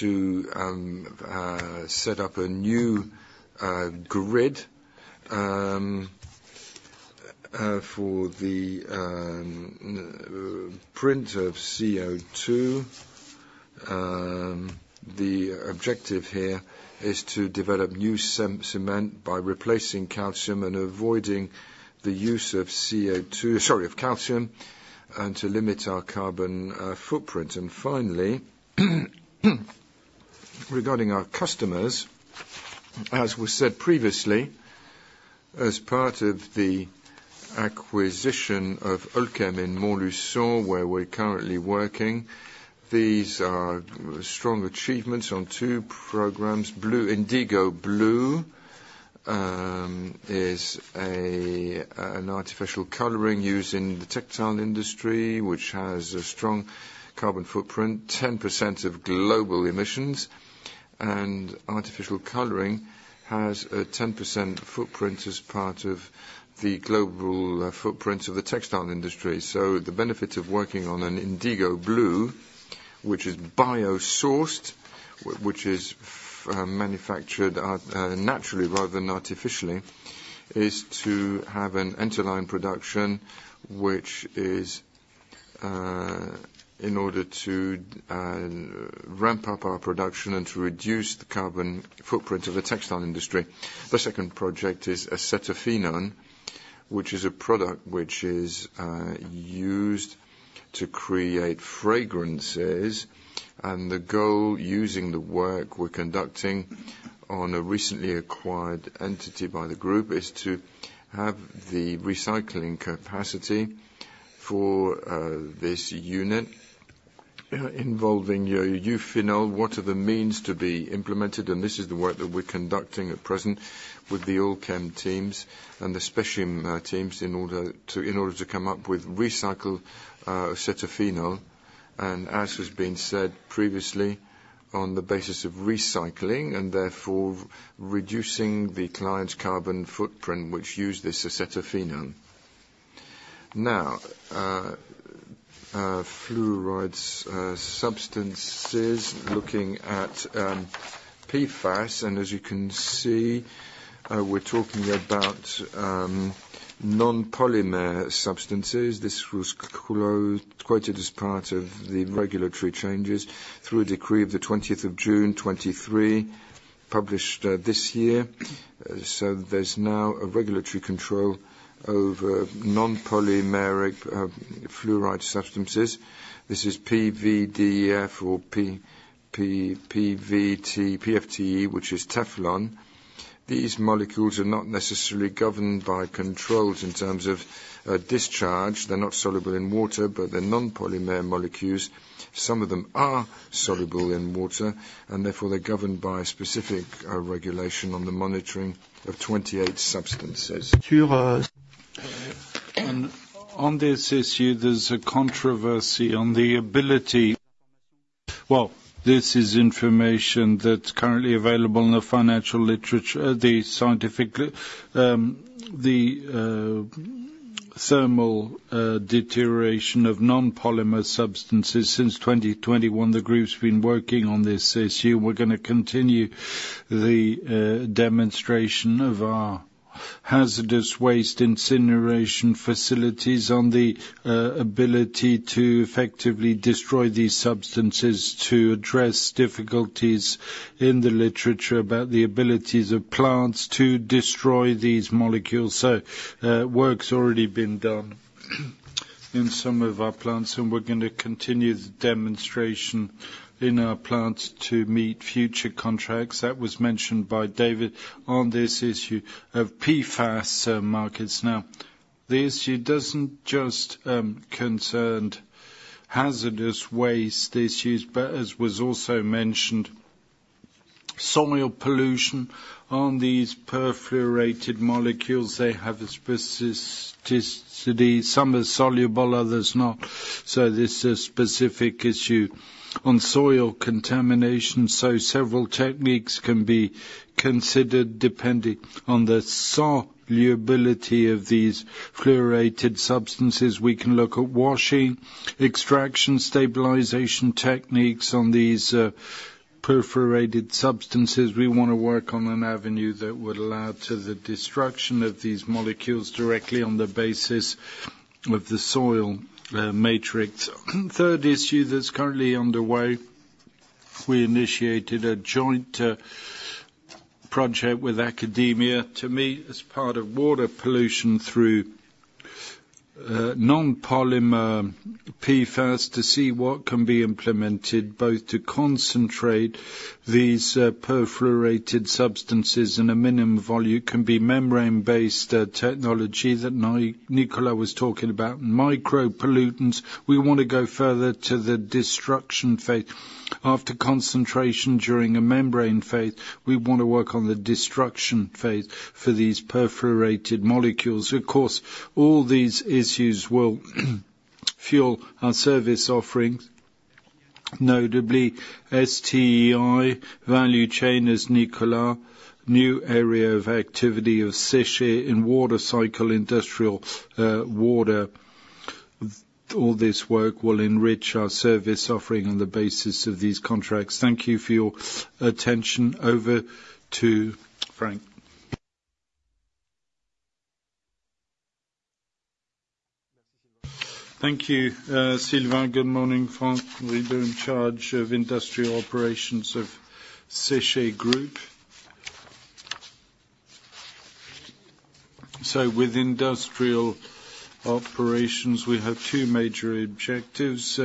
to set up a new grid? For the footprint of CO2, the objective here is to develop new cement by replacing calcium and avoiding the use of CO2, sorry, of calcium, and to limit our carbon footprint. And finally, regarding our customers, as we said previously, as part of the acquisition of All'Chem in Montluçon, where we're currently working, these are strong achievements on two programs. Indigo blue is an artificial coloring used in the textile industry, which has a strong carbon footprint, 10% of global emissions. And artificial coloring has a 10% footprint as part of the global footprint of the textile industry. So the benefit of working on an indigo blue, which is biosourced, which is manufactured naturally rather than artificially, is to have an interline production, which is in order to ramp up our production and to reduce the carbon footprint of the textile industry. The second project is acetophenone, which is a product which is used to create fragrances. And the goal, using the work we're conducting on a recently acquired entity by the group, is to have the recycling capacity for this unit, involving euphenol. What are the means to be implemented? And this is the work that we're conducting at present with the All'Chem teams and the Speichim teams, in order to come up with recycled acetophenone. As has been said previously, on the basis of recycling and therefore reducing the client's carbon footprint, which use this acetophenone. Now, fluorides substances, looking at PFAS, and as you can see, we're talking about non-polymer substances. This was quoted as part of the regulatory changes through a decree of the 20th of June 2023, published this year. So there's now a regulatory control over non-polymeric fluoride substances. This is PVDF or PTFE, PTFE, which is Teflon. These molecules are not necessarily governed by controls in terms of discharge. They're not soluble in water, but they're non-polymer molecules. Some of them are soluble in water, and therefore they're governed by a specific regulation on the monitoring of 28 substances. On this issue, there's a controversy on the ability. Well, this is information that's currently available in the financial literature, the scientific, the thermal deterioration of non-polymer substances. Since 2021, the group's been working on this issue. We're going to continue the demonstration of our hazardous waste incineration facilities on the ability to effectively destroy these substances, to address difficulties in the literature about the abilities of plants to destroy these molecules. So, work's already been done, in some of our plants, and we're going to continue the demonstration in our plants to meet future contracts. That was mentioned by David on this issue of PFAS markets. Now, the issue doesn't just concerned hazardous waste issues, but as was also mentioned, soil pollution on these perfluorinated molecules, they have a specificity. Some are soluble, others not. So this is a specific issue on soil contamination, so several techniques can be considered depending on the solubility of these fluorinated substances. We can look at washing, extraction, stabilization techniques on these perfluorinated substances. We want to work on an avenue that would allow the destruction of these molecules directly on the basis of the soil matrix. Third issue that's currently underway, we initiated a joint project with academia to meet as part of water pollution through non-polymer PFAS, to see what can be implemented, both to concentrate these perfluorinated substances in a minimum volume, can be membrane-based technology that Nicolas was talking about. Micropollutants, we want to go further to the destruction phase. After concentration during a membrane phase, we want to work on the destruction phase for these perfluorinated molecules. Of course, all these issues will fuel our service offerings, notably STEI value chain as Nicolas, new area of activity of Séché in water cycle, industrial water. All this work will enrich our service offering on the basis of these contracts. Thank you for your attention. Over to Franck. Thank you, Sylvain. Good morning, Franck. We're in charge of industrial operations of Séché Group. So with industrial operations, we have two major objectives,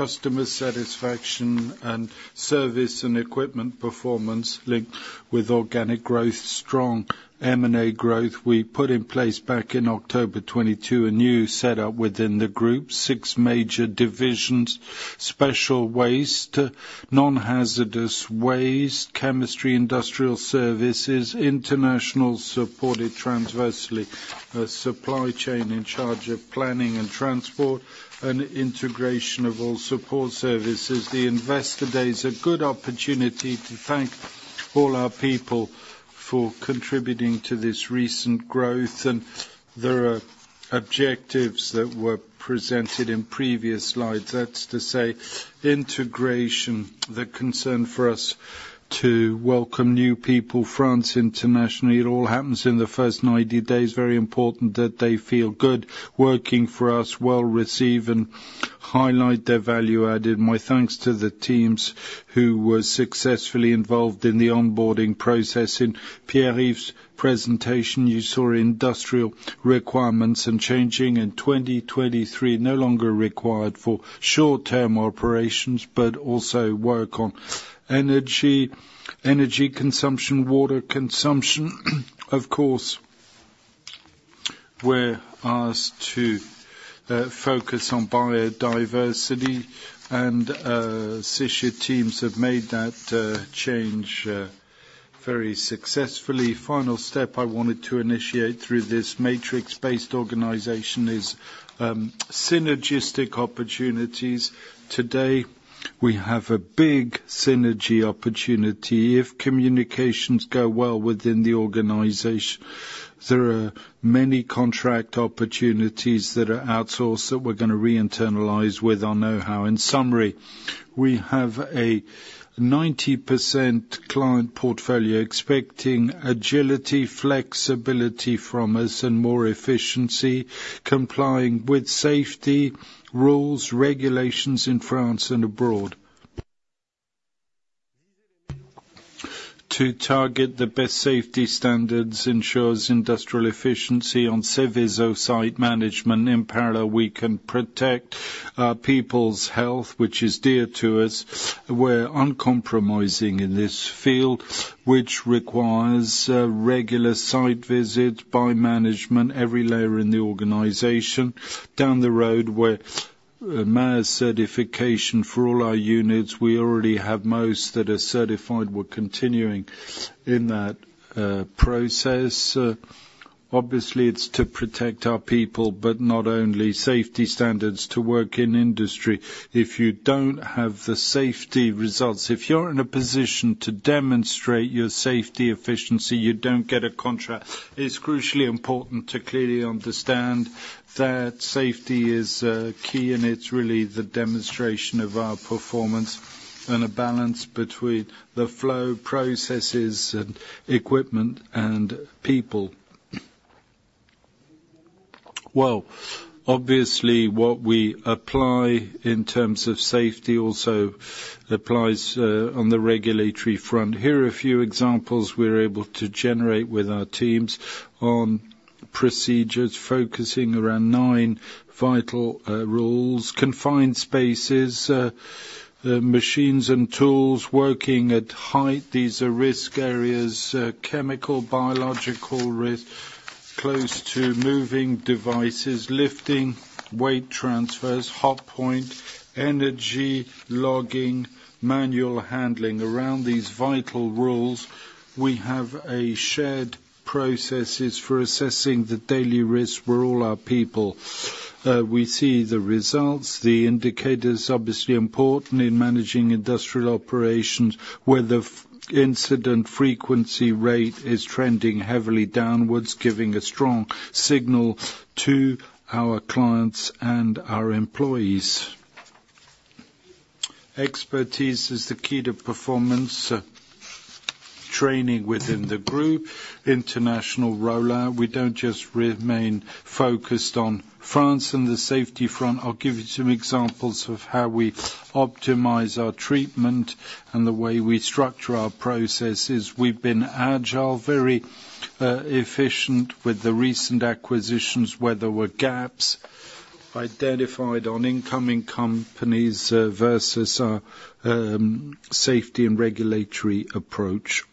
customer satisfaction and service and equipment performance linked with organic growth, strong M&A growth. We put in place back in October 2022, a new setup within the group, six major divisions, special waste, non-hazardous waste, chemistry, industrial services, international supported transversely, a supply chain in charge of planning and transport, and integration of all support services. The Investor Day is a good opportunity to thank all our people for contributing to this recent growth, and there are objectives that were presented in previous slides. That's to say, integration, the concern for us to welcome new people, France, internationally, it all happens in the first 90 days. Very important that they feel good working for us, well received, and highlight their value added. My thanks to the teams who were successfully involved in the onboarding process. In Pierre-Yves' presentation, you saw industrial requirements and changing in 2023, no longer required for short-term operations, but also work on energy, energy consumption, water consumption. Of course, we're asked to focus on biodiversity, and Séché teams have made that change very successfully. Final step I wanted to initiate through this matrix-based organization is synergistic opportunities. Today, we have a big synergy opportunity. If communications go well within the organization, there are many contract opportunities that are outsourced that we're gonna re-internalize with our know-how. In summary, we have a 90% client portfolio expecting agility, flexibility from us, and more efficiency, complying with safety, rules, regulations in France and abroad. To target the best safety standards ensures industrial efficiency on Seveso site management. In parallel, we can protect our people's health, which is dear to us. We're uncompromising in this field, which requires regular site visit by management, every layer in the organization. Down the road, we're MASE certification for all our units. We already have most that are certified. We're continuing in that process. Obviously, it's to protect our people, but not only safety standards to work in industry. If you don't have the safety results, if you're in a position to demonstrate your safety efficiency, you don't get a contract. It's crucially important to clearly understand that safety is key, and it's really the demonstration of our performance and a balance between the flow, processes, and equipment, and people. Well, obviously, what we apply in terms of safety also applies on the regulatory front. Here are a few examples we're able to generate with our teams on procedures focusing around nine vital rules, confined spaces, machines and tools, working at height. These are risk areas, chemical, biological risk, close to moving devices, lifting, weight transfers, hot point, energy, logging, manual handling. Around these vital rules, we have a shared processes for assessing the daily risk for all our people. We see the results, the indicators, obviously important in managing industrial operations, where the incident frequency rate is trending heavily downwards, giving a strong signal to our clients and our employees. Expertise is the key to performance. Training within the group, international rollout, we don't just remain focused on France and the safety front. I'll give you some examples of how we optimize our treatment and the way we structure our processes. We've been agile, very, efficient with the recent acquisitions, where there were gaps identified on incoming companies, versus our, safety and regulatory approach.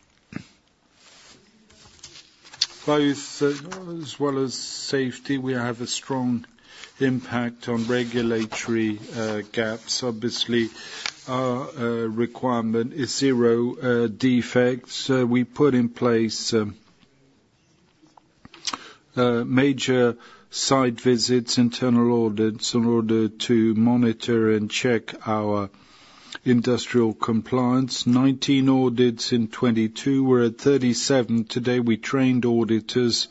Both, as well as safety, we have a strong impact on regulatory, gaps. Obviously, our, requirement is zero, defects. We put in place, major site visits, internal audits, in order to monitor and check our-... Industrial compliance, 19 audits in 2022, we're at 37 today. We trained auditors.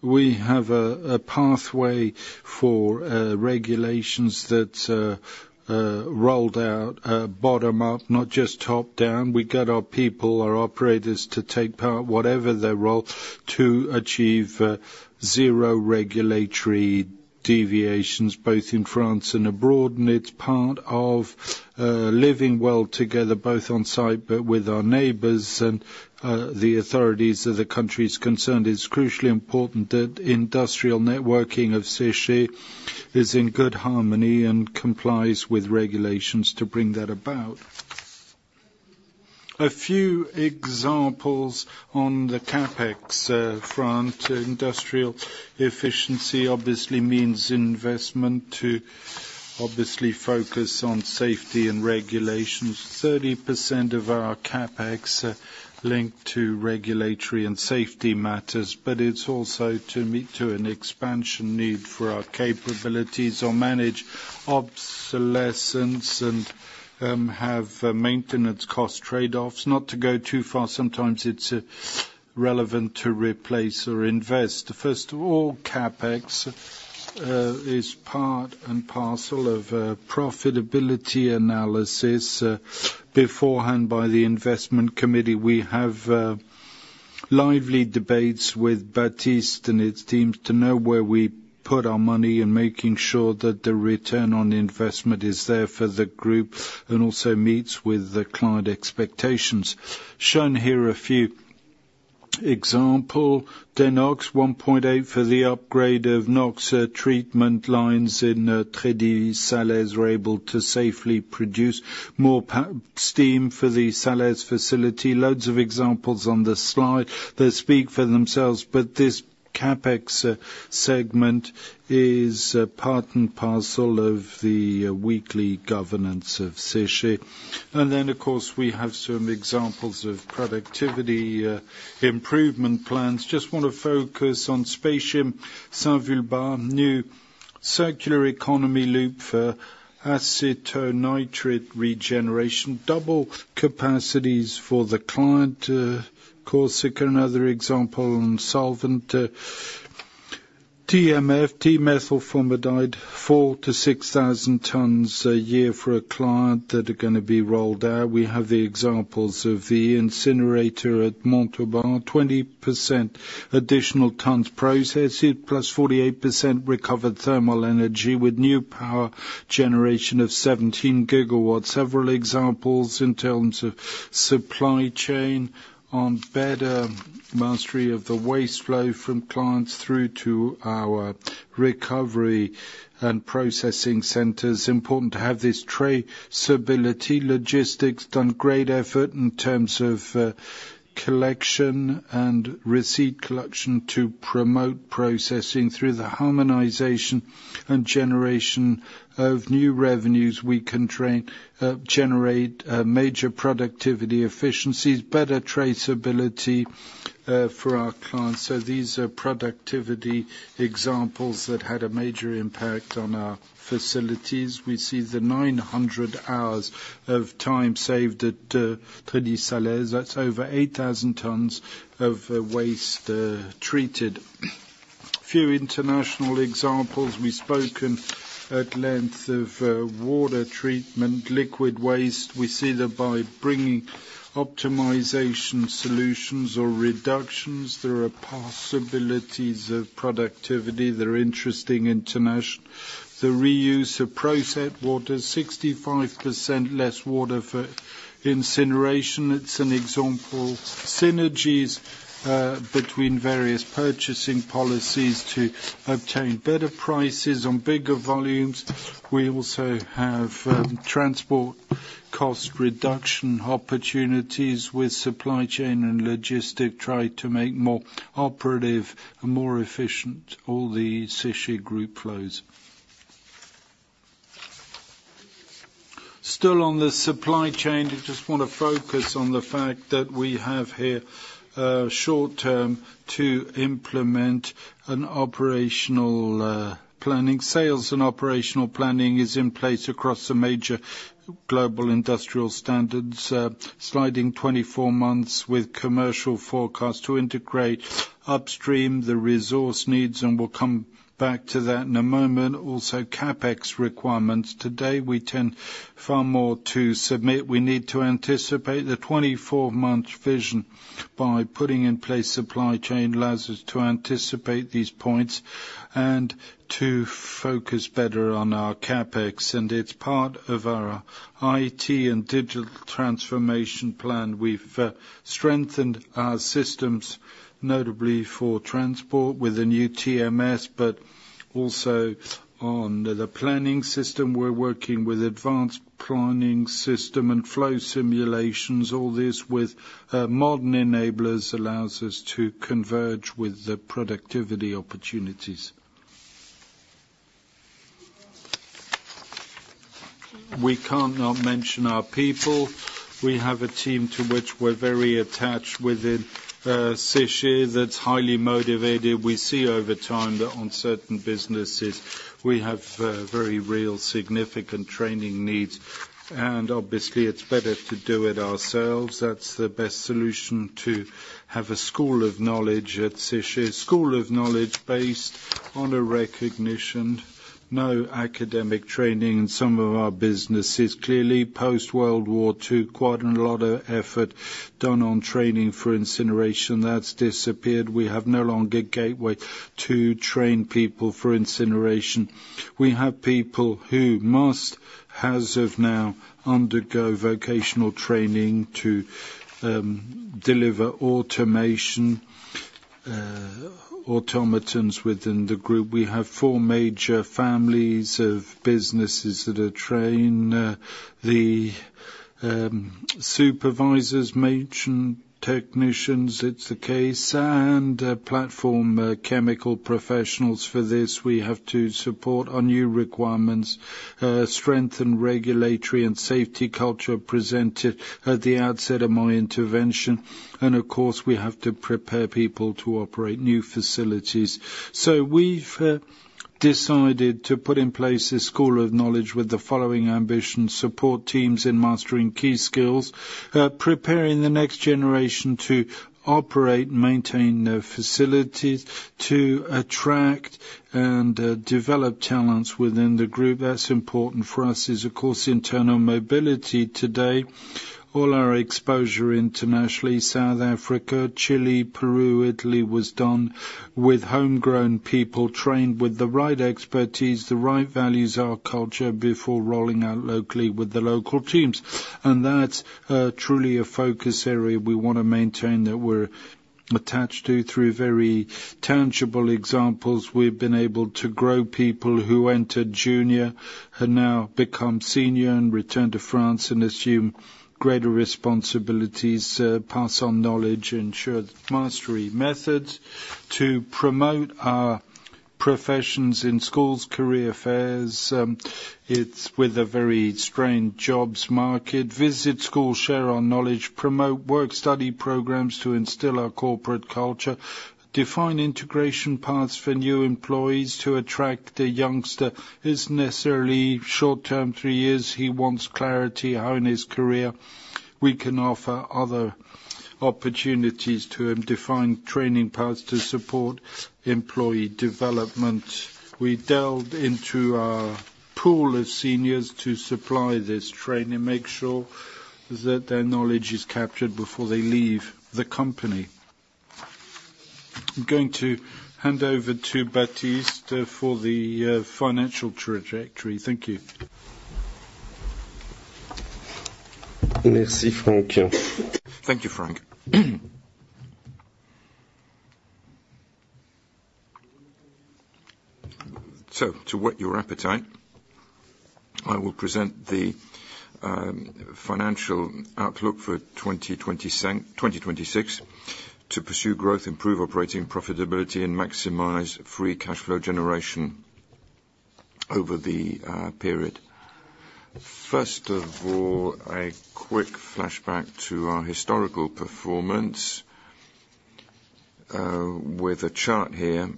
We have a pathway for regulations that rolled out bottom up, not just top down. We get our people, our operators to take part, whatever their role, to achieve zero regulatory deviations, both in France and abroad. And it's part of living well together, both on site, but with our neighbors and the authorities of the countries concerned. It's crucially important that industrial networking of Séché is in good harmony and complies with regulations to bring that about. A few examples on the CapEx front. Industrial efficiency obviously means investment to obviously focus on safety and regulations. 30% of our CapEx are linked to regulatory and safety matters, but it's also to meet an expansion need for our capabilities or manage obsolescence and have maintenance cost trade-offs. Not to go too far, sometimes it's relevant to replace or invest. First of all, CapEx is part and parcel of profitability analysis beforehand by the investment committee. We have lively debates with Baptiste and his teams to know where we put our money and making sure that the return on investment is there for the group, and also meets with the client expectations. Shown here a few examples. DeNOx, 1.8 for the upgrade of NOx treatment lines in Trédi Salaise are able to safely produce more steam for the Salaise facility. Loads of examples on the slide. They speak for themselves, but this CapEx segment is part and parcel of the weekly governance of Séché. And then, of course, we have some examples of productivity improvement plans. Just want to focus on Speichim, Saint-Vulbas, new circular economy loop for acetonitrile regeneration, double capacities for the client, Corsica. Another example on solvent, DMF, dimethylformamide, 4,000-6,000 tons a year for a client that are gonna be rolled out. We have the examples of the incinerator at Montauban, 20% additional tons processed, +48% recovered thermal energy with new power generation of 17 GW. Several examples in terms of supply chain on better mastery of the waste flow from clients through to our recovery and processing centers. Important to have this traceability, logistics, done great effort in terms of collection and receipt collection to promote processing. Through the harmonization and generation of new revenues, we can generate major productivity efficiencies, better traceability for our clients. So these are productivity examples that had a major impact on our facilities. We see the 900 hours of time saved at Trédi Salaise. That's over 8,000 tons of waste treated. A few international examples. We've spoken at length of water treatment, liquid waste. We see that by bringing optimization solutions or reductions, there are possibilities of productivity that are interesting international. The reuse of process water, 65% less water for incineration. It's an example. Synergies between various purchasing policies to obtain better prices on bigger volumes. We also have transport cost reduction opportunities with supply chain and logistic, try to make more operative and more efficient all the Séché Group flows. Still on the supply chain, I just want to focus on the fact that we have here, short term to implement an operational, planning. Sales and operational planning is in place across the major global industrial standards. Sliding 24 months with commercial forecast to integrate upstream, the resource needs, and we'll come back to that in a moment. Also, CapEx requirements. Today, we tend far more to submit. We need to anticipate the 24-month vision by putting in place supply chain allows us to anticipate these points and to focus better on our CapEx, and it's part of our IT and digital transformation plan. We've strengthened our systems, notably for transport, with a new TMS, but also on the planning system. We're working with advanced planning system and flow simulations. All this with modern enablers, allows us to converge with the productivity opportunities.... We can't not mention our people. We have a team to which we're very attached within Séché, that's highly motivated. We see over time that on certain businesses, we have very real significant training needs, and obviously, it's better to do it ourselves. That's the best solution, to have a school of knowledge at Séché. School of knowledge based on a recognition, no academic training in some of our businesses. Clearly, post-World War II, quite a lot of effort done on training for incineration. That's disappeared. We have no longer a gateway to train people for incineration. We have people who must, as of now, undergo vocational training to deliver automation automatons within the group. We have four major families of businesses that are trained, the supervisors, maintenance technicians, it's the case, and platform chemical professionals. For this, we have to support our new requirements, strengthen regulatory and safety culture presented at the outset of my intervention, and of course, we have to prepare people to operate new facilities. So we've decided to put in place a school of knowledge with the following ambition: support teams in mastering key skills, preparing the next generation to operate, maintain their facilities, to attract and, develop talents within the group. That's important for us, is, of course, internal mobility today. All our exposure internationally, South Africa, Chile, Peru, Italy, was done with homegrown people, trained with the right expertise, the right values, our culture, before rolling out locally with the local teams. And that's truly a focus area we want to maintain, that we're attached to. Through very tangible examples, we've been able to grow people who entered junior, have now become senior and returned to France and assume greater responsibilities, pass on knowledge, ensure mastery methods. To promote our professions in schools, career fairs, it's with a very strained jobs market. Visit schools, share our knowledge, promote work study programs to instill our corporate culture. Define integration paths for new employees. To attract a youngster is necessarily short term, three years. He wants clarity on his career. We can offer other opportunities to him, define training paths to support employee development. We delved into our pool of seniors to supply this training, make sure that their knowledge is captured before they leave the company. I'm going to hand over to Baptiste for the financial trajectory. Thank you. Merci, Franck. Thank you, Franck. So to whet your appetite, I will present the financial outlook for 2026, to pursue growth, improve operating profitability, and maximize free cash flow generation over the period. First of all, a quick flashback to our historical performance, with a chart here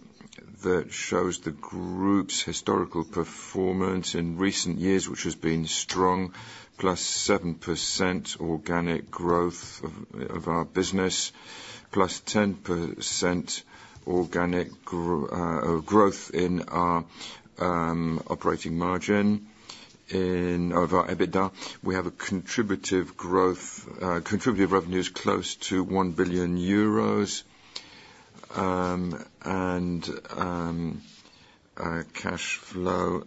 that shows the group's historical performance in recent years, which has been strong, +7% organic growth of our business, +10% organic growth in our operating margin. Over our EBITDA, we have a contributive growth, contributive revenues close to 1 billion euros, and cash flow,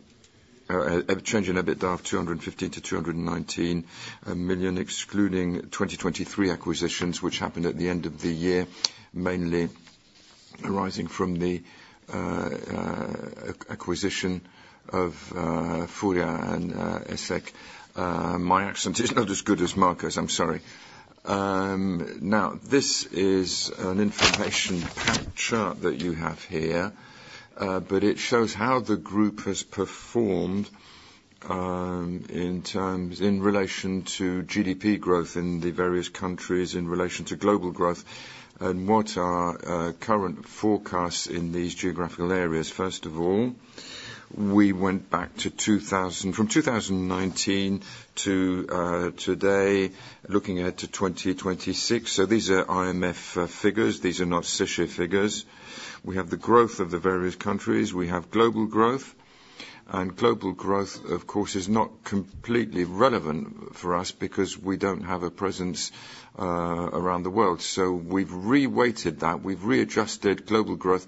a change in EBITDA of 215 million-219 million, excluding 2023 acquisitions, which happened at the end of the year, mainly arising from the acquisition of Furia and ESSAC. My accent is not as good as Marco's. I'm sorry. Now, this is an information-packed chart that you have here, but it shows how the group has performed, in terms-- in relation to GDP growth in the various countries, in relation to global growth, and what are current forecasts in these geographical areas. First of all, we went back to 2000-- from 2019 to today, looking ahead to 2026. So these are IMF figures. These are not Séché figures. We have the growth of the various countries, we have global growth, and global growth, of course, is not completely relevant for us because we don't have a presence around the world. So we've reweighted that. We've readjusted global growth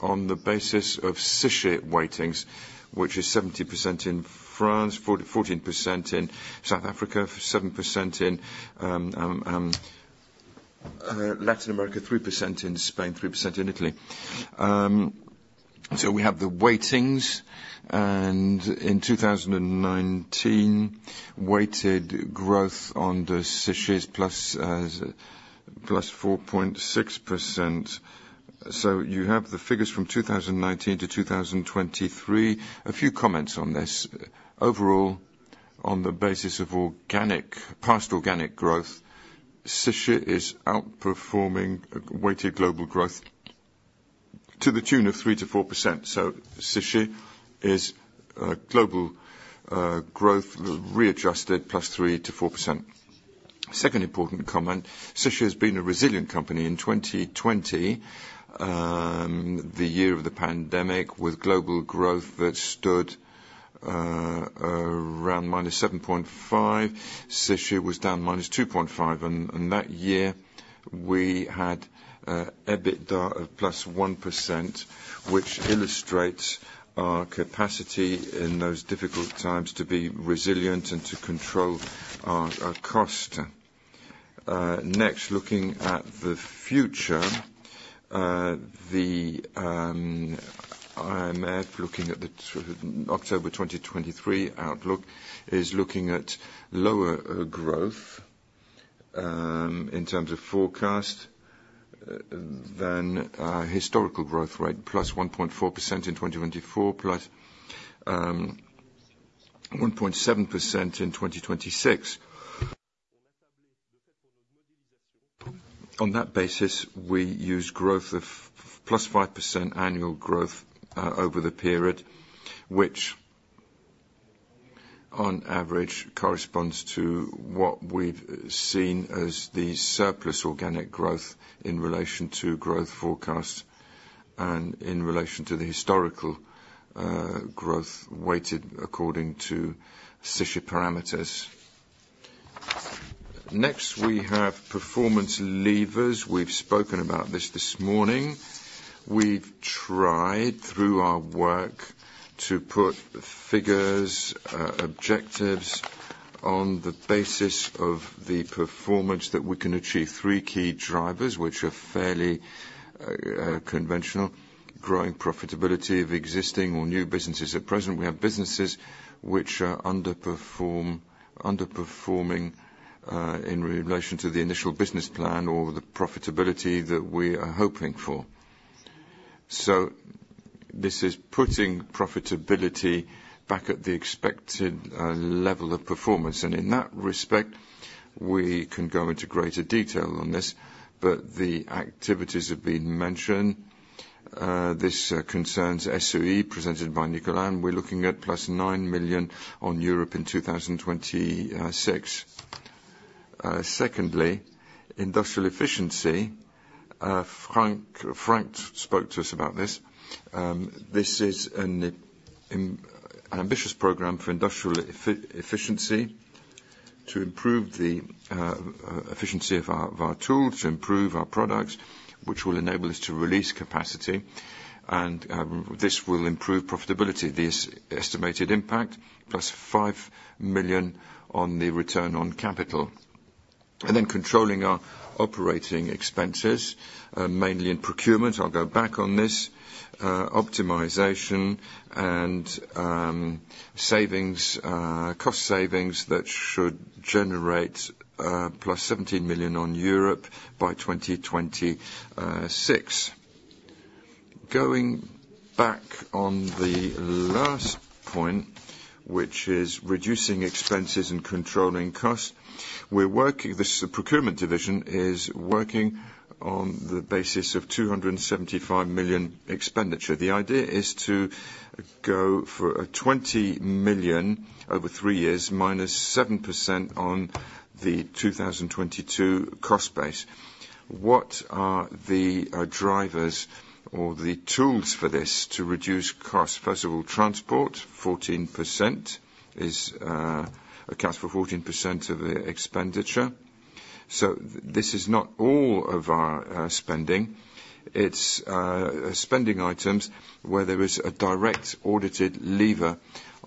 on the basis of Séché weightings, which is 70% in France, 14% in South Africa, 7% in Latin America, 3% in Spain, 3% in Italy. So we have the weightings, and in 2019, weighted growth on the Séché basis plus 4.6%. So you have the figures from 2019 to 2023. A few comments on this. Overall, on the basis of organic, past organic growth, Tereos is outperforming weighted global growth to the tune of 3%-4%. So Tereos is global growth readjusted +3% to +4%. Second important comment, Tereos has been a resilient company. In 2020, the year of the pandemic, with global growth that stood around -7.5, Tereos was down -2.5, and that year, we had EBITDA of +1%, which illustrates our capacity in those difficult times to be resilient and to control our cost. Next, looking at the future, the IMF, looking at the sort of October 2023 outlook, is looking at lower growth in terms of forecast than historical growth rate, +1.4% in 2024, +1.7% in 2026. On that basis, we use growth of +5% annual growth over the period, which on average corresponds to what we've seen as the surplus organic growth in relation to growth forecast and in relation to the historical growth, weighted according to Tereos parameters. Next, we have performance levers. We've spoken about this this morning. We've tried, through our work, to put figures objectives on the basis of the performance that we can achieve. Three key drivers, which are fairly conventional, growing profitability of existing or new businesses. At present, we have businesses which are underperforming in relation to the initial business plan or the profitability that we are hoping for. So this is putting profitability back at the expected level of performance, and in that respect, we can go into greater detail on this, but the activities have been mentioned. This concerns STEI, presented by Nicolas, and we're looking at +9 million on Europe in 2026. Secondly, industrial efficiency. Franck spoke to us about this. This is an ambitious program for industrial efficiency to improve the efficiency of our tools, to improve our products, which will enable us to release capacity, and this will improve profitability. This estimated impact, +5 million on the return on capital. And then controlling our operating expenses, mainly in procurement, I'll go back on this, optimization and, savings, cost savings that should generate +17 million in Europe by 2026. Going back on the last point, which is reducing expenses and controlling costs, we're working, this procurement division is working on the basis of 275 million expenditure. The idea is to go for 20 million over three years, -7% on the 2022 cost base. What are the drivers or the tools for this to reduce cost? First of all, transport, 14% is, accounts for 14% of the expenditure. So this is not all of our spending. It's spending items where there is a direct audited lever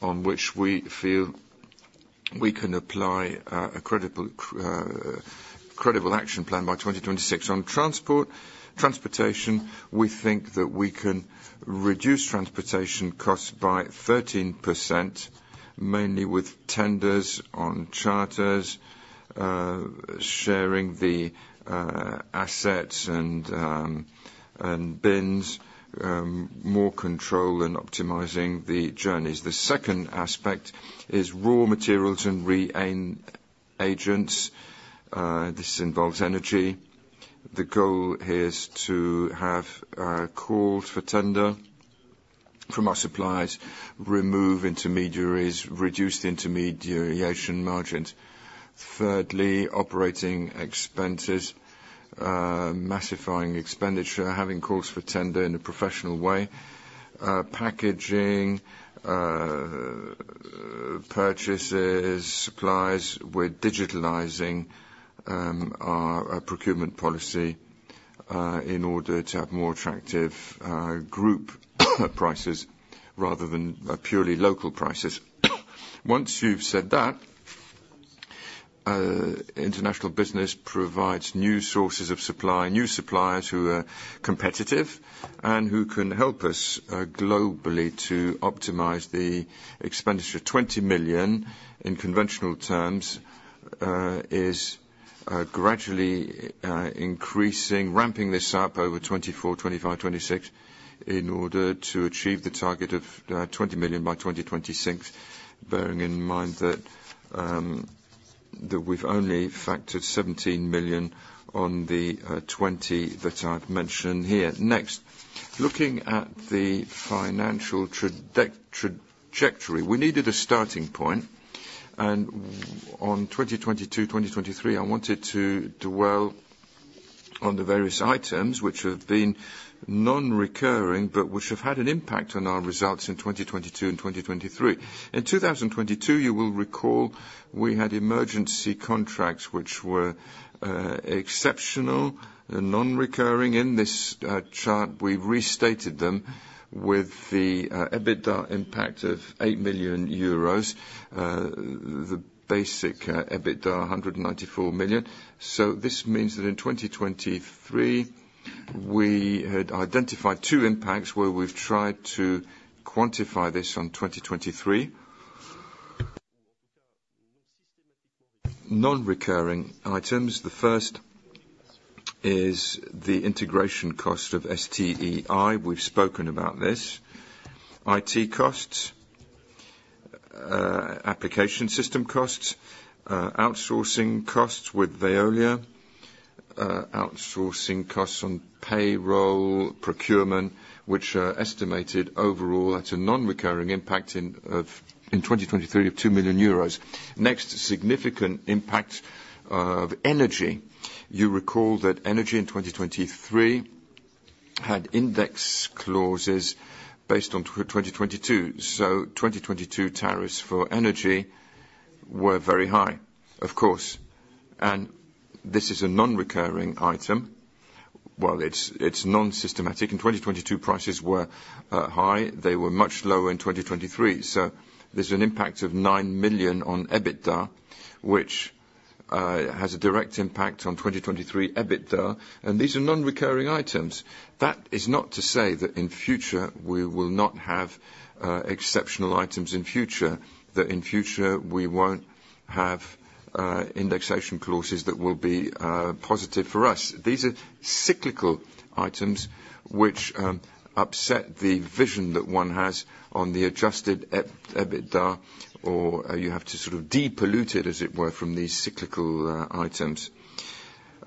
on which we feel we can apply a credible action plan by 2026. On transport, transportation, we think that we can reduce transportation costs by 13%, mainly with tenders on charters, sharing the assets and bins, more control in optimizing the journeys. The second aspect is raw materials and reagents. This involves energy. The goal is to have calls for tender from our suppliers, remove intermediaries, reduce intermediation margins. Thirdly, operating expenses, massifying expenditure, having calls for tender in a professional way, packaging, purchases, supplies. We're digitizing our procurement policy in order to have more attractive group prices rather than purely local prices. Once you've said that, international business provides new sources of supply, new suppliers who are competitive and who can help us, globally to optimize the expenditure. 20 million, in conventional terms, gradually increasing, ramping this up over 2024, 2025, 2026, in order to achieve the target of 20 million by 2026. Bearing in mind that we've only factored 17 million on the 20 that I've mentioned here. Next, looking at the financial trajectory, we needed a starting point, and on 2022, 2023, I wanted to dwell on the various items which have been non-recurring, but which have had an impact on our results in 2022 and 2023. In 2022, you will recall we had emergency contracts which were exceptional and non-recurring. In this chart, we restated them with the EBITDA impact of 8 million euros. The basic EBITDA, 194 million. So this means that in 2023, we had identified two impacts where we've tried to quantify this on 2023. Non-recurring items, the first is the integration cost of STEI. We've spoken about this. IT costs, application system costs, outsourcing costs with Veolia, outsourcing costs on payroll, procurement, which are estimated overall at a non-recurring impact in of in 2023, of 2 million euros. Next, significant impact of energy. You recall that energy in 2023 had index clauses based on 2022. So 2022 tariffs for energy were very high, of course. And this is a non-recurring item. Well, it's, it's non-systematic. In 2022, prices were high. They were much lower in 2023. So there's an impact of 9 million on EBITDA, which has a direct impact on 2023 EBITDA, and these are non-recurring items. That is not to say that in future we will not have exceptional items in future. That in future we won't have indexation clauses that will be positive for us. These are cyclical items which upset the vision that one has on the adjusted EBITDA, or you have to sort of depollute it, as it were, from these cyclical items.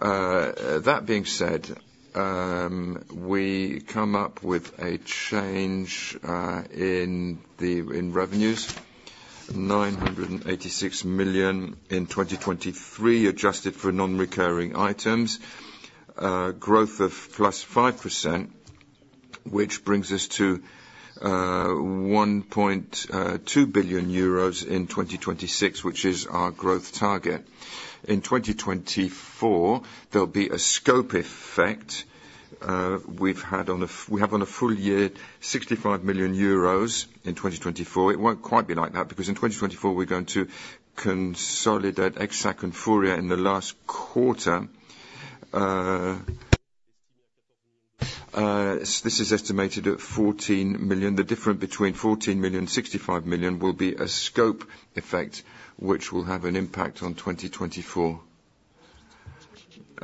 That being said, we come up with a change in revenues, 986 million in 2023, adjusted for non-recurring items. Growth of +5%, which brings us to 1.2 billion euros in 2026, which is our growth target. In 2024, there'll be a scope effect. We've had on a full year, we have on a full year, 65 million euros in 2024. It won't quite be like that, because in 2024, we're going to consolidate ESSAC and Furia in the last quarter. This is estimated at 14 million. The difference between 14 million, 65 million will be a scope effect, which will have an impact on 2024.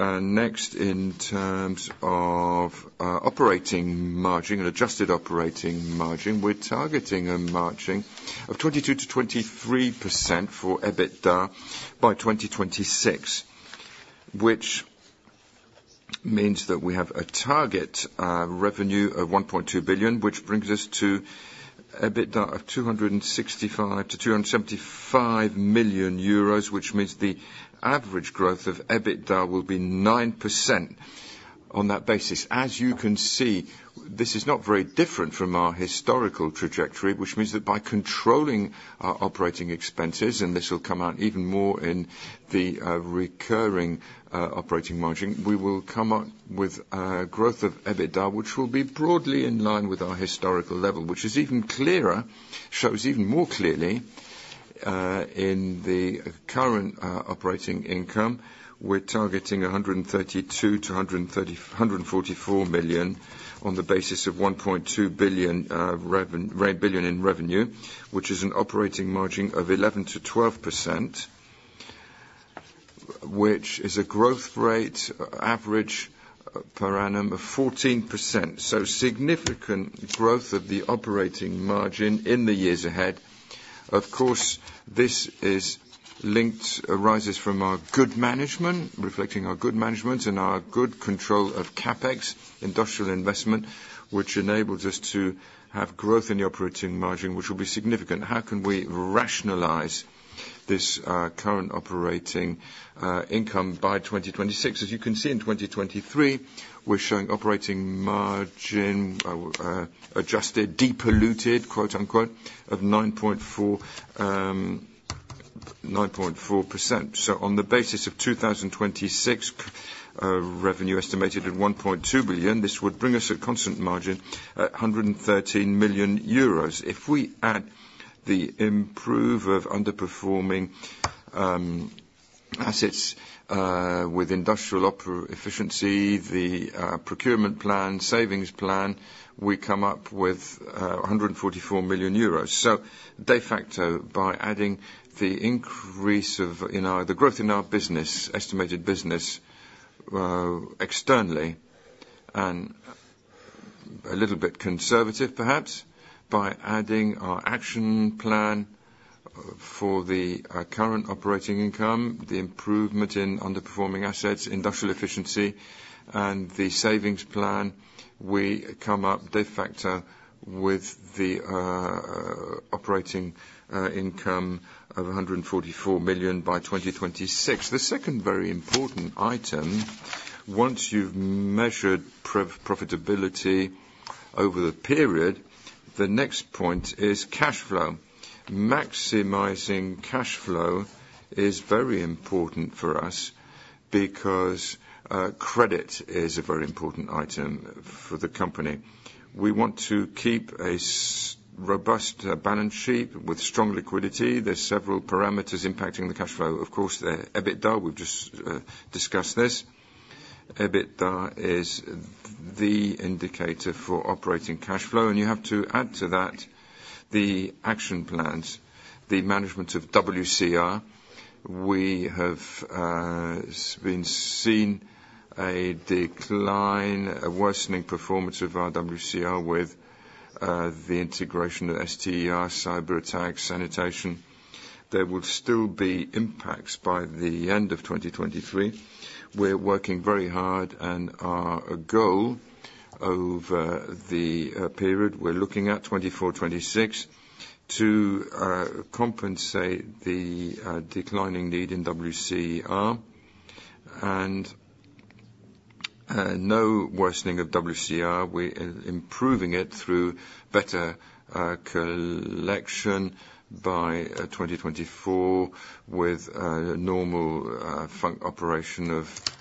And next, in terms of, operating margin and adjusted operating margin, we're targeting a margin of 22%-23% for EBITDA by 2026, which means that we have a target, revenue of 1.2 billion, which brings us to EBITDA of 265 million-275 million euros, which means the average growth of EBITDA will be 9% on that basis. As you can see, this is not very different from our historical trajectory, which means that by controlling our operating expenses, and this will come out even more in the recurring operating margin, we will come up with a growth of EBITDA, which will be broadly in line with our historical level. Which is even clearer, shows even more clearly in the current operating income, we're targeting 132 million-144 million on the basis of 1.2 billion in revenue, which is an operating margin of 11%-12%, which is a growth rate average per annum of 14%. So significant growth of the operating margin in the years ahead. Of course, this is linked, arises from our good management, reflecting our good management and our good control of CapEx, industrial investment, which enables us to have growth in the operating margin, which will be significant. How can we rationalize this current operating income by 2026? As you can see, in 2023, we're showing operating margin adjusted, depolluted, quote, unquote, of 9.4%. So on the basis of 2026 revenue estimated at 1.2 billion, this would bring us a constant margin at 113 million euros. If we add the improvement of underperforming assets with industrial efficiency, the procurement plan, savings plan, we come up with 144 million euros. So de facto, by adding the increase of in our the growth in our business, estimated business, externally, and a little bit conservative perhaps, by adding our action plan for the current operating income, the improvement in underperforming assets, industrial efficiency, and the savings plan, we come up de facto with the operating income of 144 million by 2026. The second very important item, once you've measured pro-profitability over the period, the next point is cash flow. Maximizing cash flow is very important for us, because credit is a very important item for the company. We want to keep a robust balance sheet with strong liquidity. There's several parameters impacting the cash flow. Of course, the EBITDA, we've just discussed this. EBITDA is the indicator for operating cash flow, and you have to add to that the action plans, the management of WCR. We have been seeing a decline, a worsening performance of our WCR with the integration of STTR, cyberattack, sanitation. There will still be impacts by the end of 2023. We're working very hard, and our goal over the period, we're looking at 2024-2026, to compensate the declining need in WCR. And no worsening of WCR. We're improving it through better collection by 2024, with a normal full operation of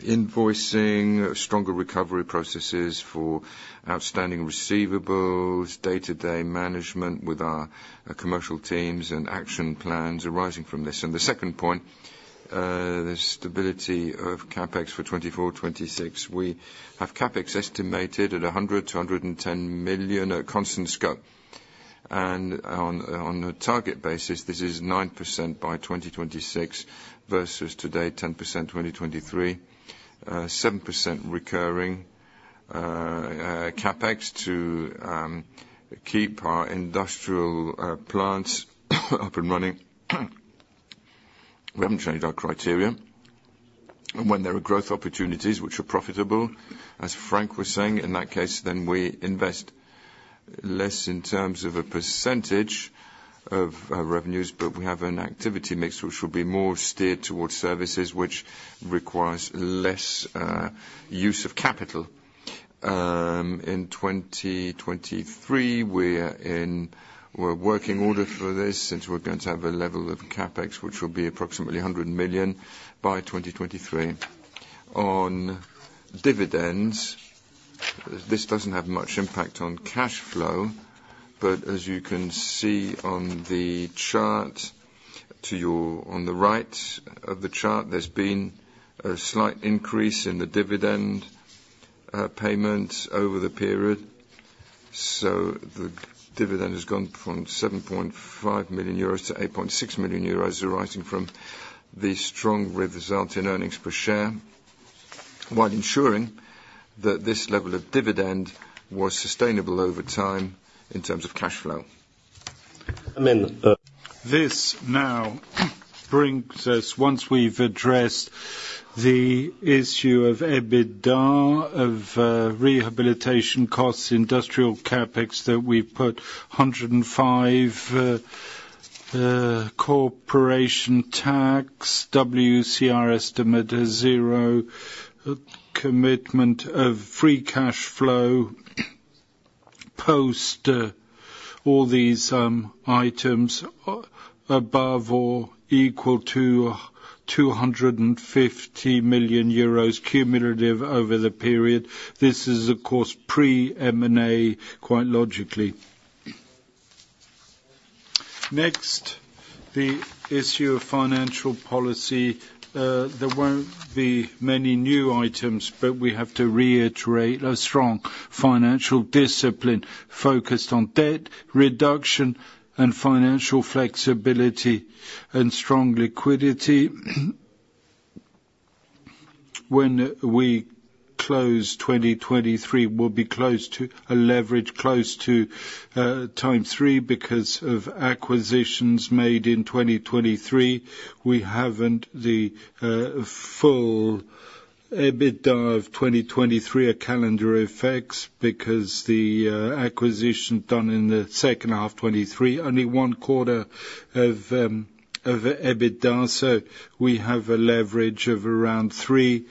invoicing, stronger recovery processes for outstanding receivables, day-to-day management with our commercial teams, and action plans arising from this. And the second point, the stability of CapEx for 2024-2026. We have CapEx estimated at 100-110 million at constant scope, and on a target basis, this is 9% by 2026 versus today, 10%, 2023. Seven percent recurring. CapEx to keep our industrial plants up and running. We haven't changed our criteria. And when there are growth opportunities which are profitable, as Franck was saying, in that case, then we invest less in terms of a percentage of revenues. But we have an activity mix which will be more steered towards services, which requires less use of capital. In 2023, we are in working order for this since we're going to have a level of CapEx, which will be approximately 100 million by 2023. On dividends, this doesn't have much impact on cash flow, but as you can see on the chart, to your—on the right of the chart, there's been a slight increase in the dividend payments over the period. So the dividend has gone from 7.5 million-8.6 million euros, arising from the strong result in earnings per share, while ensuring that this level of dividend was sustainable over time in terms of cash flow. This now brings us, once we've addressed the issue of EBITDA, of rehabilitation costs, industrial CapEx that we put 105, corporation tax, WCR estimate is zero, commitment of free cash flow post all these items above or equal to 250 million euros cumulative over the period. This is, of course, pre-M&A, quite logically. Next, the issue of financial policy. There won't be many new items, but we have to reiterate a strong financial discipline focused on debt reduction and financial flexibility and strong liquidity. When we close 2023, we'll be close to a leverage close to 3x because of acquisitions made in 2023. We haven't the full EBITDA of 2023, a calendar effects, because the acquisition done in the second half 2023, only one quarter of EBITDA. So we have a leverage of around 3,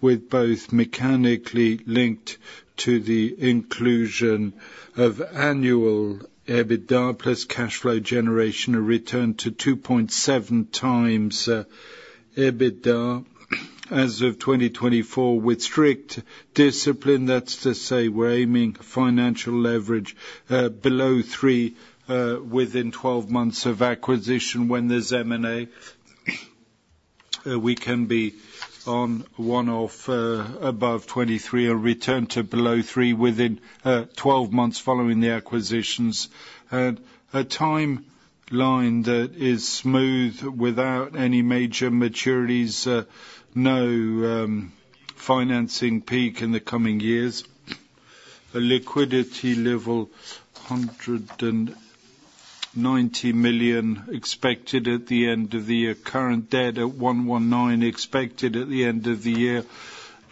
with both mechanically linked to the inclusion of annual EBITDA plus cash flow generation, a return to 2.7 times EBITDA as of 2024, with strict discipline. That's to say, we're aiming financial leverage below three within 12 months of acquisition when there's M&A. We can be on one of above 2.3, a return to below three within 12 months following the acquisitions. And a timeline that is smooth without any major maturities, no financing peak in the coming years. A liquidity level of 190 million expected at the end of the year. Current debt at 119 million expected at the end of the year.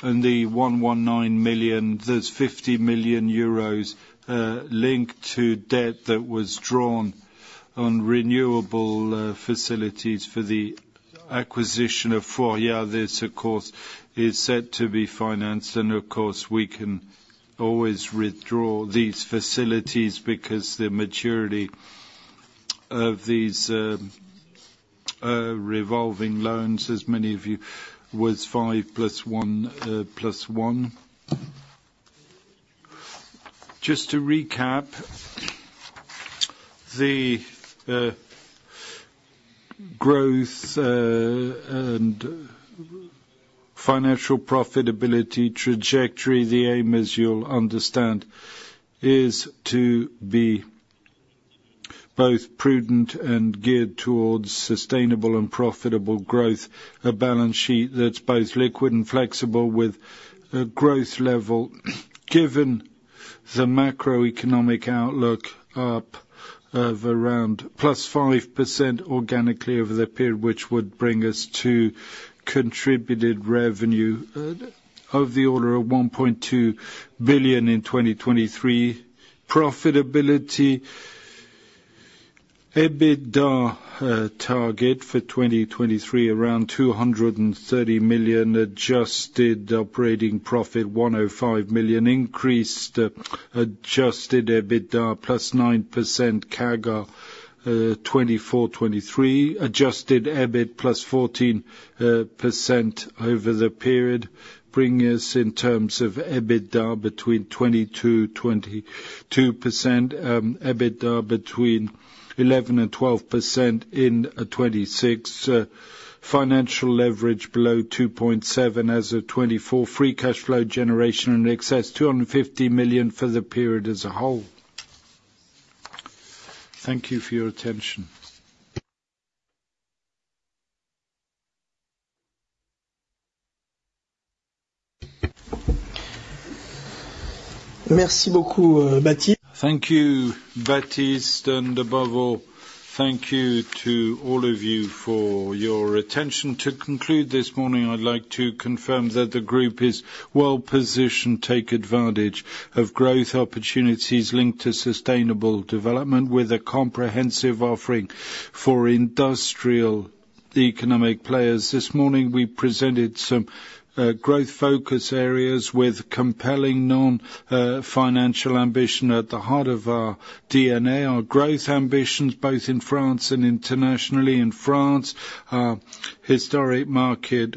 The 119 million, there's 50 million euros linked to debt that was drawn on revolving facilities for the acquisition of Furia. This, of course, is set to be financed, and of course, we can always withdraw these facilities because the maturity of these, revolving loans, as many of you, was five plus one, plus one. Just to recap, the growth and financial profitability trajectory, the aim, as you'll understand, is to be both prudent and geared towards sustainable and profitable growth. A balance sheet that's both liquid and flexible, with a growth level, given the macroeconomic outlook, up of around +5% organically over the period, which would bring us to contributed revenue of the order of 1.2 billion in 2023. Profitability, EBITDA target for 2023, around 230 million. Adjusted operating profit, 105 million. Increased adjusted EBITDA, +9% CAGR, 2024-2023. Adjusted EBIT +14% over the period, bring us in terms of EBITDA between 20%-22%. EBITDA between 11%-12% in 2026. Financial leverage below 2.7 as of 2024. Free cash flow generation in excess, 250 million for the period as a whole. Thank you for your attention. Merci beaucoup, Baptiste. Thank you, Baptiste, and above all, thank you to all of you for your attention. To conclude this morning, I'd like to confirm that the group is well positioned to take advantage of growth opportunities linked to sustainable development with a comprehensive offering for industrial, the economic players. This morning, we presented some growth focus areas with compelling non-financial ambition. At the heart of our DNA, our growth ambitions, both in France and internationally. In France, our historic market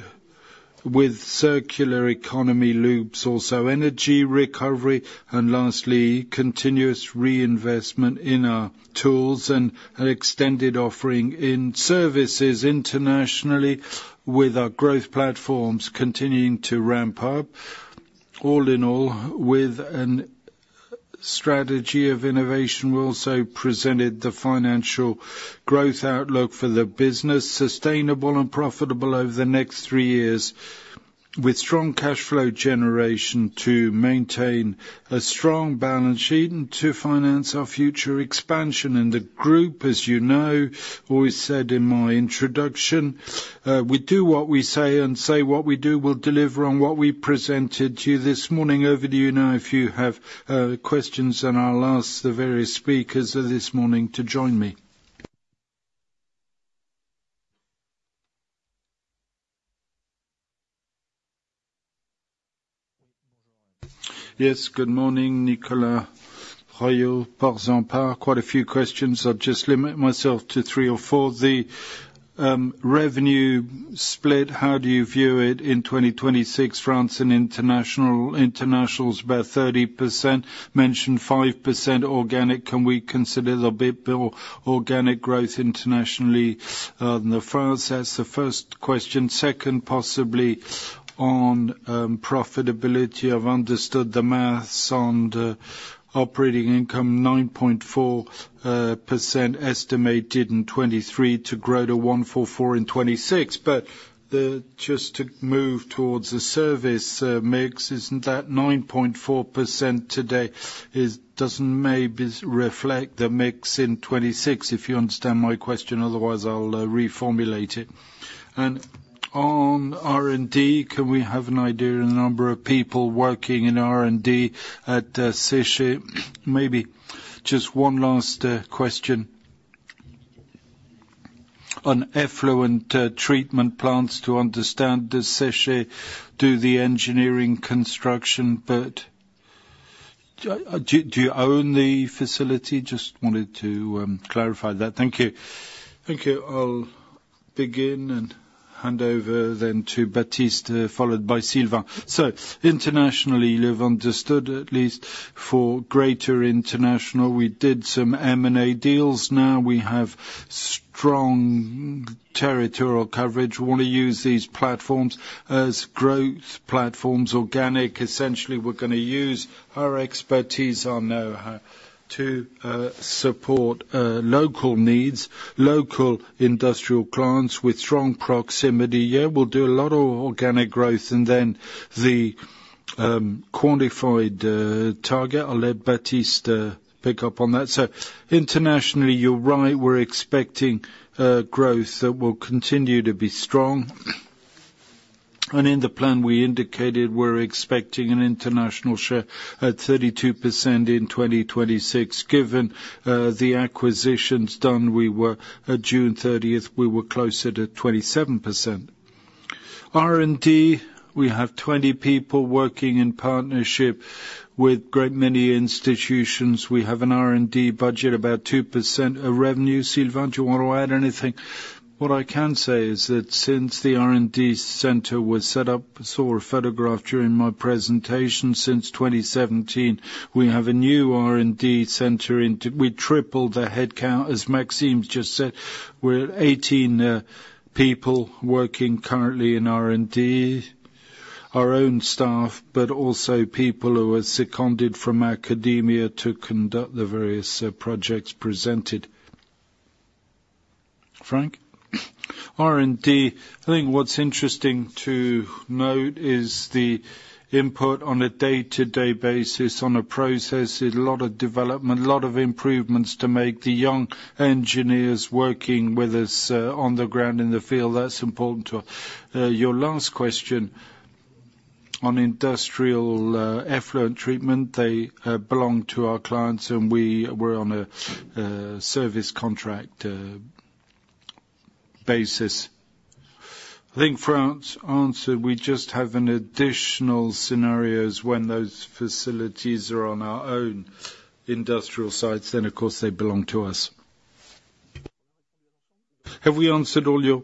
with circular economy loops, also energy recovery, and lastly, continuous reinvestment in our tools and an extended offering in services internationally, with our growth platforms continuing to ramp up. All in all, with a strategy of innovation, we also presented the financial growth outlook for the business, sustainable and profitable over the next three years, with strong cash flow generation to maintain a strong balance sheet and to finance our future expansion. And the group, as you know, always said in my introduction, we do what we say and say what we do. We'll deliver on what we presented to you this morning. Over to you now, if you have questions, and I'll ask the various speakers of this morning to join me. Yes, good morning, Nicolas Royot, Portzamparc. Quite a few questions. I'll just limit myself to three or four. The revenue split, how do you view it in 2026, France and international? International is about 30%, mentioned 5% organic. Can we consider there'll be more organic growth internationally than the France? That's the first question. Second, possibly on profitability. I've understood the math on the operating income, 9.4% estimated in 2023 to grow to 14.4 in 2026. But just to move towards the service mix, isn't that 9.4% today-- doesn't maybe reflect the mix in 2026? If you understand my question, otherwise I'll reformulate it. On R&D, can we have an idea of the number of people working in R&D at Séché? Maybe just one last question. On effluent treatment plants, to understand, does Séché do the engineering construction, but do you own the facility? Just wanted to clarify that. Thank you. Thank you. I'll begin and hand over then to Baptiste, followed by Sylvain. Internationally, you've understood, at least for greater international, we did some M&A deals. Now we have strong territorial coverage. We want to use these platforms as growth platforms, organic. Essentially, we're going to use our expertise on know-how to support local needs, local industrial clients with strong proximity. Yeah, we'll do a lot of organic growth, and then the quantified target, I'll let Baptiste pick up on that. So internationally, you're right, we're expecting growth that will continue to be strong. And in the plan, we indicated we're expecting an international share at 32% in 2026. Given the acquisitions done, we were at June 30th, we were closer to 27%. R&D, we have 20 people working in partnership with great many institutions. We have an R&D budget, about 2% of revenue. Sylvain, do you want to add anything? What I can say is that since the R&D center was set up, saw a photograph during my presentation, since 2017, we have a new R&D center in- we tripled the headcount, as Maxime just said. We're 18 people working currently in R&D, our own staff, but also people who are seconded from academia to conduct the various projects presented. Franck? R&D, I think what's interesting to note is the input on a day-to-day basis, on a process, a lot of development, a lot of improvements to make. The young engineers working with us, on the ground, in the field, that's important to us. Your last question on industrial, effluent treatment, they belong to our clients, and we were on a, service contract, basis. I think Franck answered, we just have an additional scenarios when those facilities are on our own industrial sites, then of course they belong to us. Have we answered all your...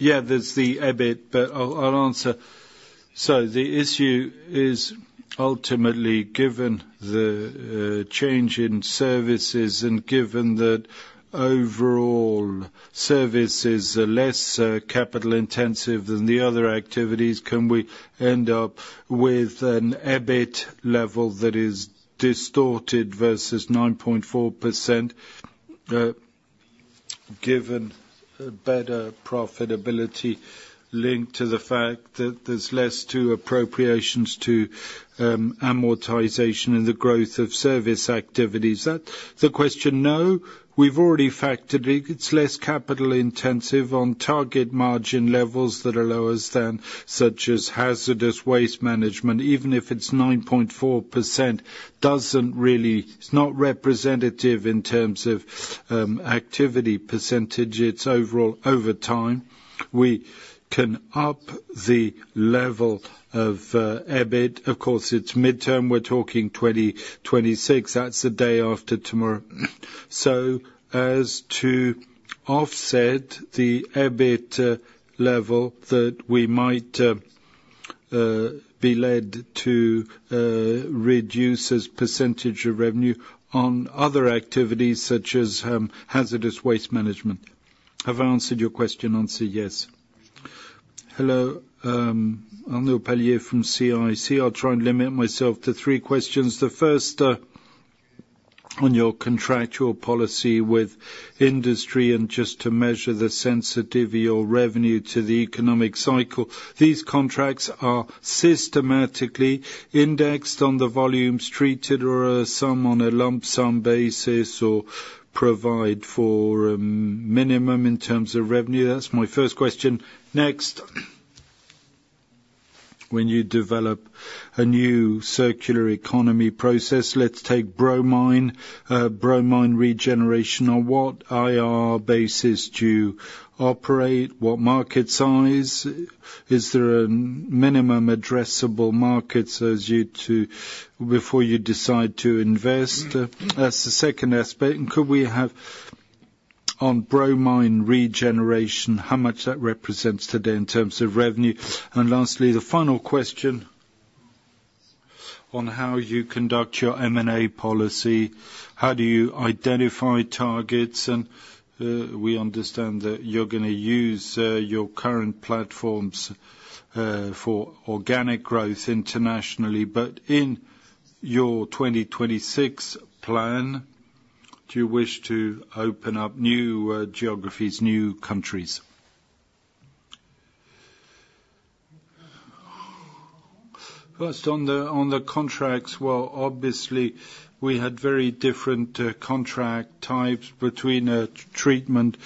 Yeah, there's the EBIT, but I'll, I'll answer. So the issue is ultimately, given the change in services and given that overall services are less capital intensive than the other activities, can we end up with an EBIT level that is distorted versus 9.4%, given a better profitability linked to the fact that there's less to appropriations to amortization and the growth of service activities? Is that the question? No, we've already factored it. It's less capital intensive on target margin levels that are lower than, such as hazardous waste management, even if it's 9.4%, doesn't really. It's not representative in terms of activity percentage, it's overall over time. We can up the level of EBIT. Of course, it's midterm. We're talking 2026. That's the day after tomorrow. So as to offset the EBIT level that we might be led to reduce as percentage of revenue on other activities such as hazardous waste management. Have I answered your question? Answer yes. Hello, Arnaud Palliez from CIC. I'll try and limit myself to three questions. The first on your contractual policy with industry, and just to measure the sensitivity of revenue to the economic cycle. These contracts are systematically indexed on the volumes treated or some on a lump sum basis, or provide for minimum in terms of revenue? That's my first question. Next, when you develop a new circular economy process, let's take bromine, bromine regeneration. On what IRR basis do you operate? What market size? Is there a minimum addressable markets as you before you decide to invest? That's the second aspect. Could we have on bromine regeneration, how much that represents today in terms of revenue? And lastly, the final question on how you conduct your M&A policy. How do you identify targets? And, we understand that you're going to use your current platforms for organic growth internationally, but in your 2026 plan, do you wish to open up new geographies, new countries? First, on the contracts, well, obviously, we had very different contract types between a treatment,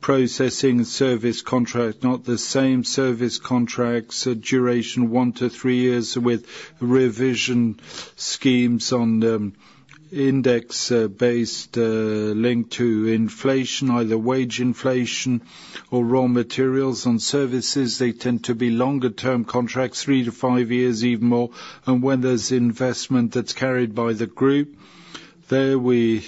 processing, service contract, not the same service contracts, so duration one-three years, with revision schemes on the index based, linked to inflation, either wage inflation or raw materials. On services, they tend to be longer-term contracts, three-five years, even more, and when there's investment that's carried by the group, there we-...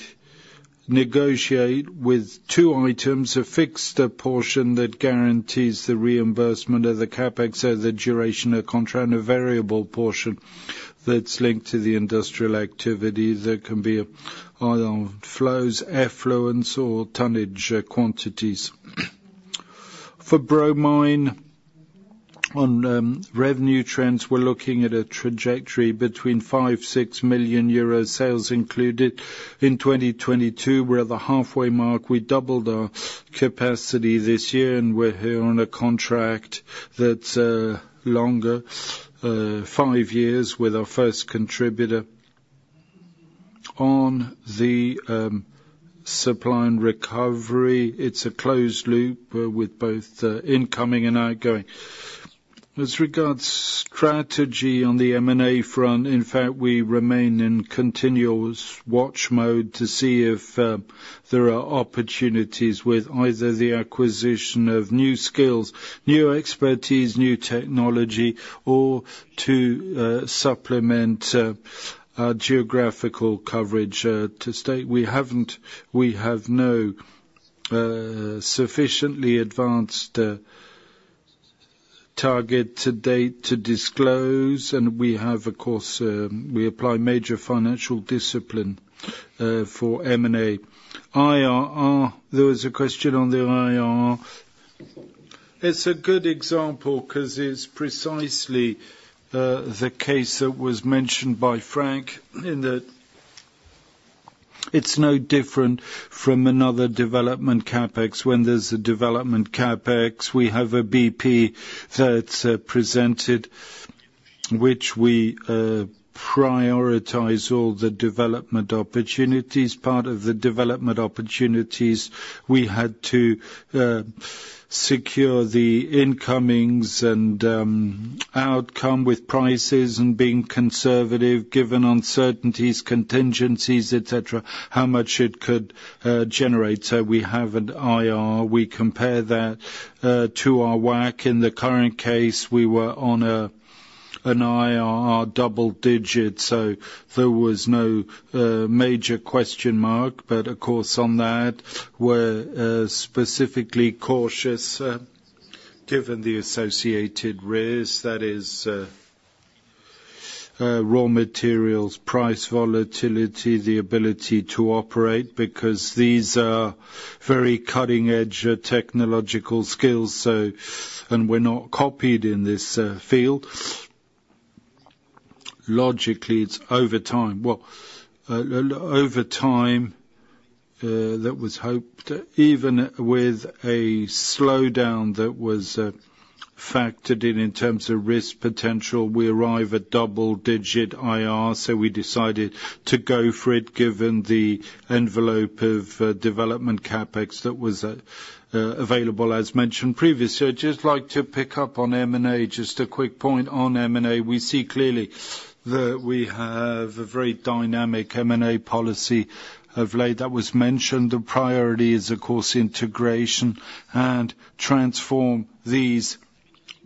Negotiate with two items, a fixed portion that guarantees the reimbursement of the CapEx over the duration of contract, and a variable portion that's linked to the industrial activity that can be on flows, effluents, or tonnage quantities. For bromine, on revenue trends, we're looking at a trajectory between 5 million-6 million euro, sales included. In 2022, we're at the halfway mark. We doubled our capacity this year, and we're on a contract that's longer, five years with our first contributor. On the supply and recovery, it's a closed loop with both incoming and outgoing. As regards strategy on the M&A front, in fact, we remain in continuous watch mode to see if there are opportunities with either the acquisition of new skills, new expertise, new technology, or to supplement our geographical coverage. To state, we have no sufficiently advanced target to date to disclose, and we have, of course, we apply major financial discipline for M&A. IRR, there was a question on the IRR. It's a good example because it's precisely the case that was mentioned by Franck, in that it's no different from another development CapEx. When there's a development CapEx, we have a BP that's presented, which we prioritize all the development opportunities. Part of the development opportunities, we had to secure the incomings and outcome with prices and being conservative, given uncertainties, contingencies, et cetera, how much it could generate. So we have an IRR. We compare that to our WACC. In the current case, we were on an IRR double digits, so there was no major question mark. But of course, on that, we're specifically cautious, given the associated risks. That is, raw materials, price volatility, the ability to operate, because these are very cutting-edge technological skills, so... And we're not copied in this field. Logically, it's over time. Well, over time, that was hoped, even with a slowdown that was factored in, in terms of risk potential, we arrive at double-digit IRR, so we decided to go for it, given the envelope of development CapEx that was available, as mentioned previously. I'd just like to pick up on M&A. Just a quick point on M&A. We see clearly that we have a very dynamic M&A policy of late. That was mentioned. The priority is, of course, integration and transform these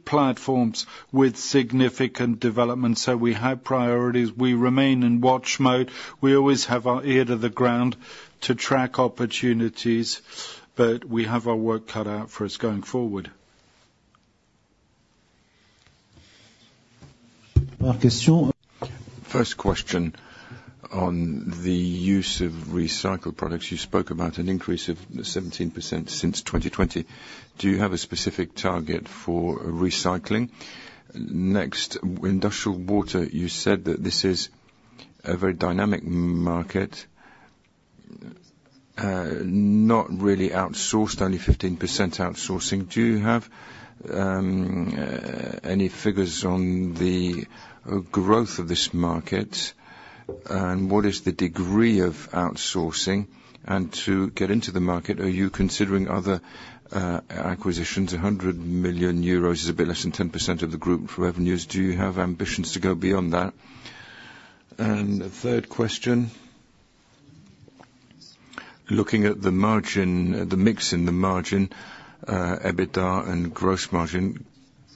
platforms with significant development. So we have priorities. We remain in watch mode. We always have our ear to the ground to track opportunities, but we have our work cut out for us going forward. First question, on the use of recycled products, you spoke about an increase of 17% since 2020. Do you have a specific target for recycling? Next, industrial water, you said that this is a very dynamic market, not really outsourced, only 15% outsourcing. Do you have any figures on the growth of this market, and what is the degree of outsourcing? And to get into the market, are you considering other acquisitions? 100 million euros is a bit less than 10% of the group for revenues. Do you have ambitions to go beyond that? And the third question: looking at the margin, the mix in the margin, EBITDA and gross margin,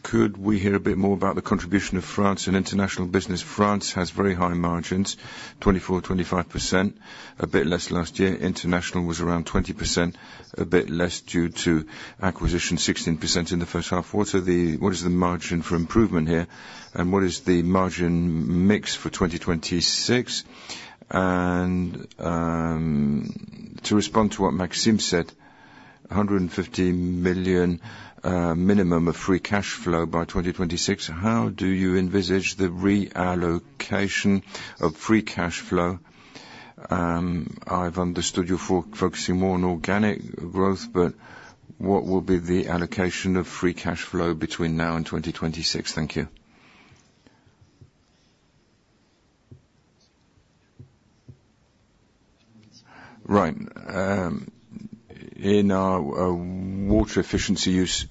could we hear a bit more about the contribution of France and international business? France has very high margins, 24%-25%, a bit less last year. International was around 20%, a bit less due to acquisition, 16% in the first half. What is the margin for improvement here, and what is the margin mix for 2026? And, to respond to what Maxime said, 150 million minimum of free cash flow by 2026, how do you envisage the reallocation of free cash flow? I've understood you for focusing more on organic growth, but what will be the allocation of free cash flow between now and 2026? Thank you. Right. In our water efficiency use,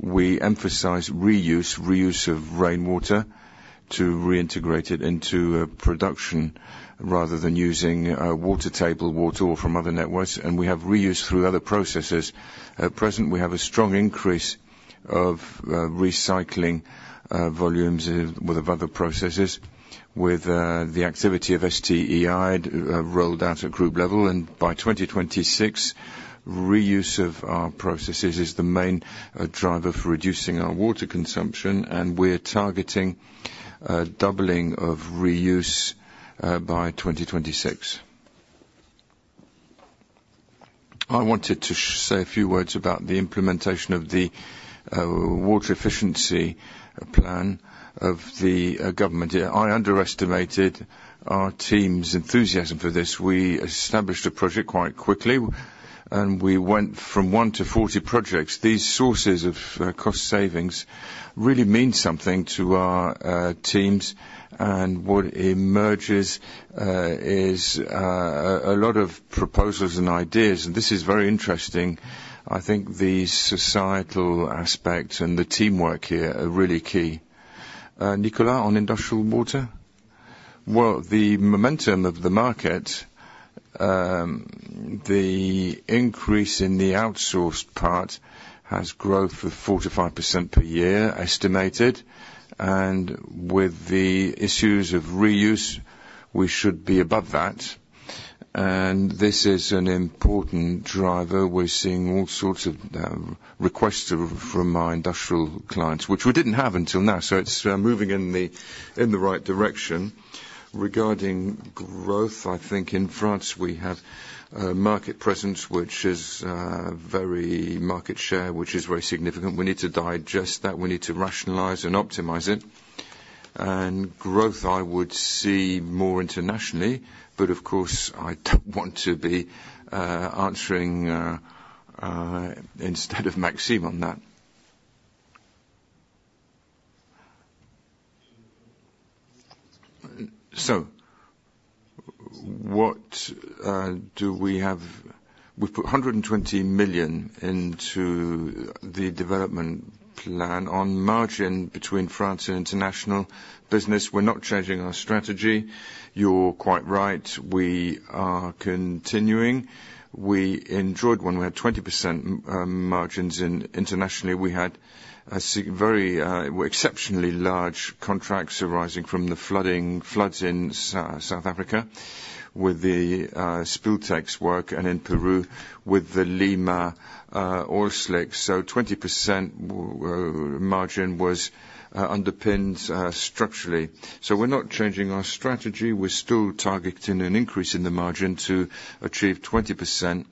we emphasize reuse, reuse of rainwater to reintegrate it into production rather than using water table water from other networks, and we have reuse through other processes. At present, we have a strong increase of recycling volumes with other processes, with the activity of STEI rolled out at group level, and by 2026, reuse of our processes is the main driver for reducing our water consumption, and we're targeting doubling of reuse by 2026. I wanted to say a few words about the implementation of the water efficiency plan of the government. Yeah, I underestimated our team's enthusiasm for this. We established a project quite quickly, and we went from 1-40 projects. These sources of cost savings really mean something to our teams, and what emerges is a lot of proposals and ideas, and this is very interesting. I think the societal aspect and the teamwork here are really key. Nicolas, on industrial water? Well, the momentum of the market, the increase in the outsourced part has growth of 45% per year estimated, and with the issues of reuse, we should be above that. And this is an important driver. We're seeing all sorts of requests from our industrial clients, which we didn't have until now, so it's moving in the right direction. Regarding growth, I think in France, we have market presence, which is very market share, which is very significant. We need to digest that. We need to rationalize and optimize it. Growth, I would see more internationally, but of course, I don't want to be answering instead of Maxime on that. So what do we have? We've put 120 million into the development plan. On margin between France and international business, we're not changing our strategy. You're quite right, we are continuing. We enjoyed when we had 20% margins, and internationally, we had a very exceptionally large contracts arising from the floods in South Africa with the Spill Tech work, and in Peru with the Lima oil slick. So 20% margin was underpinned structurally. So we're not changing our strategy. We're still targeting an increase in the margin to achieve 20%.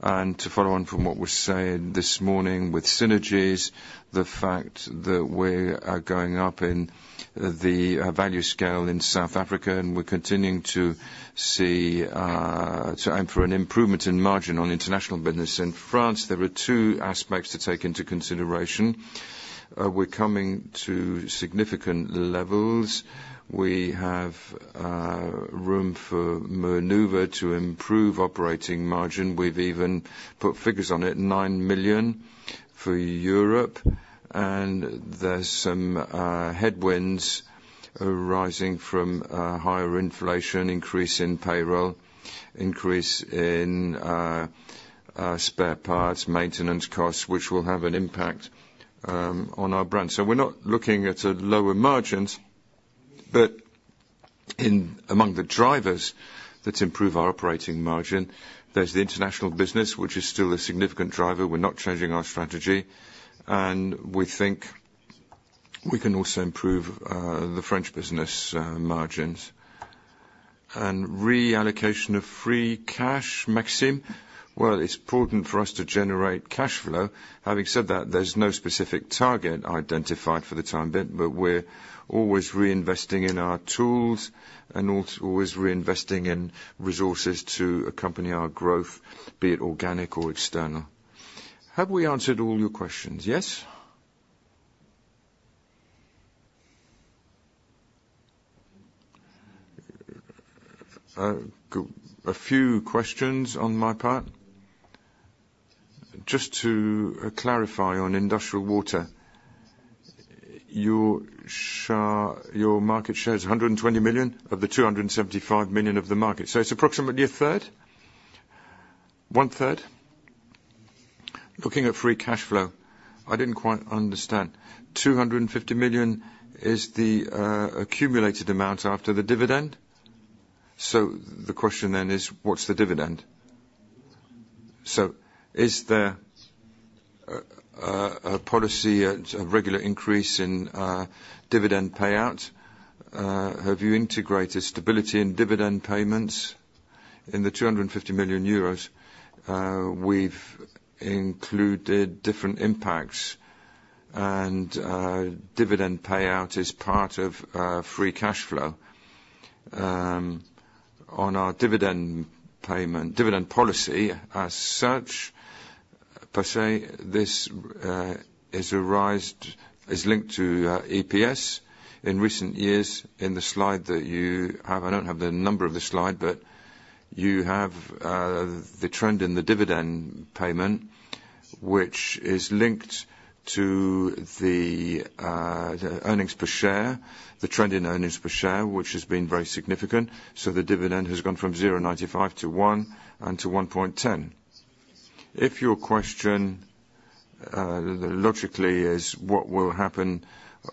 And to follow on from what we're saying this morning with synergies, the fact that we are going up in the value scale in South Africa, and we're continuing to see to aim for an improvement in margin on international business. In France, there are two aspects to take into consideration. We're coming to significant levels. We have room for maneuver to improve operating margin. We've even put figures on it, 9 million for Europe, and there's some headwinds arising from higher inflation, increase in payroll, increase in spare parts, maintenance costs, which will have an impact on our brand. So we're not looking at a lower margins, but in, among the drivers that improve our operating margin, there's the international business, which is still a significant driver. We're not changing our strategy, and we think we can also improve the French business margins. And reallocation of free cash, Maxime? Well, it's important for us to generate cash flow. Having said that, there's no specific target identified for the time being, but we're always reinvesting in our tools and also always reinvesting in resources to accompany our growth, be it organic or external. Have we answered all your questions, yes? A few questions on my part. Just to clarify on industrial water, your market share is 120 million of the 275 million of the market, so it's approximately a third? 1/3. Looking at free cash flow, I didn't quite understand, 250 million is the accumulated amount after the dividend? So the question then is, what's the dividend? So is there a policy, a regular increase in dividend payout? Have you integrated stability in dividend payments? In the 250 million euros, we've included different impacts, and dividend payout is part of free cash flow. On our dividend payment, dividend policy as such, per se, this arises, is linked to EPS. In recent years, in the slide that you have, I don't have the number of the slide, but—you have the trend in the dividend payment, which is linked to the earnings per share, the trend in earnings per share, which has been very significant, so the dividend has gone from 0.95 to 1 and to 1.10. If your question logically is what will happen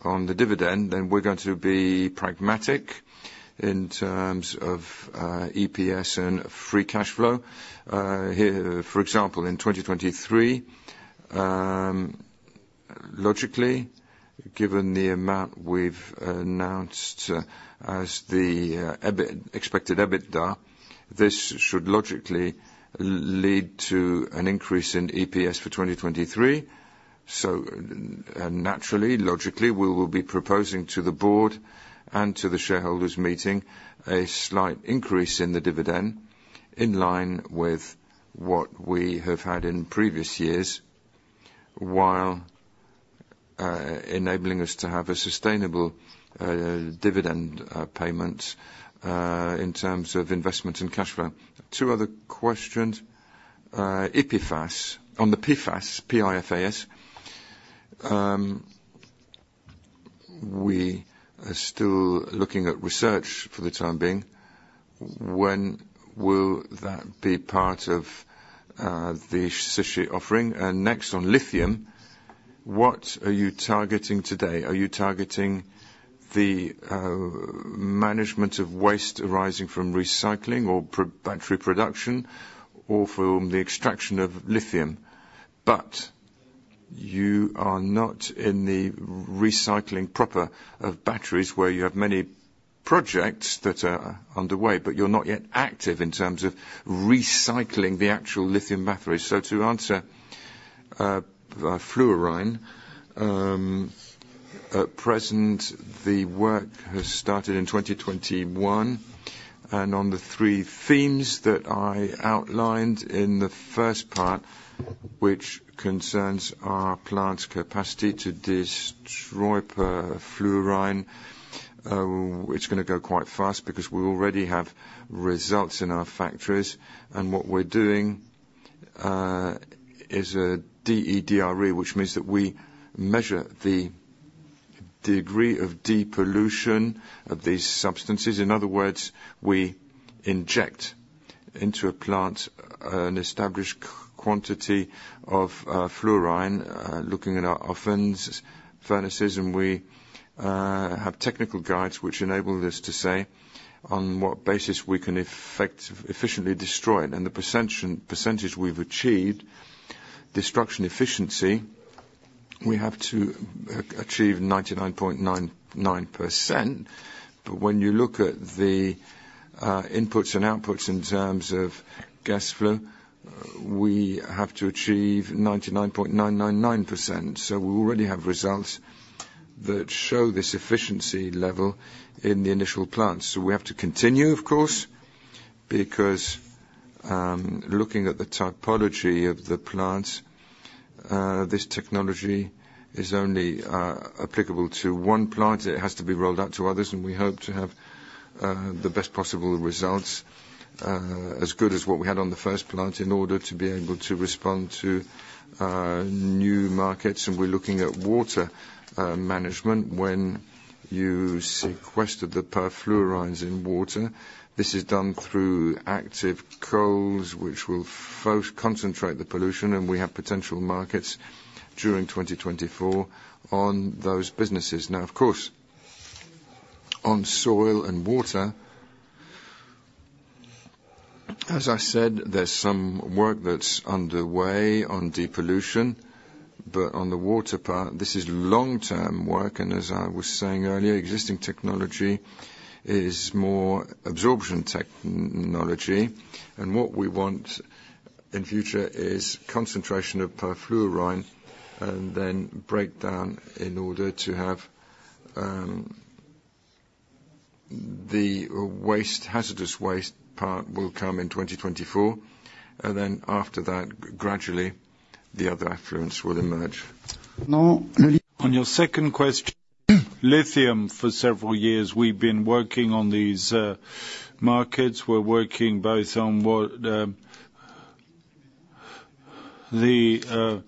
on the dividend, then we're going to be pragmatic in terms of EPS and free cash flow. Here, for example, in 2023, logically, given the amount we've announced as the expected EBITDA, this should logically lead to an increase in EPS for 2023. So, naturally, logically, we will be proposing to the board and to the shareholders meeting a slight increase in the dividend in line with what we have had in previous years, while enabling us to have a sustainable dividend payment in terms of investment and cash flow. Two other questions. PFAS, on the PFAS, P-F-A-S. We are still looking at research for the time being. When will that be part of the Séché offering? And next, on lithium, what are you targeting today? Are you targeting the management of waste arising from recycling or pro-battery production, or from the extraction of lithium? But you are not in the recycling proper of batteries, where you have many projects that are underway, but you're not yet active in terms of recycling the actual lithium batteries. So to answer, fluorine. At present, the work has started in 2021, and on the three themes that I outlined in the first part, which concerns our plant's capacity to destroy perfluorine, it's gonna go quite fast because we already have results in our factories. And what we're doing is a DRE, which means that we measure the degree of depollution of these substances. In other words, we inject into a plant an established quantity of fluorine, looking at our ovens, furnaces, and we have technical guides which enable us to say on what basis we can efficiently destroy it. And the percentage we've achieved, destruction efficiency, we have to achieve 99.99%. But when you look at the inputs and outputs in terms of gas flow, we have to achieve 99.999%. So we already have results that show this efficiency level in the initial plants. So we have to continue, of course, because looking at the typology of the plants, this technology is only applicable to one plant. It has to be rolled out to others, and we hope to have the best possible results as good as what we had on the first plant, in order to be able to respond to new markets. We're looking at water management. When you sequester the perfluorines in water, this is done through active coals, which will concentrate the pollution, and we have potential markets during 2024 on those businesses. Now, of course, on soil and water, as I said, there's some work that's underway on depollution. But on the water part, this is long-term work, and as I was saying earlier, existing technology is more absorption technology. What we want in future is concentration of perfluorine, and then breakdown in order to have... The waste, hazardous waste part will come in 2024, and then after that, gradually, the other effluents will emerge. On your second question, lithium, for several years, we've been working on these, markets. We're working both on what, the,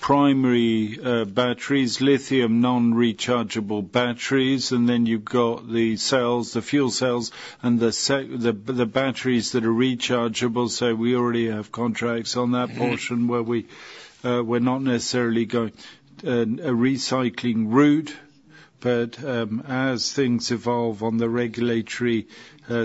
primary, batteries, lithium, non-rechargeable batteries, and then you've got the cells, the fuel cells, and the, the batteries that are rechargeable. So we already have contracts on that portion where we, we're not necessarily going, a recycling route. But, as things evolve on the regulatory,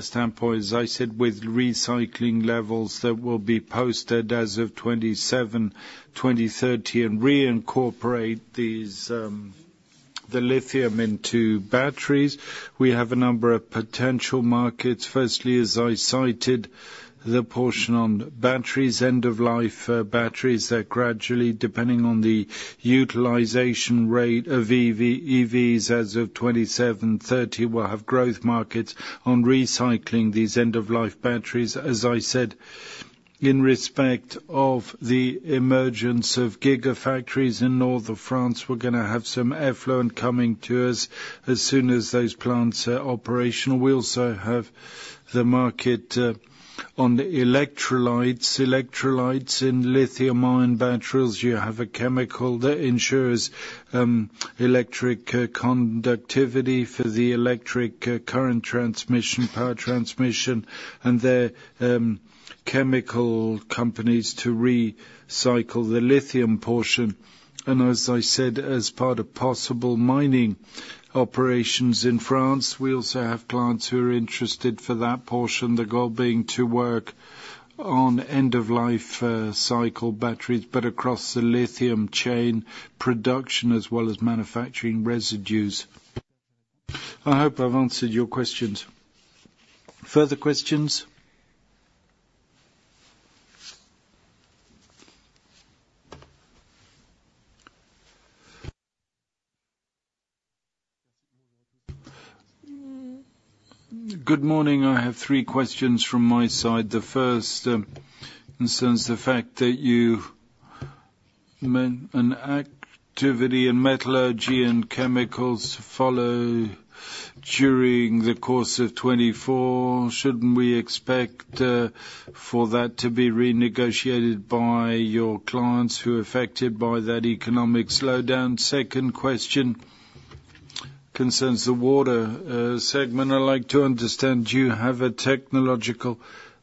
standpoint, as I said, with recycling levels that will be posted as of 2027, 2030, and reincorporate these, the lithium into batteries, we have a number of potential markets. Firstly, as I cited, the portion on batteries, end-of-life batteries, that gradually, depending on the utilization rate of EV, EVs as of 2027, 2030, we'll have growth markets on recycling these end-of-life batteries. As I said in respect of the emergence of gigafactories in north of France, we're gonna have some effluent coming to us as soon as those plants are operational. We also have the market on the electrolytes. Electrolytes in lithium-ion batteries, you have a chemical that ensures electric conductivity for the electric current transmission, power transmission, and the chemical companies to recycle the lithium portion. And as I said, as part of possible mining operations in France, we also have clients who are interested for that portion. The goal being to work on end-of-life cycle batteries, but across the lithium chain production as well as manufacturing residues. I hope I've answered your questions. Further questions? Good morning. I have three questions from my side. The first concerns the fact that you meant an activity in metallurgy and chemicals follow during the course of 2024. Shouldn't we expect for that to be renegotiated by your clients who are affected by that economic slowdown? Second question concerns the water segment. I'd like to understand, do you have a technological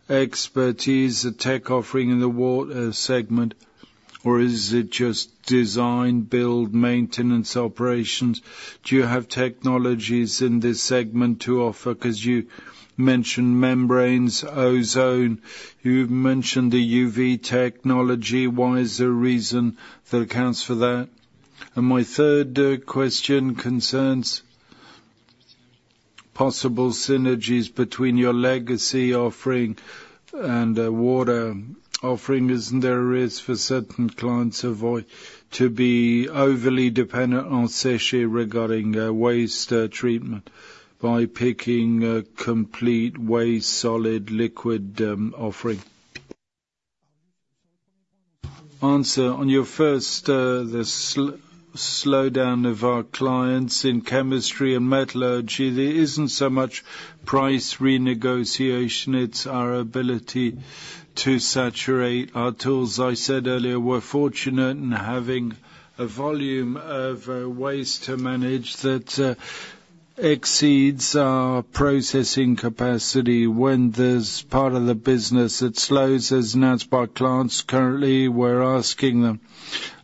expertise, a tech offering in the water segment, or is it just design, build, maintenance, operations? Do you have technologies in this segment to offer? Because you mentioned membranes, ozone, you've mentioned the UV technology. What is the reason that accounts for that? And my third question concerns possible synergies between your legacy offering and a water offering. Isn't there a risk for certain clients to avoid being overly dependent on Séché regarding waste treatment by picking a complete waste, solid, liquid offering? Answer to your first, the slowdown of our clients in chemistry and metallurgy, there isn't so much price renegotiation, it's our ability to saturate our tools. I said earlier, we're fortunate in having a volume of waste to manage that exceeds our processing capacity. When there's part of the business, it slows, as announced by clients. Currently, we're asking them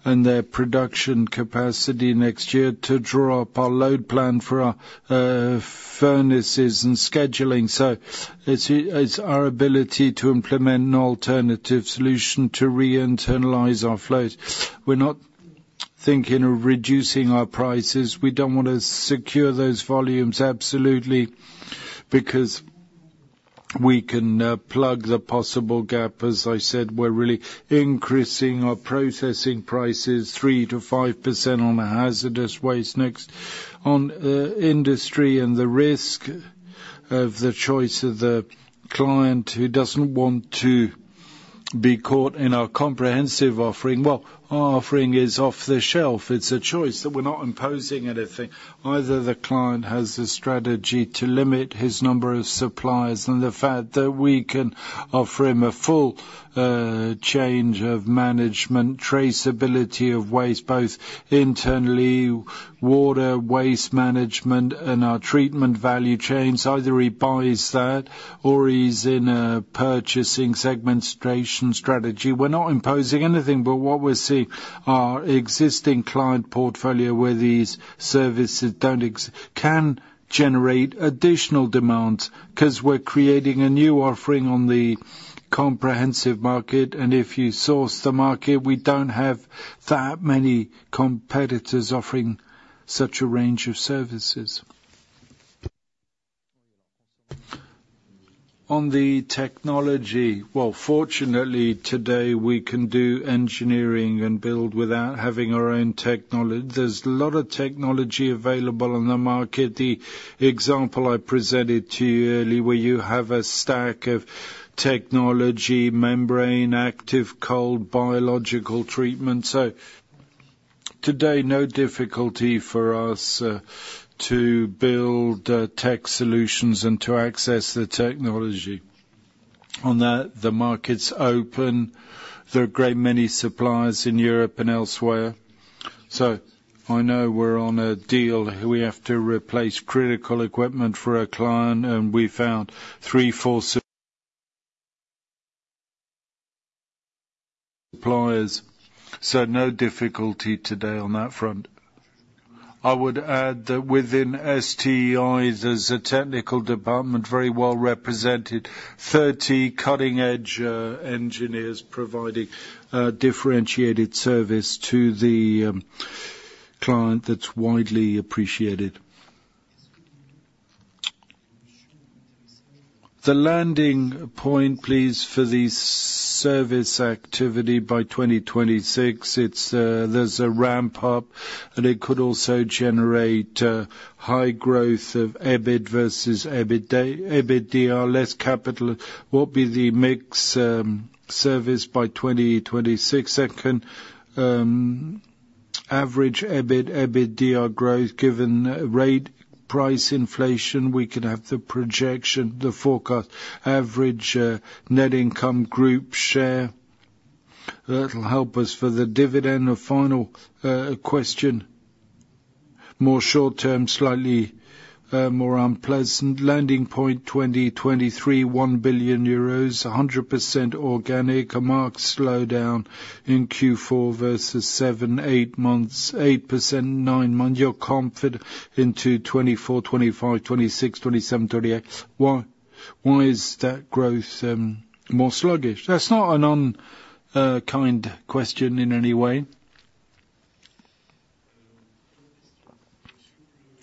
and their production capacity next year to draw up our load plan for our furnaces and scheduling. So it's our ability to implement an alternative solution to re-internalize our flows. We're not thinking of reducing our prices. We don't want to secure those volumes, absolutely, because we can plug the possible gap. As I said, we're really increasing our processing prices 3%-5% on the hazardous waste. Next, on industry and the risk of the choice of the client who doesn't want to be caught in our comprehensive offering. Well, our offering is off the shelf. It's a choice, that we're not imposing anything. Either the client has the strategy to limit his number of suppliers, and the fact that we can offer him a full, change of management, traceability of waste, both internally, water waste management and our treatment value chains. Either he buys that or he's in a purchasing segmentation strategy. We're not imposing anything, but what we're seeing, our existing client portfolio, where these services don't exist, can generate additional demand, 'cause we're creating a new offering on the comprehensive market. If you source the market, we don't have that many competitors offering such a range of services. On the technology, well, fortunately, today, we can do engineering and build without having our own technology. There's a lot of technology available on the market. The example I presented to you earlier, where you have a stack of technology, membrane, active, cold, biological treatment. So today, no difficulty for us to build tech solutions and to access the technology. On that, the market's open. There are a great many suppliers in Europe and elsewhere. So I know we're on a deal, we have to replace critical equipment for a client, and we found three, four suppliers, so no difficulty today on that front. I would add that within STEI, there's a technical department, very well represented, 30 cutting-edge engineers providing a differentiated service to the client that's widely appreciated. The landing point, please, for the service activity by 2026, it's there's a ramp up, and it could also generate high growth of EBIT versus EBITDA, less capital. What be the mix service by 2026? Second average EBIT, EBITDA growth, given rate price inflation, we can have the projection, the forecast average, net income group share. That'll help us for the dividend. The final question, more short term, slightly more unpleasant. Landing point 2023, 1 billion euros, 100% organic. A marked slowdown in Q4 versus seven-eight months, 8%, nine months. You're confident into 2024, 2025, 2026, 2027, 2038. Why, why is that growth more sluggish? That's not an unkind question in any way.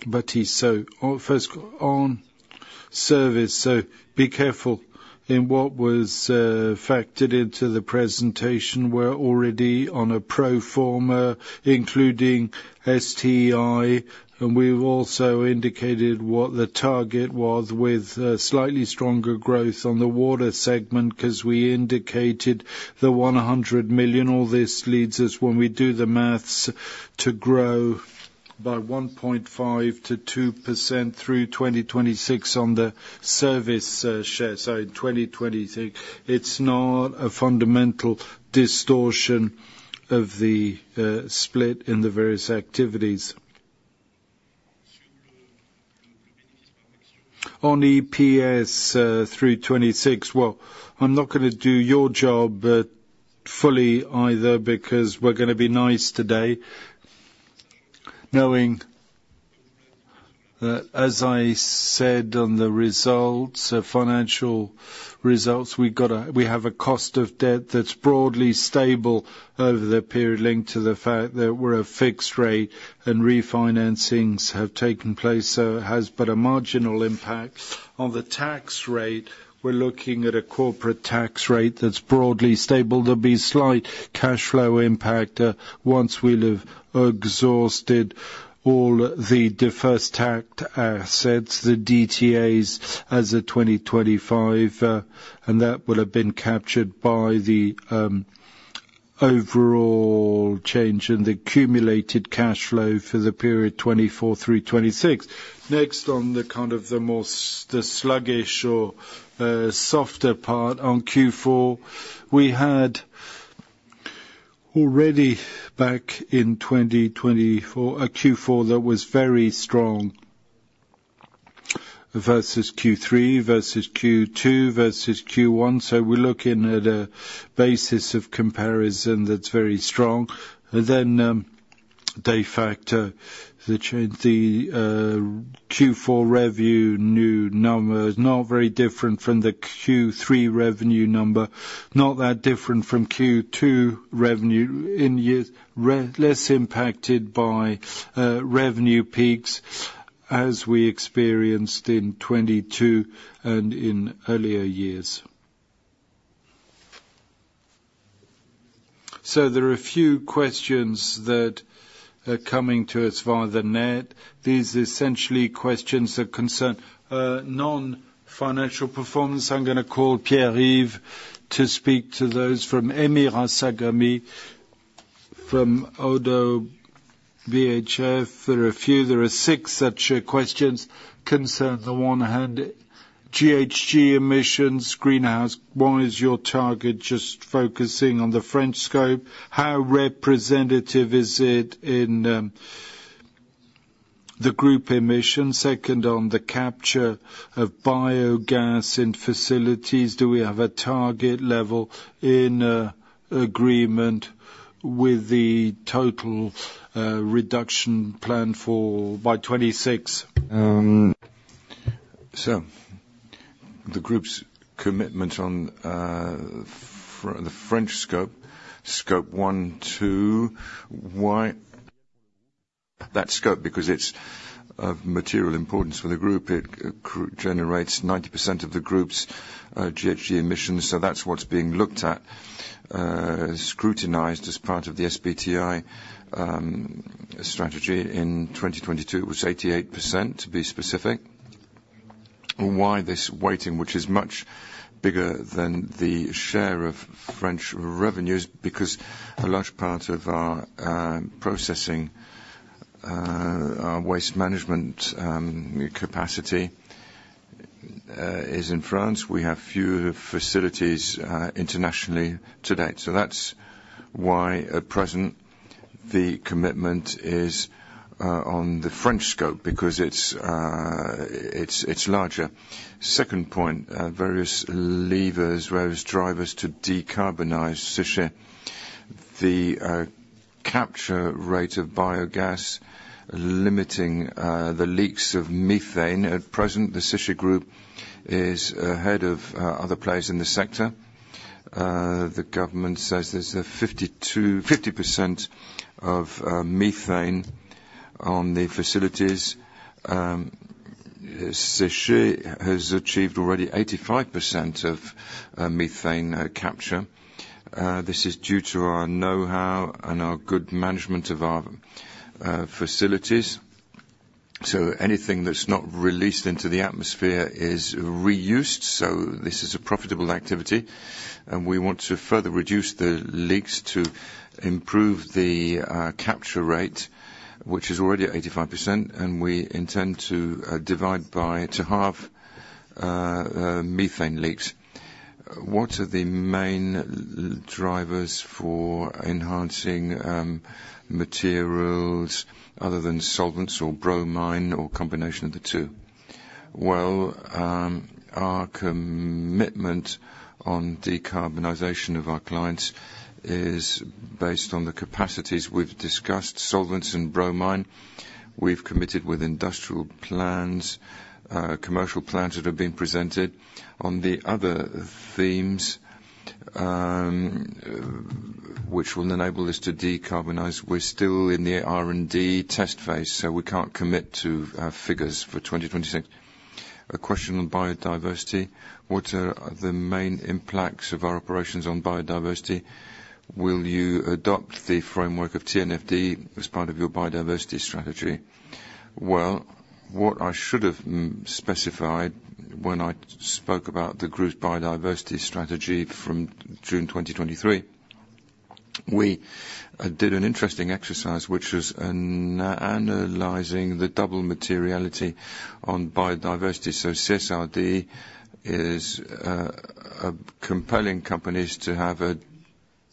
Baptiste, so on first on service, so be careful in what was factored into the presentation. We're already on a pro forma, including STI, and we've also indicated what the target was with a slightly stronger growth on the water segment, 'cause we indicated the 100 million. All this leads us, when we do the math, to grow by 1.5%-2% through 2026 on the service share. So in 2026, it's not a fundamental distortion of the split in the various activities. On EPS through 2026, well, I'm not gonna do your job fully either, because we're gonna be nice today. Knowing that, as I said on the results, financial results, we have a cost of debt that's broadly stable over the period, linked to the fact that we're a fixed rate and refinancings have taken place, so it has but a marginal impact. On the tax rate, we're looking at a corporate tax rate that's broadly stable. There'll be slight cash flow impact once we have exhausted all the deferred tax assets, the DTAs, as of 2025, and that will have been captured by the overall change in the accumulated cash flow for the period 2024 through 2026. Next, on the kind of the more sluggish or softer part on Q4, we had already, back in 2024, a Q4 that was very strong versus Q3, versus Q2, versus Q1, so we're looking at a basis of comparison that's very strong. Then, they factor the Q4 revenue numbers, not very different from the Q3 revenue number, not that different from Q2 revenue in years, less impacted by revenue peaks, as we experienced in 2022 and in earlier years. So there are a few questions that are coming to us via the net. These essentially questions that concern non-financial performance. I'm gonna call Pierre-Yves to speak to those from Amir Asgari from Oddo BHF. There are a few, there are six such questions concern the one hand, GHG emissions, greenhouse. What is your target? Just focusing on the French scope. How representative is it in the group emission? Second, on the capture of biogas in facilities, do we have a target level in agreement with the total reduction plan for by 2026? So the group's commitment on the French scope, scope one, two. Why that scope? Because it's of material importance for the group. It generates 90% of the group's GHG emissions, so that's what's being looked at, scrutinized as part of the SBTI strategy. In 2022, it was 88%, to be specific. Why this weighting, which is much bigger than the share of French revenues? Because a large part of our processing, our waste management capacity is in France. We have few facilities internationally to date. So that's why, at present, the commitment is on the French scope, because it's larger. Second point, various levers, various drivers to decarbonize Séché. The capture rate of biogas, limiting the leaks of methane. At present, the Séché Group is ahead of other players in the sector. The government says there's 52%-50% of methane on the facilities. Séché has achieved already 85% of methane capture. This is due to our know-how and our good management of our facilities. So anything that's not released into the atmosphere is reused, so this is a profitable activity, and we want to further reduce the leaks to improve the capture rate, which is already at 85%, and we intend to divide by to half methane leaks. What are the main drivers for enhancing materials other than solvents or bromine, or combination of the two? Well, our commitment on decarbonization of our clients is based on the capacities we've discussed, solvents and bromine. We've committed with industrial plans, commercial plans that have been presented. On the other themes, which will enable us to decarbonize, we're still in the R&D test phase, so we can't commit to figures for 2026. A question on biodiversity: What are the main impacts of our operations on biodiversity? Will you adopt the framework of TNFD as part of your biodiversity strategy? Well, what I should have specified when I spoke about the group's biodiversity strategy from June 2023, we did an interesting exercise, which was analyzing the double materiality on biodiversity. So CSRD is compelling companies to have a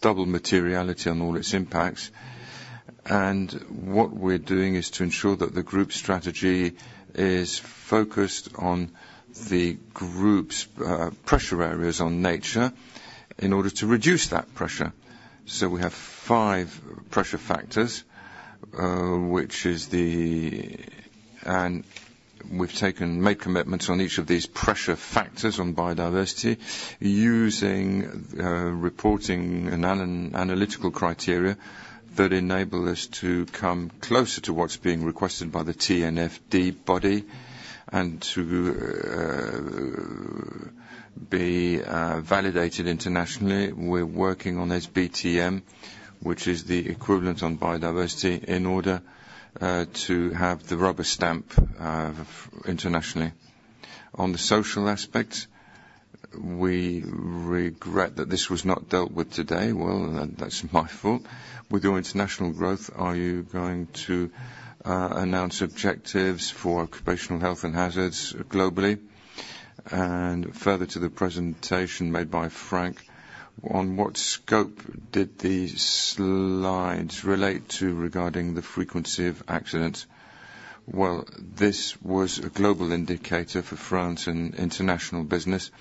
double materiality on all its impacts, and what we're doing is to ensure that the group strategy is focused on the group's pressure areas on nature in order to reduce that pressure. So we have five pressure factors, which is the... And we've made commitments on each of these pressure factors on biodiversity, using reporting and analytical criteria that enable us to come closer to what's being requested by the TNFD body, and to be validated internationally. We're working on this SBTN, which is the equivalent on biodiversity, in order to have the rubber stamp internationally. On the social aspect, we regret that this was not dealt with today. Well, that's my fault. With your international growth, are you going to announce objectives for occupational health and hazards globally? And further to the presentation made by Franck, on what scope did these slides relate to regarding the frequency of accidents? Well, this was a global indicator for France and international business.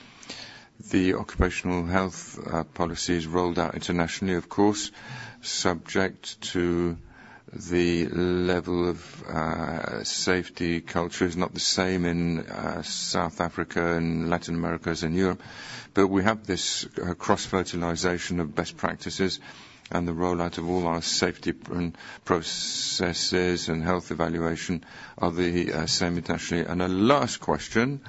The occupational health policies rolled out internationally, of course, subject to the level of safety culture is not the same in South Africa and Latin America as in Europe, but we have this cross-fertilization of best practices, and the rollout of all our safety processes and health evaluation are the same internationally. And a last question: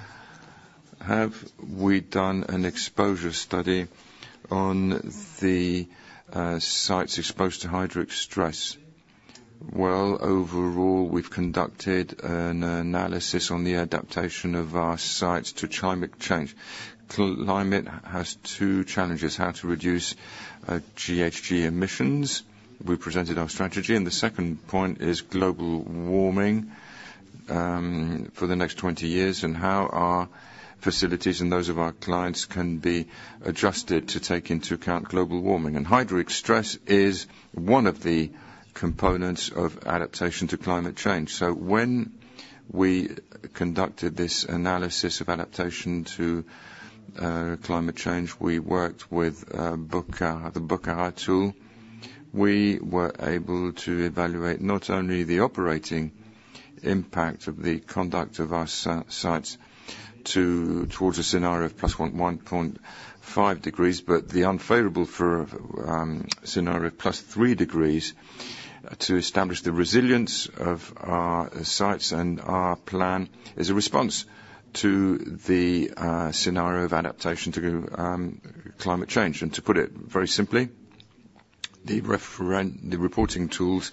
Have we done an exposure study on the sites exposed to hydraulic stress? Well, overall, we've conducted an analysis on the adaptation of our sites to climate change. Climate has two challenges: how to reduce GHG emissions, we presented our strategy, and the second point is global warming for the next 20 years, and how our facilities and those of our clients can be adjusted to take into account global warming. Hydraulic stress is one of the components of adaptation to climate change. So when we conducted this analysis of adaptation to climate change, we worked with Bukara, the Bukara tool. We were able to evaluate not only the operating impact of the conduct of our sites towards a scenario of +1.5 degrees, but the unfavorable scenario, +3 degrees, to establish the resilience of our sites and our plan as a response to the scenario of adaptation to climate change. And to put it very simply, the reporting tools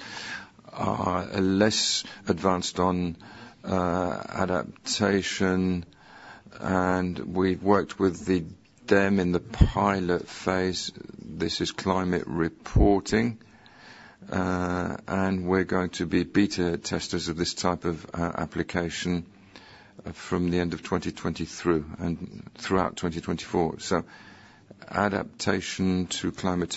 are less advanced on adaptation, and we've worked with them in the pilot phase. This is climate reporting, and we're going to be beta testers of this type of application from the end of 2023 and throughout 2024. So adaptation to climate change-